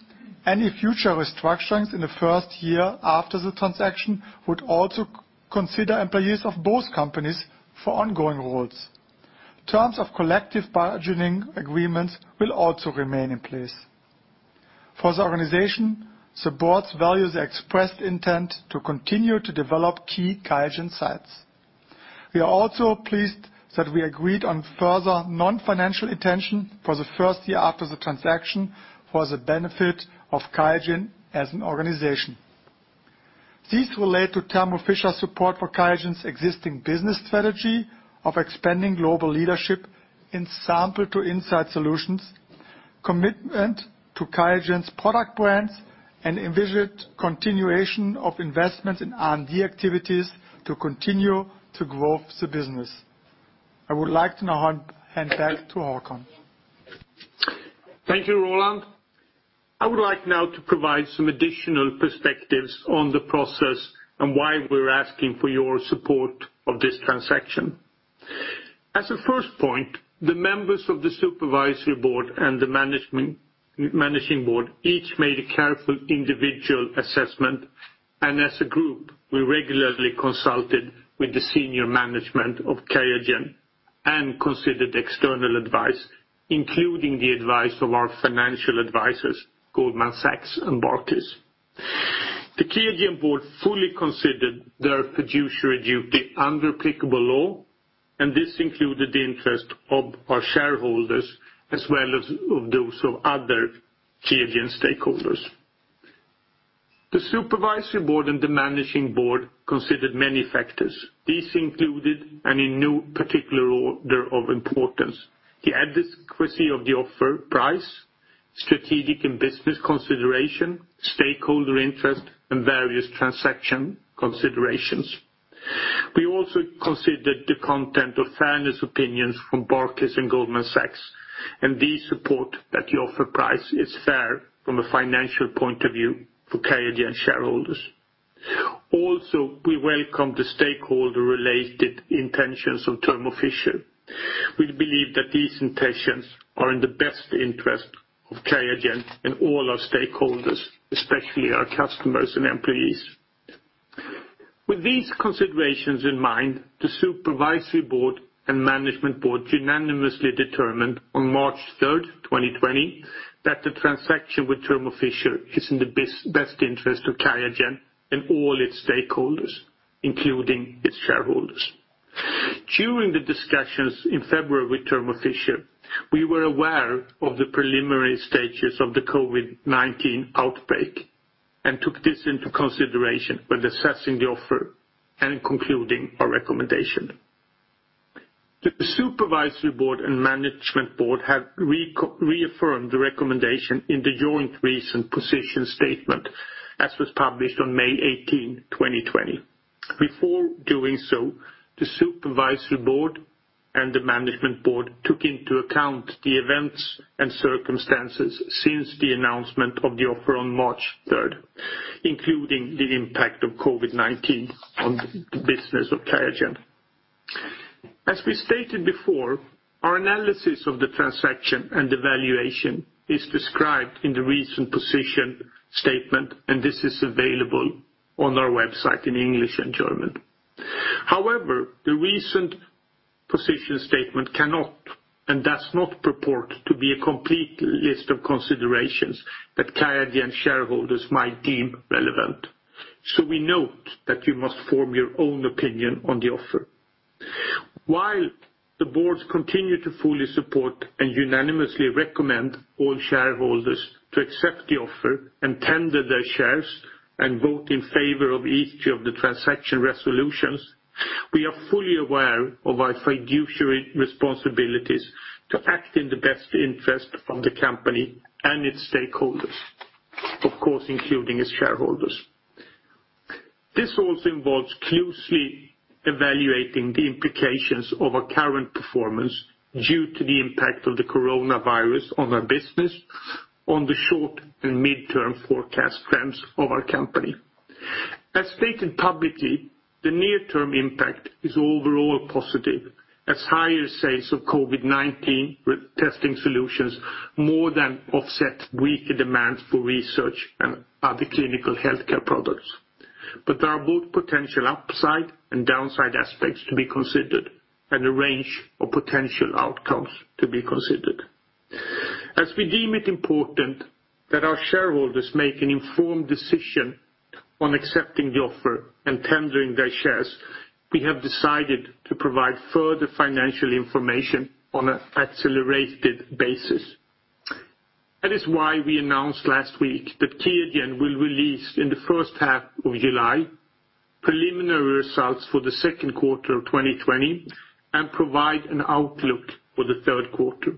any future restructurings in the first year after the transaction would also consider employees of both companies for ongoing roles. Terms of collective bargaining agreements will also remain in place. For the organization, the board has expressed intent to continue to develop key QIAGEN sites. We are also pleased that we agreed on further non-financial intentions for the first year after the transaction for the benefit of QIAGEN as an organization. These relate to Thermo Fisher's support for QIAGEN's existing business strategy of expanding global leadership in Sample to Insight solutions, commitment to QIAGEN's product brands, and envisioned continuation of investments in R&D activities to continue to grow the business. I would like to now hand back to Håkan. Thank you, Roland. I would like now to provide some additional perspectives on the process and why we're asking for your support of this transaction. As a first point, the members of the Supervisory Board and the Managing Board each made a careful individual assessment, and as a group, we regularly consulted with the senior management of QIAGEN and considered external advice, including the advice of our financial advisors, Goldman Sachs and Barclays. The QIAGEN board fully considered their fiduciary duty under applicable law, and this included the interest of our shareholders as well as of those of other QIAGEN stakeholders. The Supervisory Board and the Managing Board considered many factors. These included a new particular order of importance: the adequacy of the offer price, strategic and business consideration, stakeholder interest, and various transaction considerations. We also considered the content of fairness opinions from Barclays and Goldman Sachs and the support that the offer price is fair from a financial point of view for QIAGEN shareholders. Also, we welcome the stakeholder-related intentions of Thermo Fisher. We believe that these intentions are in the best interest of QIAGEN and all our stakeholders, especially our customers and employees. With these considerations in mind, the Supervisory Board and Management Board unanimously determined on March 3rd, 2020, that the transaction with Thermo Fisher is in the best interest of QIAGEN and all its stakeholders, including its shareholders. During the discussions in February with Thermo Fisher, we were aware of the preliminary stages of the COVID-19 outbreak and took this into consideration when assessing the offer and concluding our recommendation. The Supervisory Board and Management Board have reaffirmed the recommendation in the joint Reasoned Position Statement, as was published on May 18th, 2020. Before doing so, the Supervisory Board and the Management Board took into account the events and circumstances since the announcement of the offer on March 3rd, including the impact of COVID-19 on the business of QIAGEN. As we stated before, our analysis of the transaction and the valuation is described in the Reasoned Position Statement, and this is available on our website in English and German. However, the Reasoned Position Statement cannot and does not purport to be a complete list of considerations that QIAGEN shareholders might deem relevant. We note that you must form your own opinion on the offer. While the boards continue to fully support and unanimously recommend all shareholders to accept the offer and tender their shares and vote in favor of each of the transaction resolutions, we are fully aware of our fiduciary responsibilities to act in the best interest of the company and its stakeholders, of course, including its shareholders. This also involves closely evaluating the implications of our current performance due to the impact of the coronavirus on our business, on the short and mid-term forecast trends of our company. As stated publicly, the near-term impact is overall positive, as higher sales of COVID-19 testing solutions more than offset weaker demands for research and other clinical healthcare products. There are both potential upside and downside aspects to be considered and a range of potential outcomes to be considered. As we deem it important that our shareholders make an informed decision on accepting the offer and tendering their shares, we have decided to provide further financial information on an accelerated basis. That is why we announced last week that QIAGEN will release in the first half of July preliminary results for the second quarter of 2020 and provide an outlook for the third quarter.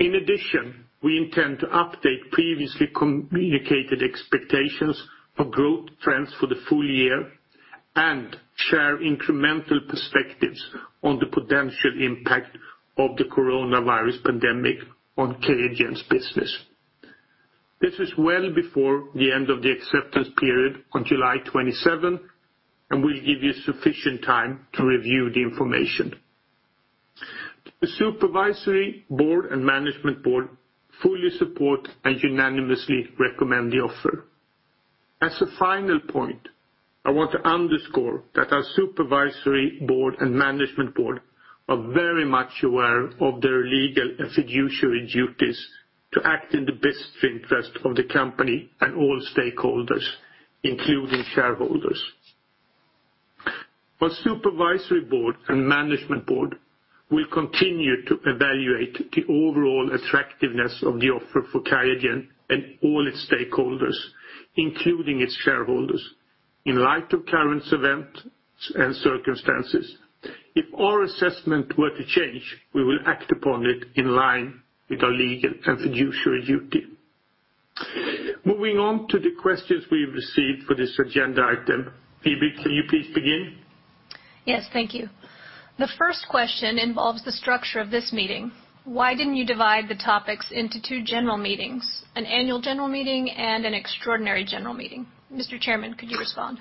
In addition, we intend to update previously communicated expectations of growth trends for the full year and share incremental perspectives on the potential impact of the coronavirus pandemic on QIAGEN's business. This is well before the end of the acceptance period on July 27th, and we'll give you sufficient time to review the information. The Supervisory Board and Management Board fully support and unanimously recommend the offer. As a final point, I want to underscore that our Supervisory Board and Management Board are very much aware of their legal and fiduciary duties to act in the best interest of the company and all stakeholders, including shareholders. Our Supervisory Board and Management Board will continue to evaluate the overall attractiveness of the offer for QIAGEN and all its stakeholders, including its shareholders, in light of current events and circumstances. If our assessment were to change, we will act upon it in line with our legal and fiduciary duty. Moving on to the questions we've received for this agenda item, Phoebe, can you please begin? Yes, thank you. The first question involves the structure of this meeting. Why didn't you divide the topics into two general meetings, an Annual General Meeting and an Extraordinary General Meeting? Mr. Chairman, could you respond?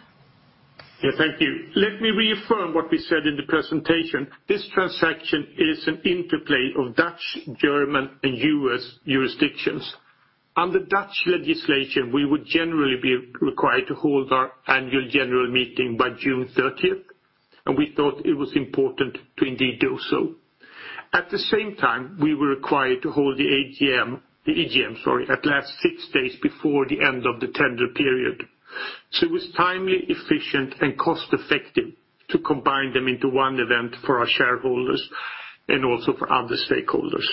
Yeah, thank you. Let me reaffirm what we said in the presentation. This transaction is an interplay of Dutch, German, and U.S. jurisdictions. Under Dutch legislation, we would generally be required to hold our Annual General Meeting by June 30th, and we thought it was important to indeed do so. At the same time, we were required to hold the AGM, the EGM, sorry, at least six days before the end of the tender period. So it was timely, efficient, and cost-effective to combine them into one event for our shareholders and also for other stakeholders.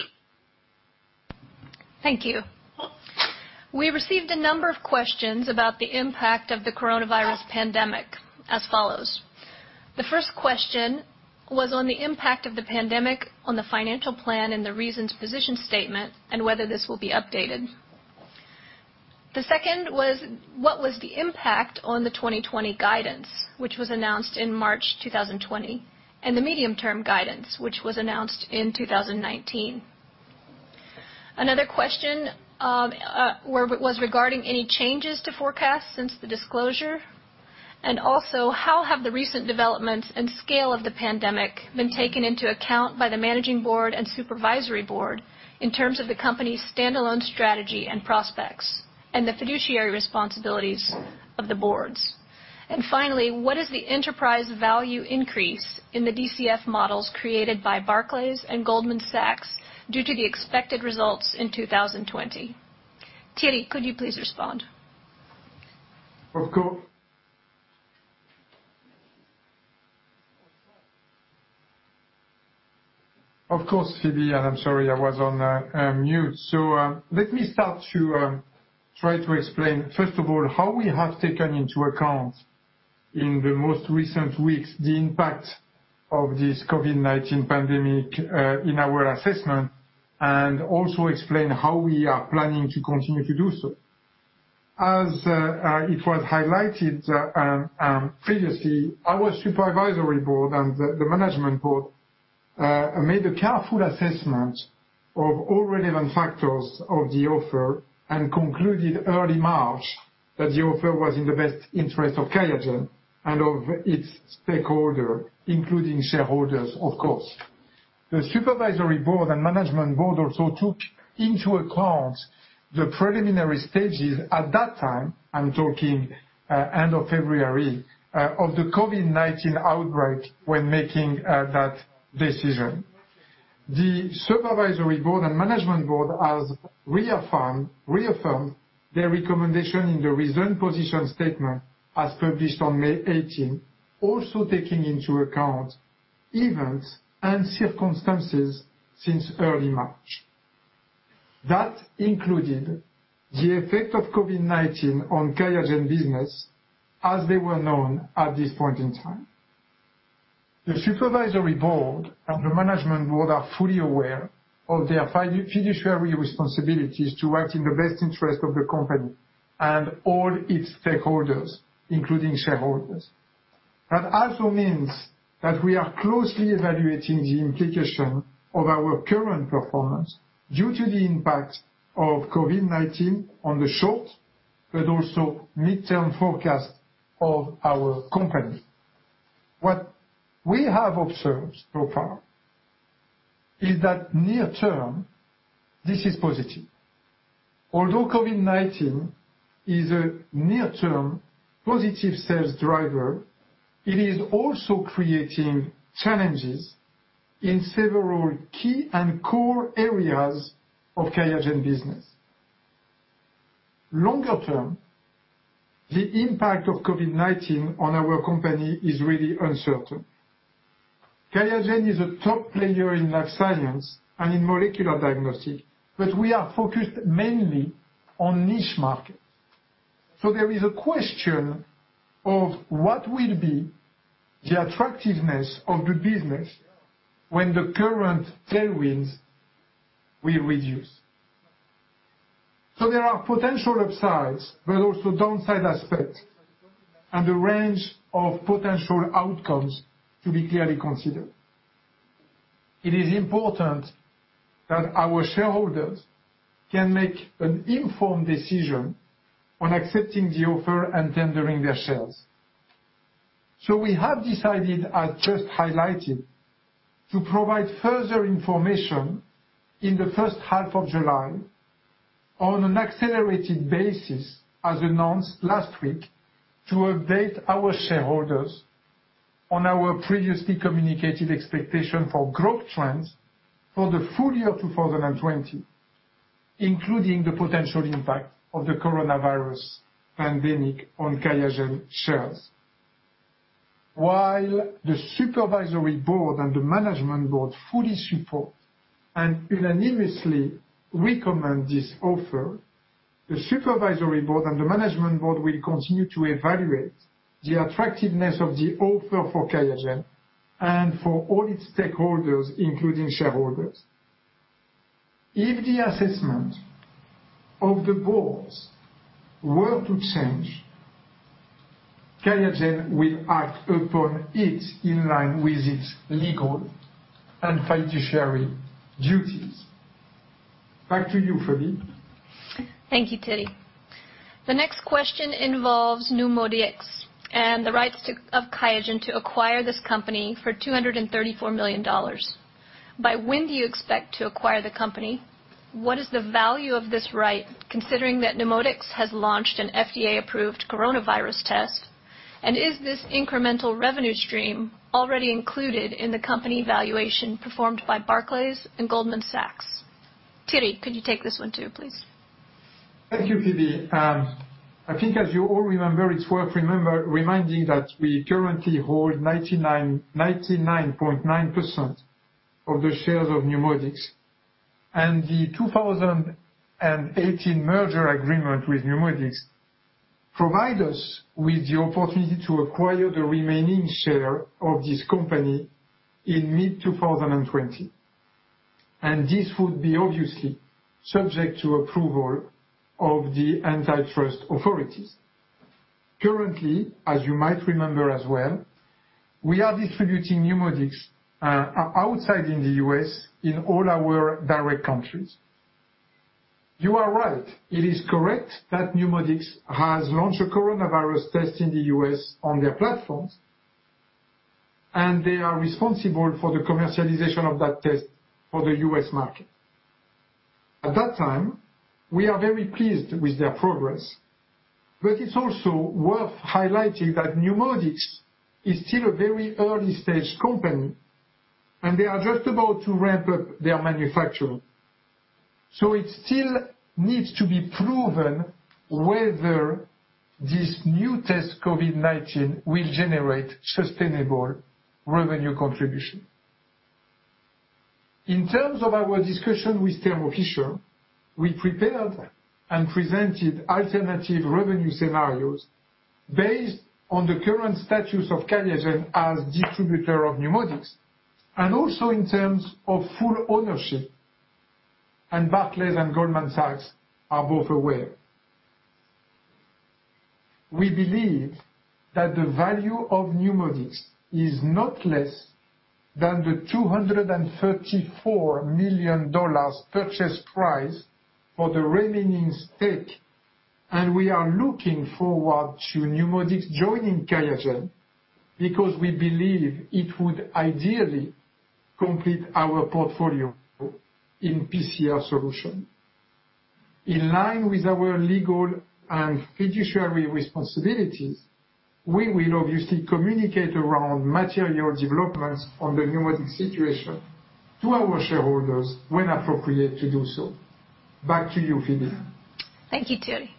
Thank you. We received a number of questions about the impact of the coronavirus pandemic as follows. The first question was on the impact of the pandemic on the financial plan and the reasoned position statement and whether this will be updated. The second was, what was the impact on the 2020 guidance, which was announced in March 2020, and the medium-term guidance, which was announced in 2019? Another question was regarding any changes to forecasts since the disclosure. And also, how have the recent developments and scale of the pandemic been taken into account by the Managing Board and Supervisory Board in terms of the company's standalone strategy and prospects and the fiduciary responsibilities of the boards? And finally, what is the enterprise value increase in the DCF models created by Barclays and Goldman Sachs due to the expected results in 2020? Thierry, could you please respond? Of course, Phoebe, and I'm sorry I was on mute. So let me start to try to explain, first of all, how we have taken into account in the most recent weeks the impact of this COVID-19 pandemic in our assessment and also explain how we are planning to continue to do so. As it was highlighted previously, our Supervisory Board and the Management Board made a careful assessment of all relevant factors of the offer and concluded early March that the offer was in the best interest of QIAGEN and of its stakeholders, including shareholders, of course. The Supervisory Board and Management Board also took into account the preliminary stages at that time, I'm talking end of February, of the COVID-19 outbreak when making that decision. The Supervisory Board and Management Board has reaffirmed their recommendation in the Reasoned Position Statement as published on May 18th, also taking into account events and circumstances since early March. That included the effect of COVID-19 on QIAGEN business as they were known at this point in time. The Supervisory Board and the Management Board are fully aware of their fiduciary responsibilities to act in the best interest of the company and all its stakeholders, including shareholders. That also means that we are closely evaluating the implication of our current performance due to the impact of COVID-19 on the short but also mid-term forecast of our company. What we have observed so far is that near-term, this is positive. Although COVID-19 is a near-term positive sales driver, it is also creating challenges in several key and core areas of QIAGEN business. Longer term, the impact of COVID-19 on our company is really uncertain. QIAGEN is a top player in Life Sciences and in Molecular Diagnostics, but we are focused mainly on niche markets. So there is a question of what will be the attractiveness of the business when the current tailwinds will reduce. So there are potential upsides, but also downside aspects and a range of potential outcomes to be clearly considered. It is important that our shareholders can make an informed decision on accepting the offer and tendering their shares. So we have decided, as just highlighted, to provide further information in the first half of July on an accelerated basis, as announced last week, to update our shareholders on our previously communicated expectation for growth trends for the full year 2020, including the potential impact of the coronavirus pandemic on QIAGEN shares. While the Supervisory Board and the Management Board fully support and unanimously recommend this offer, the Supervisory Board and the Management Board will continue to evaluate the attractiveness of the offer for QIAGEN and for all its stakeholders, including shareholders. If the assessment of the boards were to change, QIAGEN will act upon it in line with its legal and fiduciary duties. Back to you, Phoebe. Thank you, Thierry. The next question involves NeuMoDx and the rights of QIAGEN to acquire this company for $234 million. By when do you expect to acquire the company? What is the value of this right, considering that NeuMoDx has launched an FDA-approved coronavirus test? And is this incremental revenue stream already included in the company valuation performed by Barclays and Goldman Sachs? Thierry, could you take this one too, please? Thank you, Phoebe. I think, as you all remember, it's worth reminding that we currently hold 99.9% of the shares of NeuMoDx. And the 2018 merger agreement with NeuMoDx provides us with the opportunity to acquire the remaining share of this company in mid-2020. And this would be obviously subject to approval of the antitrust authorities. Currently, as you might remember as well, we are distributing NeuMoDx outside the U.S. in all our direct countries. You are right. It is correct that NeuMoDx has launched a coronavirus test in the U.S. on their platforms, and they are responsible for the commercialization of that test for the U.S. market. At that time, we are very pleased with their progress, but it's also worth highlighting that NeuMoDx is still a very early-stage company, and they are just about to ramp up their manufacturing. So it still needs to be proven whether this new test COVID-19 will generate sustainable revenue contribution. In terms of our discussion with Thermo Fisher, we prepared and presented alternative revenue scenarios based on the current status of QIAGEN as distributor of NeuMoDx and also in terms of full ownership, and Barclays and Goldman Sachs are both aware. We believe that the value of NeuMoDx is not less than the $234 million purchase price for the remaining stake, and we are looking forward to NeuMoDx joining QIAGEN because we believe it would ideally complete our portfolio in PCR solution. In line with our legal and fiduciary responsibilities, we will obviously communicate around material developments on the NeuMoDx situation to our shareholders when appropriate to do so. Back to you, Phoebe. Thank you, Thierry.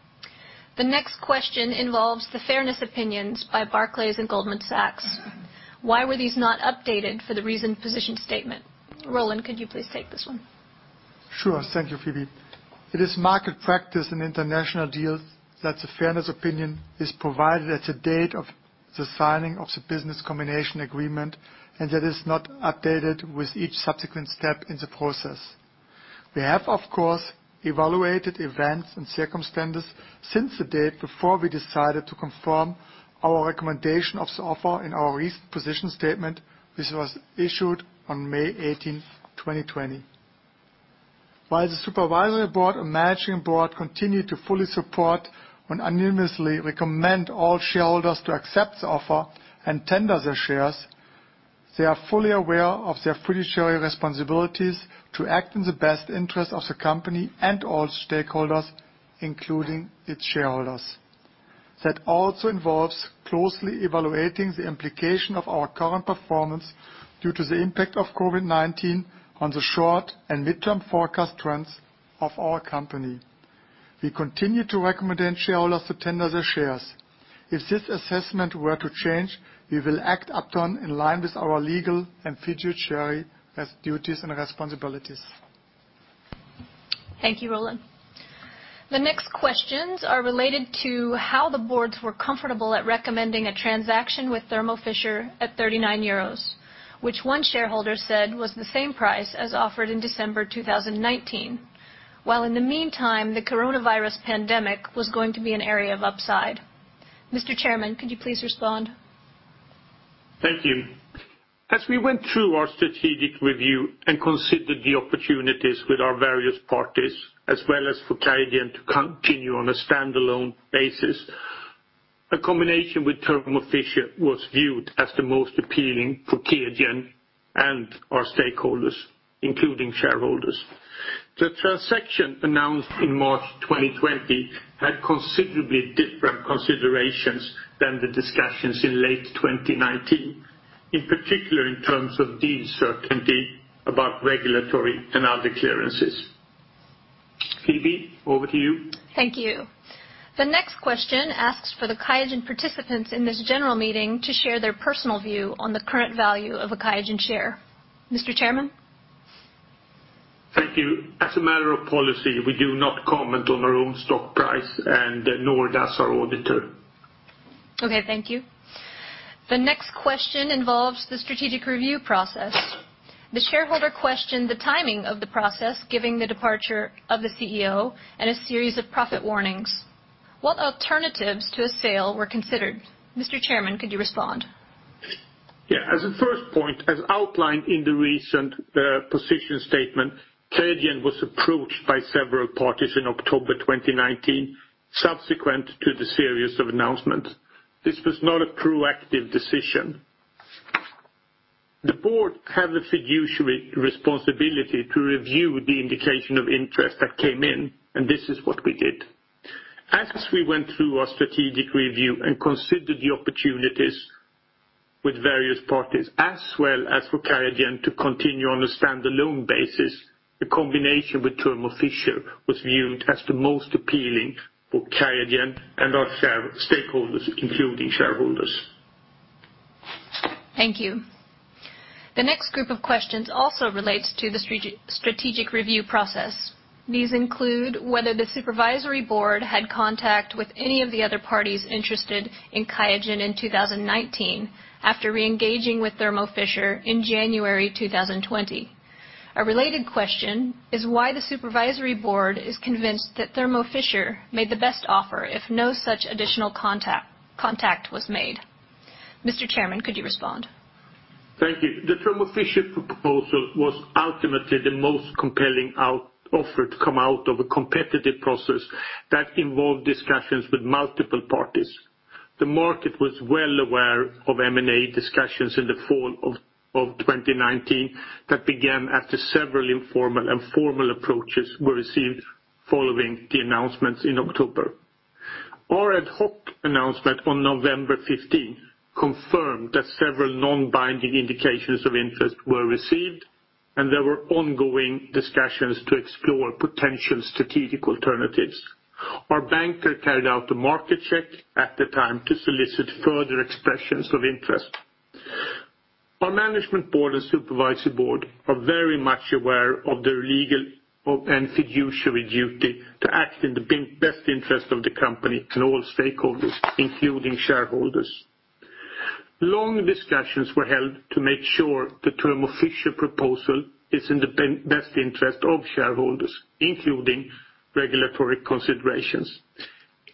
The next question involves the fairness opinions by Barclays and Goldman Sachs. Why were these not updated for the reasoned position statement? Roland, could you please take this one? Sure. Thank you, Phoebe. It is market practice in international deals that the fairness opinion is provided at the date of the signing of the Business Combination Agreement, and that is not updated with each subsequent step in the process. We have, of course, evaluated events and circumstances since the date before we decided to confirm our recommendation of the offer in our Reasoned Position Statement, which was issued on May 18th, 2020. While the Supervisory Board and Managing Board continue to fully support and unanimously recommend all shareholders to accept the offer and tender their shares, they are fully aware of their fiduciary responsibilities to act in the best interest of the company and all stakeholders, including its shareholders. That also involves closely evaluating the implication of our current performance due to the impact of COVID-19 on the short and mid-term forecast trends of our company. We continue to recommend shareholders to tender their shares. If this assessment were to change, we will act upon in line with our legal and fiduciary duties and responsibilities. Thank you, Roland. The next questions are related to how the boards were comfortable at recommending a transaction with Thermo Fisher at 39 euros, which one shareholder said was the same price as offered in December 2019, while in the meantime, the coronavirus pandemic was going to be an area of upside. Mr. Chairman, could you please respond? Thank you. As we went through our strategic review and considered the opportunities with our various parties, as well as for QIAGEN to continue on a standalone basis, a combination with Thermo Fisher was viewed as the most appealing for QIAGEN and our stakeholders, including shareholders. The transaction announced in March 2020 had considerably different considerations than the discussions in late 2019, in particular in terms of deal certainty about regulatory and other clearances. Phoebe, over to you. Thank you. The next question asks for the QIAGEN participants in this general meeting to share their personal view on the current value of a QIAGEN share. Mr. Chairman? Thank you. As a matter of policy, we do not comment on our own stock price, and nor does our auditor. Okay. Thank you. The next question involves the strategic review process. The shareholder questioned the timing of the process given the departure of the CEO and a series of profit warnings. What alternatives to a sale were considered? Mr. Chairman, could you respond? Yeah. As a first point, as outlined in the Reasoned Position Statement, QIAGEN was approached by several parties in October 2019, subsequent to the series of announcements. This was not a proactive decision. The board had the fiduciary responsibility to review the indication of interest that came in, and this is what we did. As we went through our strategic review and considered the opportunities with various parties, as well as for QIAGEN to continue on a standalone basis, the combination with Thermo Fisher was viewed as the most appealing for QIAGEN and our stakeholders, including shareholders. Thank you. The next group of questions also relates to the strategic review process. These include whether the Supervisory Board had contact with any of the other parties interested in QIAGEN in 2019 after reengaging with Thermo Fisher in January 2020. A related question is why the Supervisory Board is convinced that Thermo Fisher made the best offer if no such additional contact was made. Mr. Chairman, could you respond? Thank you. The Thermo Fisher proposal was ultimately the most compelling offer to come out of a competitive process that involved discussions with multiple parties. The market was well aware of M&A discussions in the fall of 2019 that began after several informal and formal approaches were received following the announcements in October. Our ad hoc announcement on November 15th confirmed that several non-binding indications of interest were received, and there were ongoing discussions to explore potential strategic alternatives. Our banker carried out a market check at the time to solicit further expressions of interest. Our Management Board and Supervisory Board are very much aware of their legal and fiduciary duty to act in the best interest of the company and all stakeholders, including shareholders. Long discussions were held to make sure the Thermo Fisher proposal is in the best interest of shareholders, including regulatory considerations.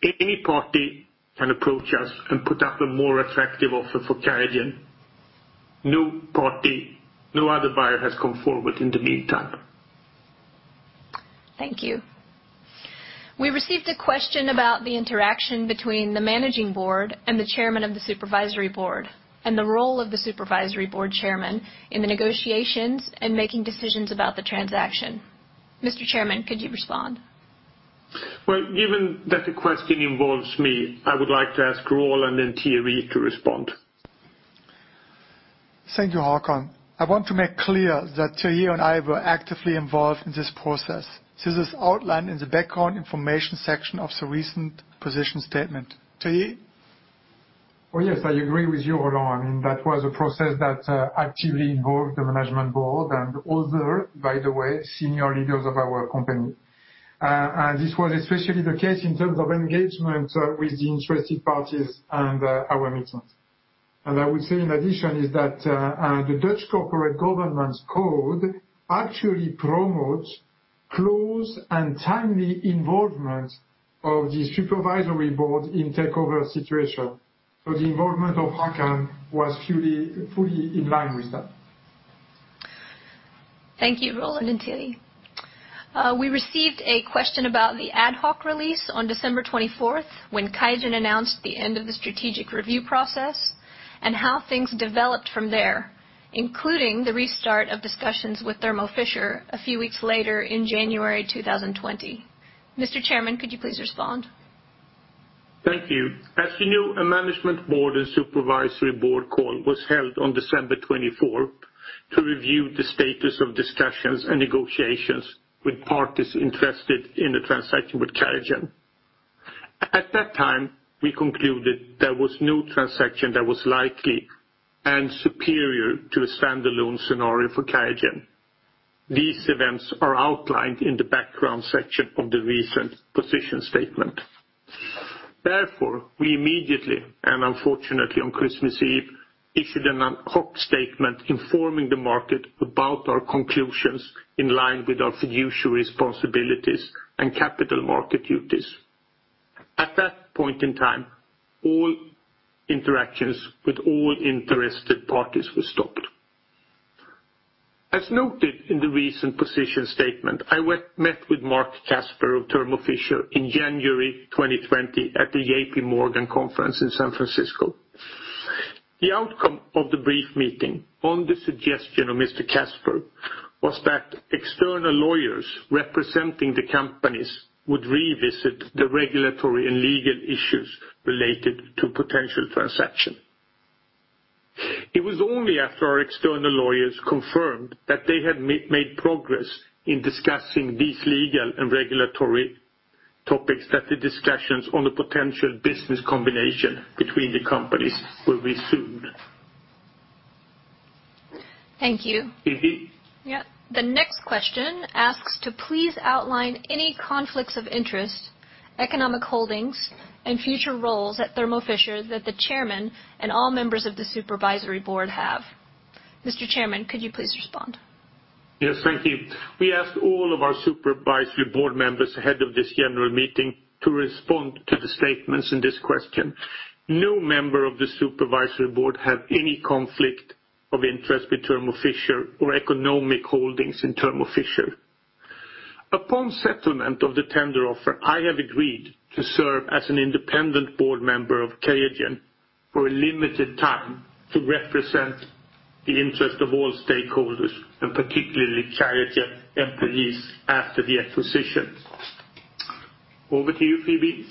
Any party can approach us and put up a more attractive offer for QIAGEN. No other buyer has come forward in the meantime. Thank you. We received a question about the interaction between the Managing Board and the Chairman of the Supervisory Board and the role of the Supervisory Board Chairman in the negotiations and making decisions about the transaction. Mr. Chairman, could you respond? Well, given that the question involves me, I would like to ask Roland and Thierry to respond. Thank you, Håkan. I want to make clear that Thierry and I were actively involved in this process. This is outlined in the background information section of the Reasoned Position Statement. Thierry? Oh, yes. I agree with you, Roland. I mean, that was a process that actively involved the Management Board and other, by the way, senior leaders of our company. And this was especially the case in terms of engagement with the interested parties and our meetings. And I would say, in addition, is that the Dutch Corporate Governance Code actually promotes close and timely involvement of the Supervisory Board in takeover situation. So the involvement of Håkan was fully in line with that. Thank you, Roland and Thierry. We received a question about the ad hoc release on December 24th when QIAGEN announced the end of the strategic review process and how things developed from there, including the restart of discussions with Thermo Fisher a few weeks later in January 2020. Mr. Chairman, could you please respond? Thank you. As you know, a Management Board and Supervisory Board call was held on December 24th to review the status of discussions and negotiations with parties interested in the transaction with QIAGEN. At that time, we concluded there was no transaction that was likely and superior to a standalone scenario for QIAGEN. These events are outlined in the background section of the Reasoned Position Statement. Therefore, we immediately and unfortunately, on Christmas Eve, issued an ad hoc statement informing the market about our conclusions in line with our fiduciary responsibilities and capital market duties. At that point in time, all interactions with all interested parties were stopped. As noted in the Reasoned Position Statement, I met with Marc Casper of Thermo Fisher in January 2020 at the J.P. Morgan conference in San Francisco. The outcome of the brief meeting, on the suggestion of Mr. Casper, was that external lawyers representing the companies would revisit the regulatory and legal issues related to potential transaction. It was only after our external lawyers confirmed that they had made progress in discussing these legal and regulatory topics that the discussions on the potential business combination between the companies were resumed. Thank you. Yeah. The next question asks to please outline any conflicts of interest, economic holdings, and future roles at Thermo Fisher that the chairman and all members of the Supervisory Board have. Mr. Chairman, could you please respond? Yes. Thank you. We asked all of our Supervisory Board members ahead of this general meeting to respond to the statements in this question. No member of the Supervisory Board had any conflict of interest with Thermo Fisher or economic holdings in Thermo Fisher. Upon settlement of the tender offer, I have agreed to serve as an independent board member of QIAGEN for a limited time to represent the interest of all stakeholders, and particularly QIAGEN employees, after the acquisition. Over to you, Phoebe.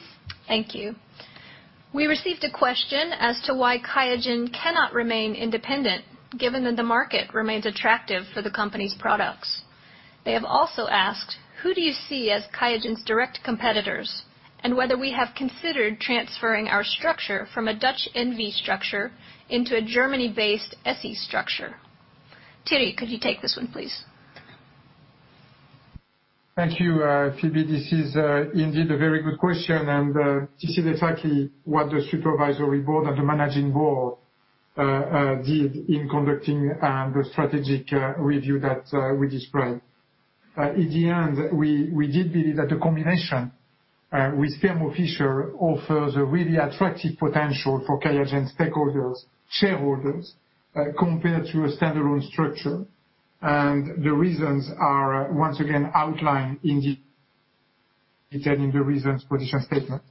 Thank you. We received a question as to why QIAGEN cannot remain independent given that the market remains attractive for the company's products. They have also asked, who do you see as QIAGEN's direct competitors and whether we have considered transferring our structure from a Dutch NV structure into a Germany-based SE structure? Thierry, could you take this one, please? Thank you. Phoebe, this is indeed a very good question, and this is exactly what the Supervisory Board and the Managing Board did in conducting the strategic review that we described. In the end, we did believe that the combination with Thermo Fisher offers a really attractive potential for QIAGEN stakeholders, shareholders, compared to a standalone structure, and the reasons are once again outlined in the reasoned position statement.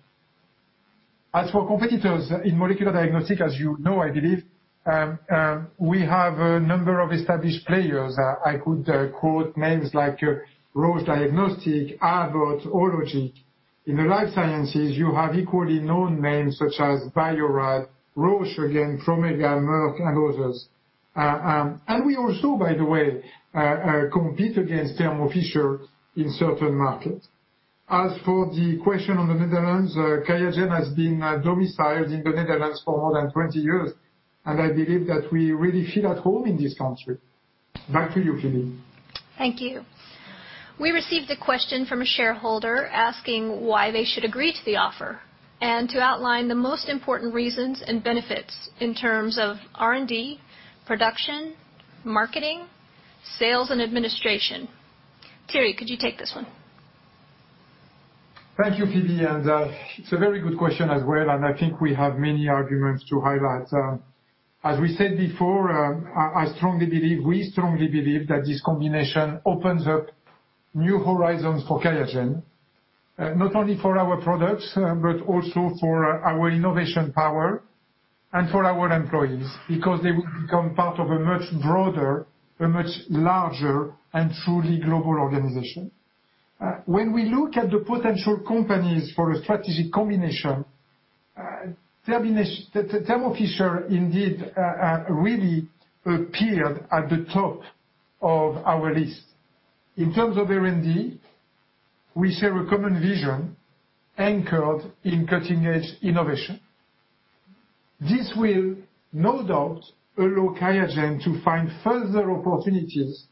As for competitors in molecular diagnostics, as you know, I believe, we have a number of established players. I could quote names like Roche Diagnostics, Abbott, Hologic. In the Life Sciences, you have equally known names such as Bio-Rad, Roche, again, Promega, Merck, and others, and we also, by the way, compete against Thermo Fisher in certain markets. As for the question on the Netherlands, QIAGEN has been domiciled in the Netherlands for more than 20 years, and I believe that we really feel at home in this country. Back to you, Phoebe. Thank you. We received a question from a shareholder asking why they should agree to the offer and to outline the most important reasons and benefits in terms of R&D, production, marketing, sales, and administration. Thierry, could you take this one? Thank you, Phoebe. It's a very good question as well, and I think we have many arguments to highlight. As we said before, I strongly believe, we strongly believe that this combination opens up new horizons for QIAGEN, not only for our products, but also for our innovation power and for our employees because they will become part of a much broader, a much larger, and truly global organization. When we look at the potential companies for a strategic combination, Thermo Fisher indeed really appeared at the top of our list. In terms of R&D, we share a common vision anchored in cutting-edge innovation. This will, no doubt, allow QIAGEN to find further opportunities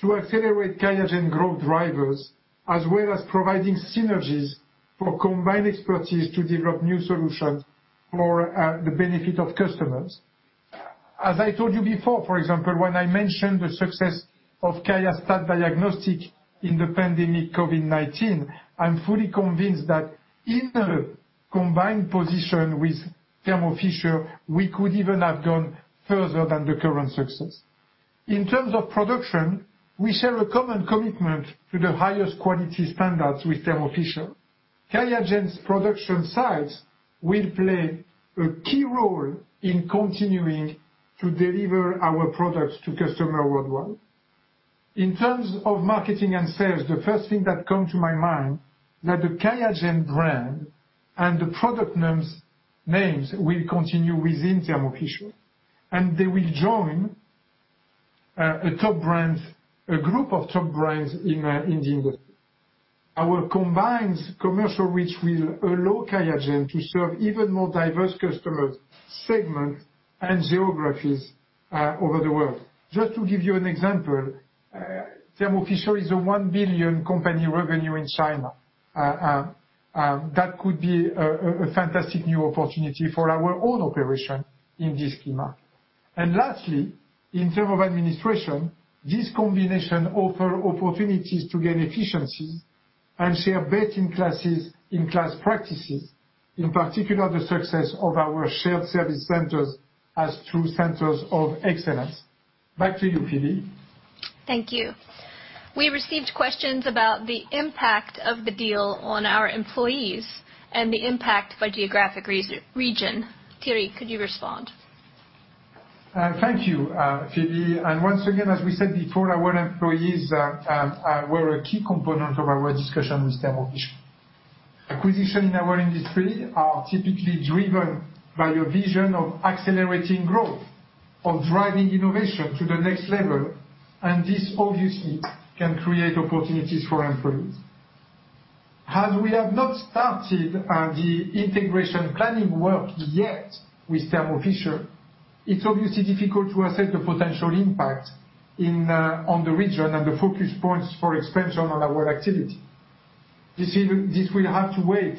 to accelerate QIAGEN growth drivers, as well as providing synergies for combined expertise to develop new solutions for the benefit of customers. As I told you before, for example, when I mentioned the success of QIAGEN Diagnostics in the pandemic COVID-19, I'm fully convinced that in a combined position with Thermo Fisher, we could even have gone further than the current success. In terms of production, we share a common commitment to the highest quality standards with Thermo Fisher. QIAGEN's production sites will play a key role in continuing to deliver our products to customers worldwide. In terms of marketing and sales, the first thing that comes to my mind is that the QIAGEN brand and the product names will continue within Thermo Fisher, and they will join a top brand, a group of top brands in the industry. Our combined commercial reach will allow QIAGEN to serve even more diverse customer segments and geographies over the world. Just to give you an example, Thermo Fisher is a $1 billion revenue company in China. That could be a fantastic new opportunity for our own operation in this key market. And lastly, in terms of administration, this combination offers opportunities to gain efficiencies and share best-in-class practices, in particular the success of our shared service centers as true centers of excellence. Back to you, Phoebe. Thank you. We received questions about the impact of the deal on our employees and the impact by geographic region. Thierry, could you respond? Thank you, Phoebe. Once again, as we said before, our employees were a key component of our discussion with Thermo Fisher. Acquisitions in our industry are typically driven by a vision of accelerating growth, of driving innovation to the next level, and this obviously can create opportunities for employees. Had we not started the integration planning work yet with Thermo Fisher, it's obviously difficult to assess the potential impact on the region and the focus points for expansion on our activity. This will have to wait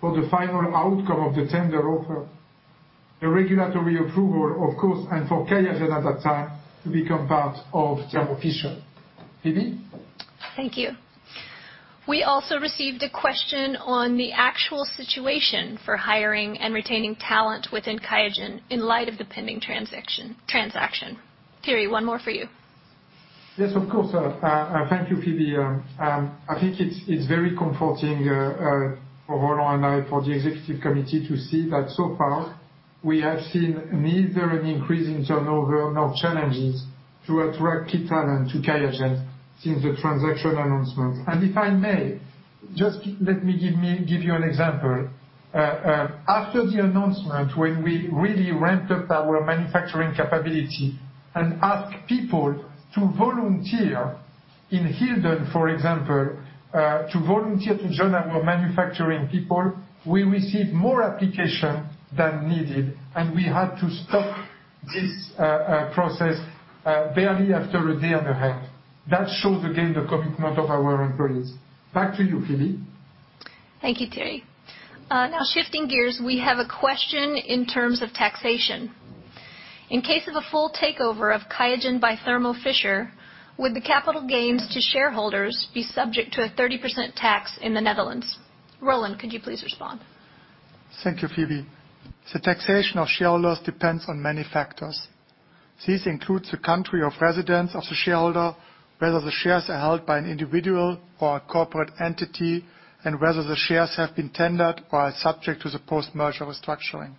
for the final outcome of the tender offer, the regulatory approval, of course, and for QIAGEN at that time to become part of Thermo Fisher. Phoebe? Thank you. We also received a question on the actual situation for hiring and retaining talent within QIAGEN in light of the pending transaction. Thierry, one more for you. Yes, of course. Thank you, Phoebe. I think it's very comforting for Roland and I for the Executive Committee to see that so far we have seen neither an increase in turnover nor challenges to attract key talent to QIAGEN since the transaction announcement. And if I may, just let me give you an example. After the announcement, when we really ramped up our manufacturing capability and asked people to volunteer in Hilden, for example, to volunteer to join our manufacturing people, we received more applications than needed, and we had to stop this process barely after a day and a half. That shows, again, the commitment of our employees. Back to you, Phoebe. Thank you, Thierry. Now, shifting gears, we have a question in terms of taxation. In case of a full takeover of QIAGEN by Thermo Fisher, would the capital gains to shareholders be subject to a 30% tax in the Netherlands? Roland, could you please respond? Thank you, Phoebe. The taxation of shareholders depends on many factors. This includes the country of residence of the shareholder, whether the shares are held by an individual or a corporate entity, and whether the shares have been tendered or are subject to the post-merger restructuring.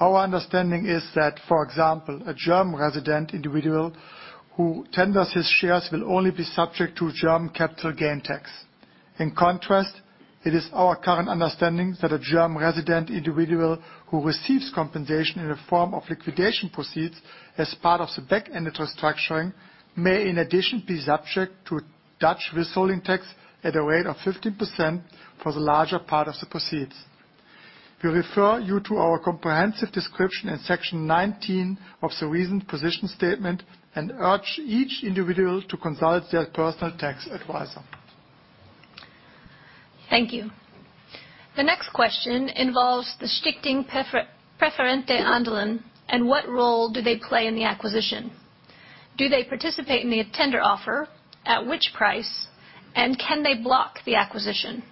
Our understanding is that, for example, a German resident individual who tenders his shares will only be subject to German capital gain tax. In contrast, it is our current understanding that a German resident individual who receives compensation in the form of liquidation proceeds as part of the back-end restructuring may, in addition, be subject to Dutch withholding tax at a rate of 15% for the larger part of the proceeds. We refer you to our comprehensive description in Section 19 of the Reasoned Position Statement and urge each individual to consult their personal tax advisor. Thank you. The next question involves the Stichting Preferente Aandelen, and what role do they play in the acquisition? Do they participate in the tender offer, at which price, and can they block the acquisition?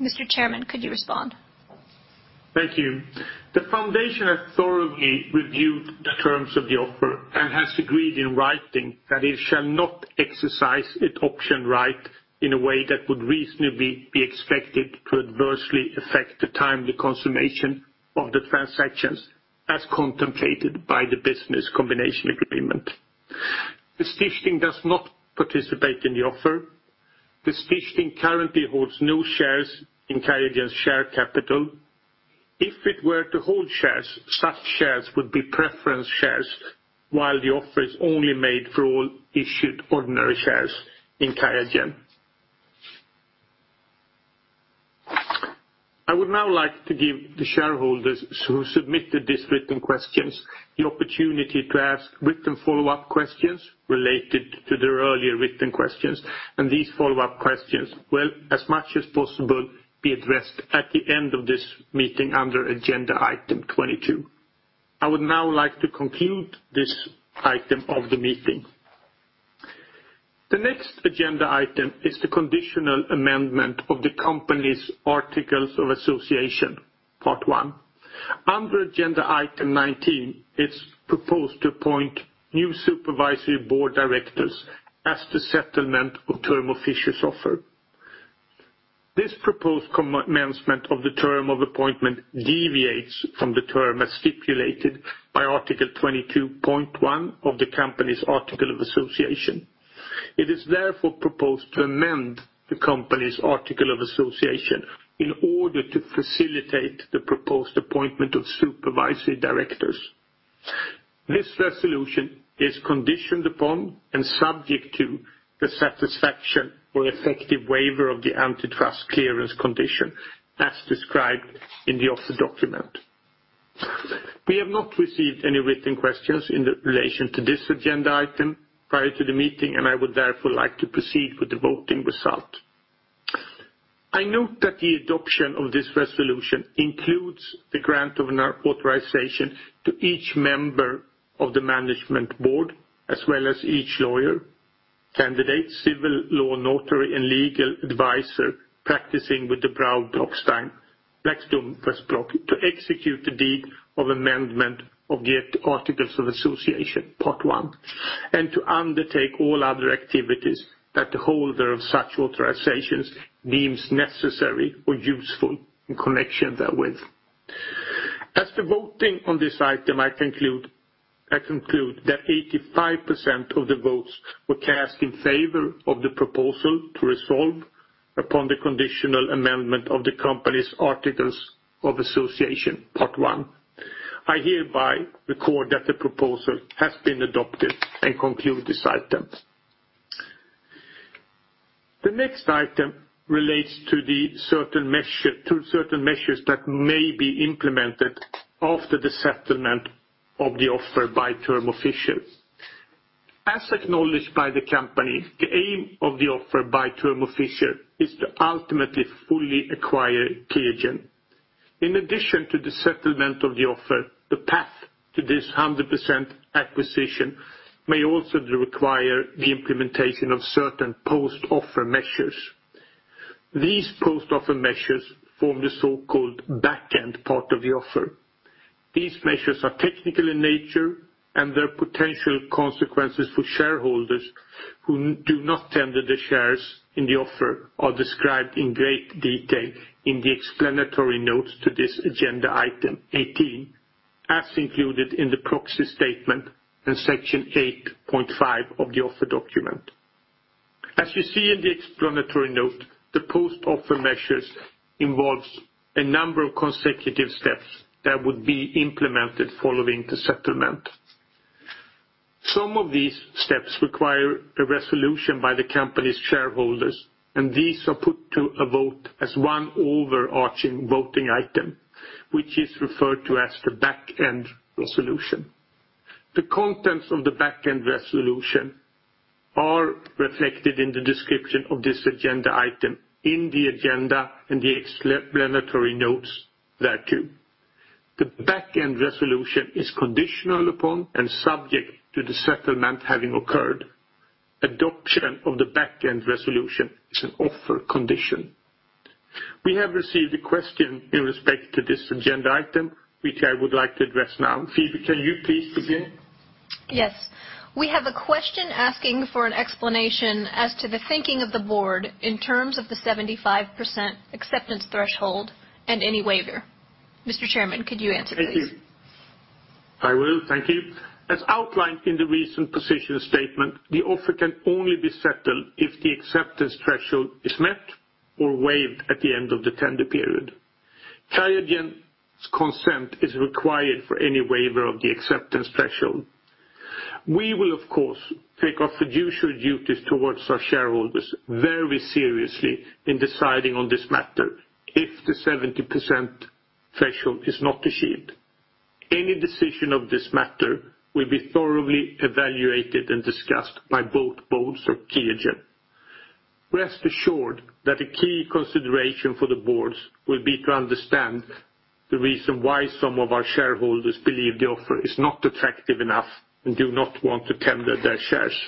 Mr. Chairman, could you respond? Thank you. The foundation has thoroughly reviewed the terms of the offer and has agreed in writing that it shall not exercise its option right in a way that would reasonably be expected to adversely affect the timely consummation of the transactions as contemplated by the Business Combination Agreement. The Stichting does not participate in the offer. The Stichting currently holds no shares in QIAGEN's share capital. If it were to hold shares, such shares would be preference shares, while the offer is only made for all issued ordinary shares in QIAGEN. I would now like to give the shareholders who submitted these written questions the opportunity to ask written follow-up questions related to the earlier written questions, and these follow-up questions will, as much as possible, be addressed at the end of this meeting under agenda item 22. I would now like to conclude this item of the meeting. The next agenda item is the conditional amendment of the company's articles of association, part one. Under agenda item 19, it's proposed to appoint new Supervisory Board Directors as the settlement of Thermo Fisher's offer. This proposed commencement of the term of appointment deviates from the term as stipulated by items Article 22.1 of the company's Article of Association. It is therefore proposed to amend the company's articles of association in order to facilitate the proposed appointment of supervisory directors. This resolution is conditioned upon and subject to the satisfaction or effective waiver of the antitrust clearance condition as described in the offer document. We have not received any written questions in relation to this agenda item prior to the meeting, and I would therefore like to proceed with the voting result. I note that the adoption of this resolution includes the grant of an authorization to each member of the Management Board, as well as each lawyer, candidate civil law notary, and legal advisor practicing with De Brauw Blackstone Westbroek, to execute the deed of amendment of the articles of association, part one, and to undertake all other activities that the holder of such authorizations deems necessary or useful in connection therewith. As the voting on this item, I conclude that 85% of the votes were cast in favor of the proposal to resolve upon the conditional amendment of the company's articles of association, part one. I hereby record that the proposal has been adopted and conclude this item. The next item relates to certain measures that may be implemented after the settlement of the offer by Thermo Fisher. As acknowledged by the company, the aim of the offer by Thermo Fisher is to ultimately fully acquire QIAGEN. In addition to the settlement of the offer, the path to this 100% acquisition may also require the implementation of certain post-offer measures. These post-offer measures form the so-called back-end part of the offer. These measures are technical in nature, and their potential consequences for shareholders who do not tender the shares in the offer are described in great detail in the explanatory notes to this agenda item 18, as included in the proxy statement in Section 8.5 of the offer document. As you see in the explanatory note, the post-offer measures involve a number of consecutive steps that would be implemented following the settlement. Some of these steps require a resolution by the company's shareholders, and these are put to a vote as one overarching voting item, which is referred to as the back-end resolution. The contents of the back-end resolution are reflected in the description of this agenda item in the agenda and the explanatory notes thereto. The back-end resolution is conditional upon and subject to the settlement having occurred. Adoption of the back-end resolution is an offer condition. We have received a question in respect to this agenda item, which I would like to address now. Phoebe, can you please begin? Yes. We have a question asking for an explanation as to the thinking of the board in terms of the 75% acceptance threshold and any waiver. Mr. Chairman, could you answer please? Thank you. I will. Thank you. As outlined in the Reasoned Position Statement, the offer can only be settled if the acceptance threshold is met or waived at the end of the tender period. QIAGEN's consent is required for any waiver of the acceptance threshold. We will, of course, take our fiduciary duties towards our shareholders very seriously in deciding on this matter if the 70% threshold is not achieved. Any decision of this matter will be thoroughly evaluated and discussed by both boards of QIAGEN. Rest assured that a key consideration for the boards will be to understand the reason why some of our shareholders believe the offer is not attractive enough and do not want to tender their shares.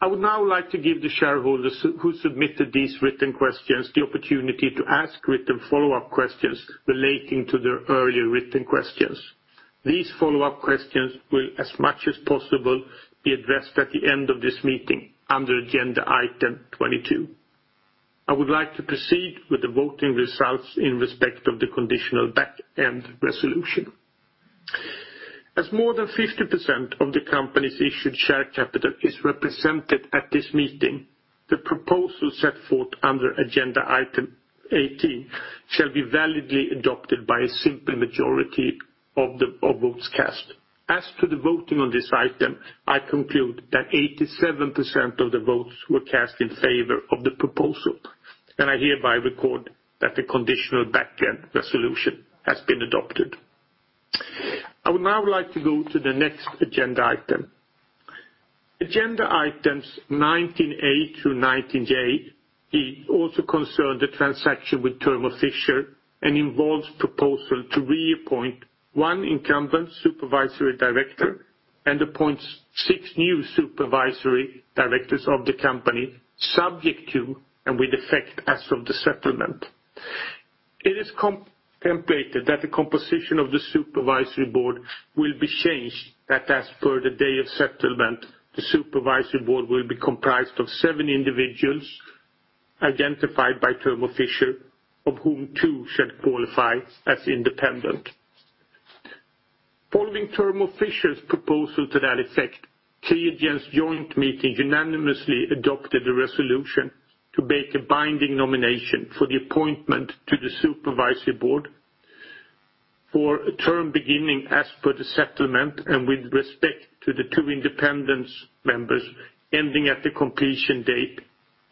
I would now like to give the shareholders who submitted these written questions the opportunity to ask written follow-up questions relating to the earlier written questions. These follow-up questions will, as much as possible, be addressed at the end of this meeting under agenda item 22. I would like to proceed with the voting results in respect of the conditional back-end resolution. As more than 50% of the company's issued share capital is represented at this meeting, the proposal set forth under agenda item 18 shall be validly adopted by a simple majority of the votes cast. As to the voting on this item, I conclude that 87% of the votes were cast in favor of the proposal, and I hereby record that the conditional back-end resolution has been adopted. I would now like to go to the next agenda item. Agenda items 19A through 19G also concern the transaction with Thermo Fisher and involves the proposal to reappoint one incumbent supervisory director and appoints six new supervisory directors of the company, subject to and with effect as of the settlement. It is contemplated that the composition of the Supervisory Board will be changed, that as per the day of settlement, the Supervisory Board will be comprised of seven individuals identified by Thermo Fisher, of whom two shall qualify as independent. Following Thermo Fisher's proposal to that effect, QIAGEN's joint meeting unanimously adopted the resolution to make a binding nomination for the appointment to the Supervisory Board for a term beginning as per the settlement and with respect to the two independent members ending at the completion date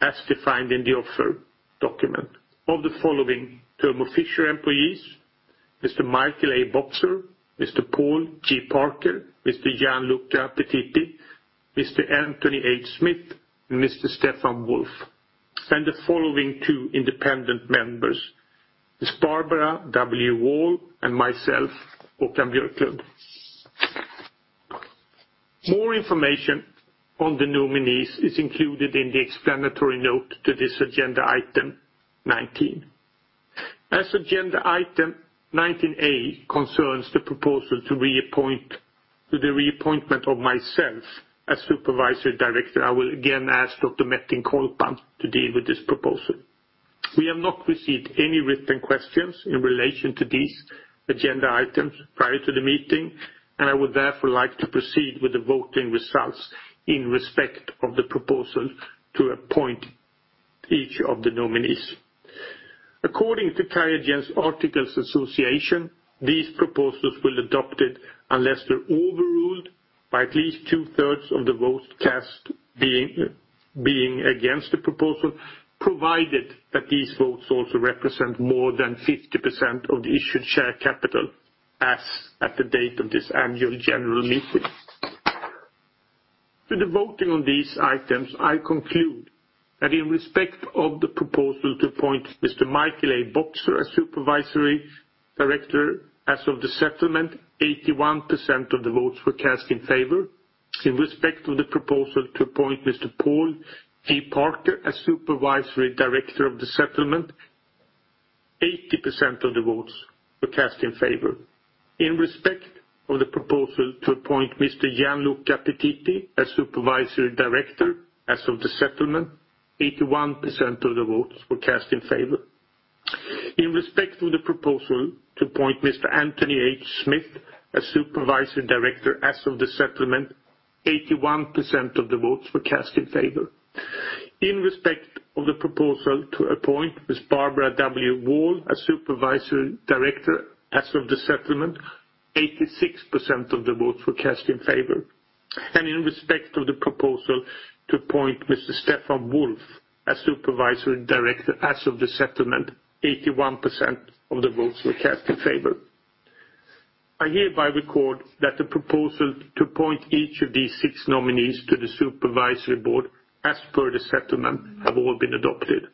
as defined in the offer document. Of the following Thermo Fisher employees: Mr. Michael A. Boxer, Mr. Paul G. Parker, Mr. Gianluca Pettiti, Mr. Anthony H. Smith, and Mr. Stefan Wolf, and the following two independent members: Ms. Barbara W. Wall and myself, Håkan Björklund. More information on the nominees is included in the explanatory note to this agenda item 19. As agenda item 19A concerns the proposal to reappoint to the reappointment of myself as supervisory director, I will again ask Dr. Metin Colpan to deal with this proposal. We have not received any written questions in relation to these agenda items prior to the meeting, and I would therefore like to proceed with the voting results in respect of the proposal to appoint each of the nominees. According to QIAGEN's articles of association, these proposals will be adopted unless they're overruled by at least two-thirds of the votes cast being against the proposal, provided that these votes also represent more than 50% of the issued share capital as at the date of this Annual General Meeting. With the voting on these items, I conclude that in respect of the proposal to appoint Mr. Michael A. Boxer as supervisory director as of the settlement, 81% of the votes were cast in favor. In respect of the proposal to appoint Mr. Paul G. Parker as supervisory director of the settlement, 80% of the votes were cast in favor. In respect of the proposal to appoint Mr. Gianluca Pettiti as supervisory director as of the settlement, 81% of the votes were cast in favor. In respect of the proposal to appoint Mr. Anthony H. Smith as supervisory director as of the settlement, 81% of the votes were cast in favor. In respect of the proposal to appoint Ms. Barbara W. Wall as supervisory director as of the settlement, 86% of the votes were cast in favor. And in respect of the proposal to appoint Mr. Stefan Wolf as supervisory director as of the settlement, 81% of the votes were cast in favor. I hereby record that the proposal to appoint each of these six nominees to the Supervisory Board as per the settlement have all been adopted.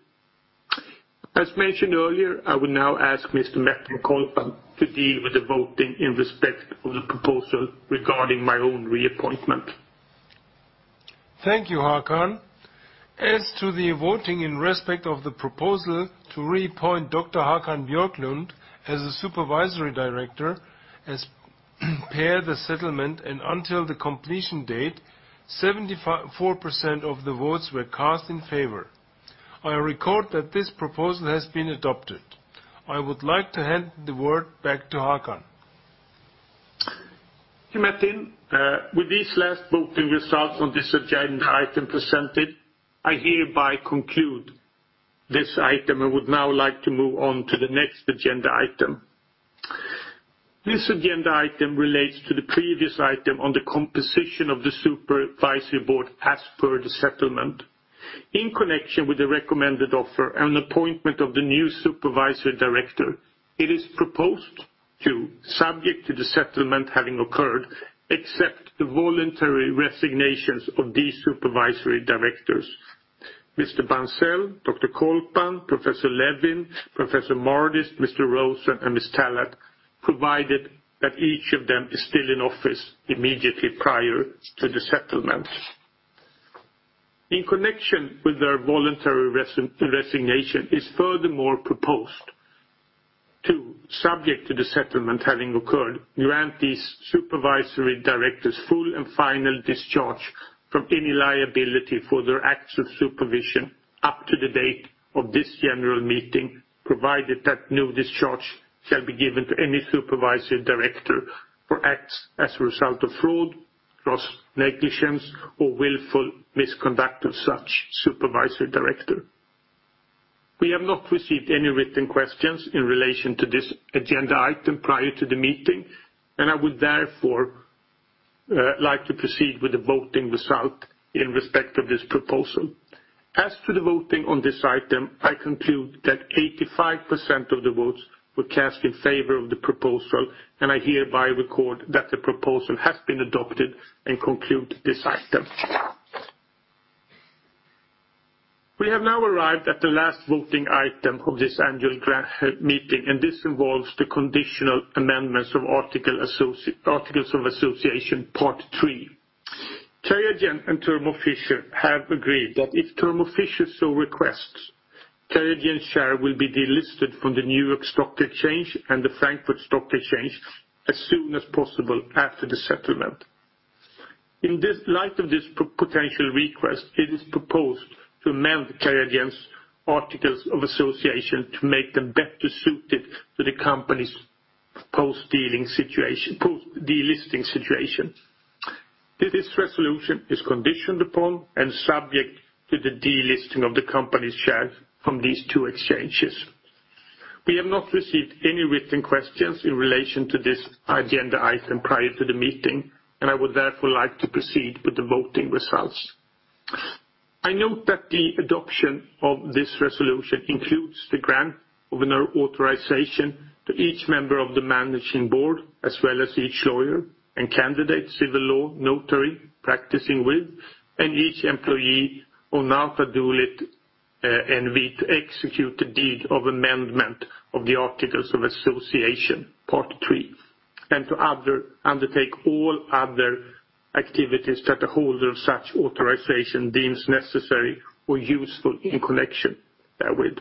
As mentioned earlier, I will now ask Mr. Metin Colpan to deal with the voting in respect of the proposal regarding my own reappointment. Thank you, Håkan. As to the voting in respect of the proposal to reappoint Dr. Håkan Björklund as a Supervisory Director as per the settlement and until the completion date, 74% of the votes were cast in favor. I record that this proposal has been adopted. I would like to hand the word back to Håkan. Thank you, Metin. With these last voting results on this agenda item presented, I hereby conclude this item. I would now like to move on to the next agenda item. This agenda item relates to the previous item on the composition of the Supervisory Board as per the settlement. In connection with the recommended offer and appointment of the new supervisory director, it is proposed to, subject to the settlement having occurred, accept the voluntary resignations of these supervisory directors. Mr. Bancel, Dr. Colpan, Professor Levine, Professor Mardis, Mr. Rosen, and Ms. Tallett provided that each of them is still in office immediately prior to the settlement. In connection with their voluntary resignation, it is furthermore proposed to, subject to the settlement having occurred, grant these supervisory directors full and final discharge from any liability for their acts of supervision up to the date of this general meeting, provided that no discharge shall be given to any supervisory director for acts as a result of fraud, negligence, or willful misconduct of such supervisory director. We have not received any written questions in relation to this agenda item prior to the meeting, and I would therefore like to proceed with the voting result in respect of this proposal. As to the voting on this item, I conclude that 85% of the votes were cast in favor of the proposal, and I hereby record that the proposal has been adopted and conclude this item. We have now arrived at the last voting item of this annual meeting, and this involves the conditional amendments of Articles of Association, Part III. QIAGEN and Thermo Fisher have agreed that if Thermo Fisher so requests, QIAGEN's share will be delisted from the New York Stock Exchange and the Frankfurt Stock Exchange as soon as possible after the settlement. In light of this potential request, it is proposed to amend QIAGEN's Articles of Association to make them better suited to the company's post-de-listing situation. This resolution is conditioned upon and subject to the delisting of the company's shares from these two exchanges. We have not received any written questions in relation to this agenda item prior to the meeting, and I would therefore like to proceed with the voting results. I note that the adoption of this resolution includes the grant of an authorization to each member of the Managing Board, as well as each lawyer and civil law notary, and each employee of the company to execute the deed of amendment of the Articles of Association, Part III, and to undertake all other activities that a holder of such authorization deems necessary or useful in connection therewith.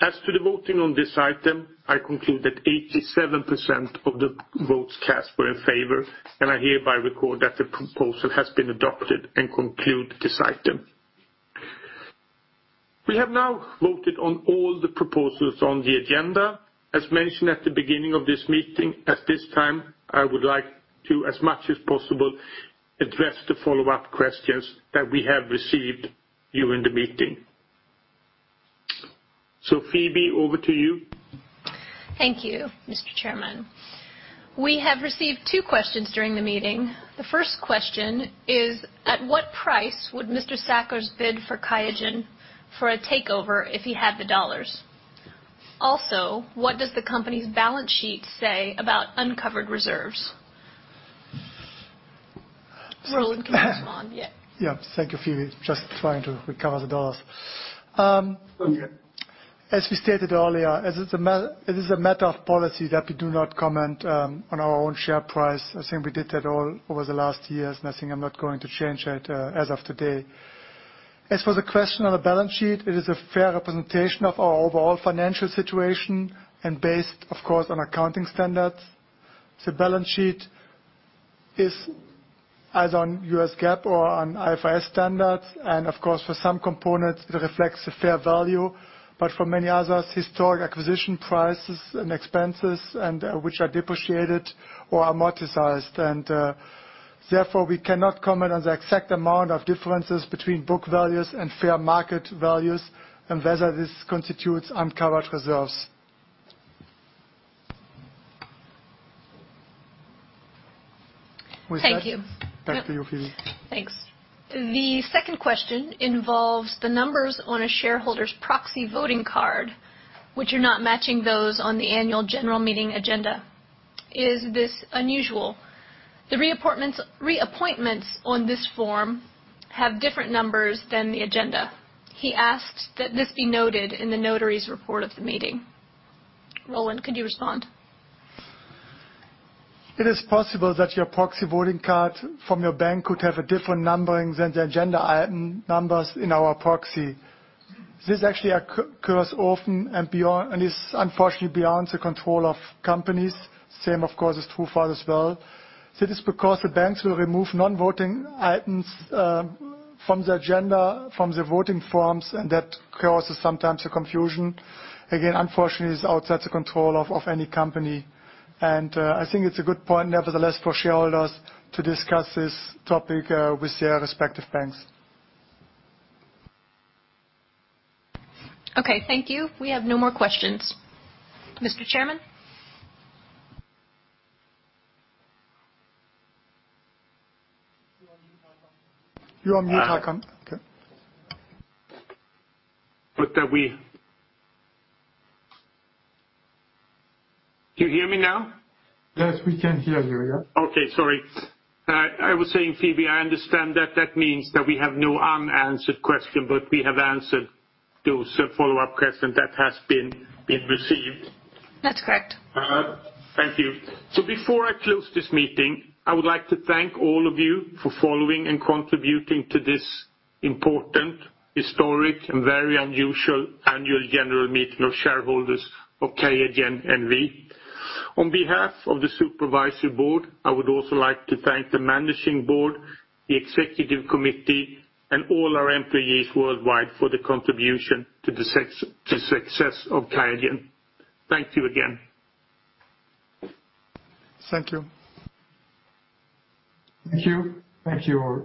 As to the voting on this item, I conclude that 87% of the votes cast were in favor, and I hereby record that the proposal has been adopted and conclude this item. We have now voted on all the proposals on the agenda. As mentioned at the beginning of this meeting, at this time, I would like to, as much as possible, address the follow-up questions that we have received during the meeting. So, Phoebe, over to you. Thank you, Mr. Chairman. We have received two questions during the meeting. The first question is, at what price would Mr. Sackers bid for QIAGEN for a takeover if he had the dollars? Also, what does the company's balance sheet say about uncovered reserves? Roland can respond. Yeah. Thank you, Phoebe. Just trying to recover the dollars. As we stated earlier, it is a matter of policy that we do not comment on our own share price. I think we did that all over the last years, and I think I'm not going to change that as of today. As for the question on the balance sheet, it is a fair representation of our overall financial situation and based, of course, on accounting standards. The balance sheet is either on U.S. GAAP or on IFRS standards, and of course, for some components, it reflects a fair value, but for many others, historic acquisition prices and expenses, which are depreciated or amortized. And therefore, we cannot comment on the exact amount of differences between book values and fair market values and whether this constitutes uncovered reserves. Thank you. Back to you, Phoebe. Thanks. The second question involves the numbers on a shareholder's proxy voting card, which are not matching those on the Annual General Meeting agenda. Is this unusual? The reappointments on this form have different numbers than the agenda. He asked that this be noted in the notary's report of the meeting. Roland, could you respond? It is possible that your proxy voting card from your bank could have a different numbering than the agenda item numbers in our proxy. This actually occurs often and is unfortunately beyond the control of companies. Same, of course, is true for others as well. It is because the banks will remove non-voting items from the agenda, from the voting forms, and that causes sometimes a confusion. Again, unfortunately, it's outside the control of any company. And I think it's a good point, nevertheless, for shareholders to discuss this topic with their respective banks. Okay. Thank you. We have no more questions. Mr. Chairman? You're on mute, Håkan. Okay. But do you hear me now? Yes, we can hear you. Okay. Sorry. I was saying, Phoebe, I understand that that means that we have no unanswered question, but we have answered to some follow-up questions that have been received. That's correct. Thank you. So before I close this meeting, I would like to thank all of you for following and contributing to this important, historic, and very unusual Annual General Meeting of shareholders of QIAGEN NV. On behalf of the Supervisory Board, I would also like to thank the Managing Board, the Executive Committee, and all our employees worldwide for the contribution to the success of QIAGEN. Thank you again. Thank you. Thank you. Thank you all.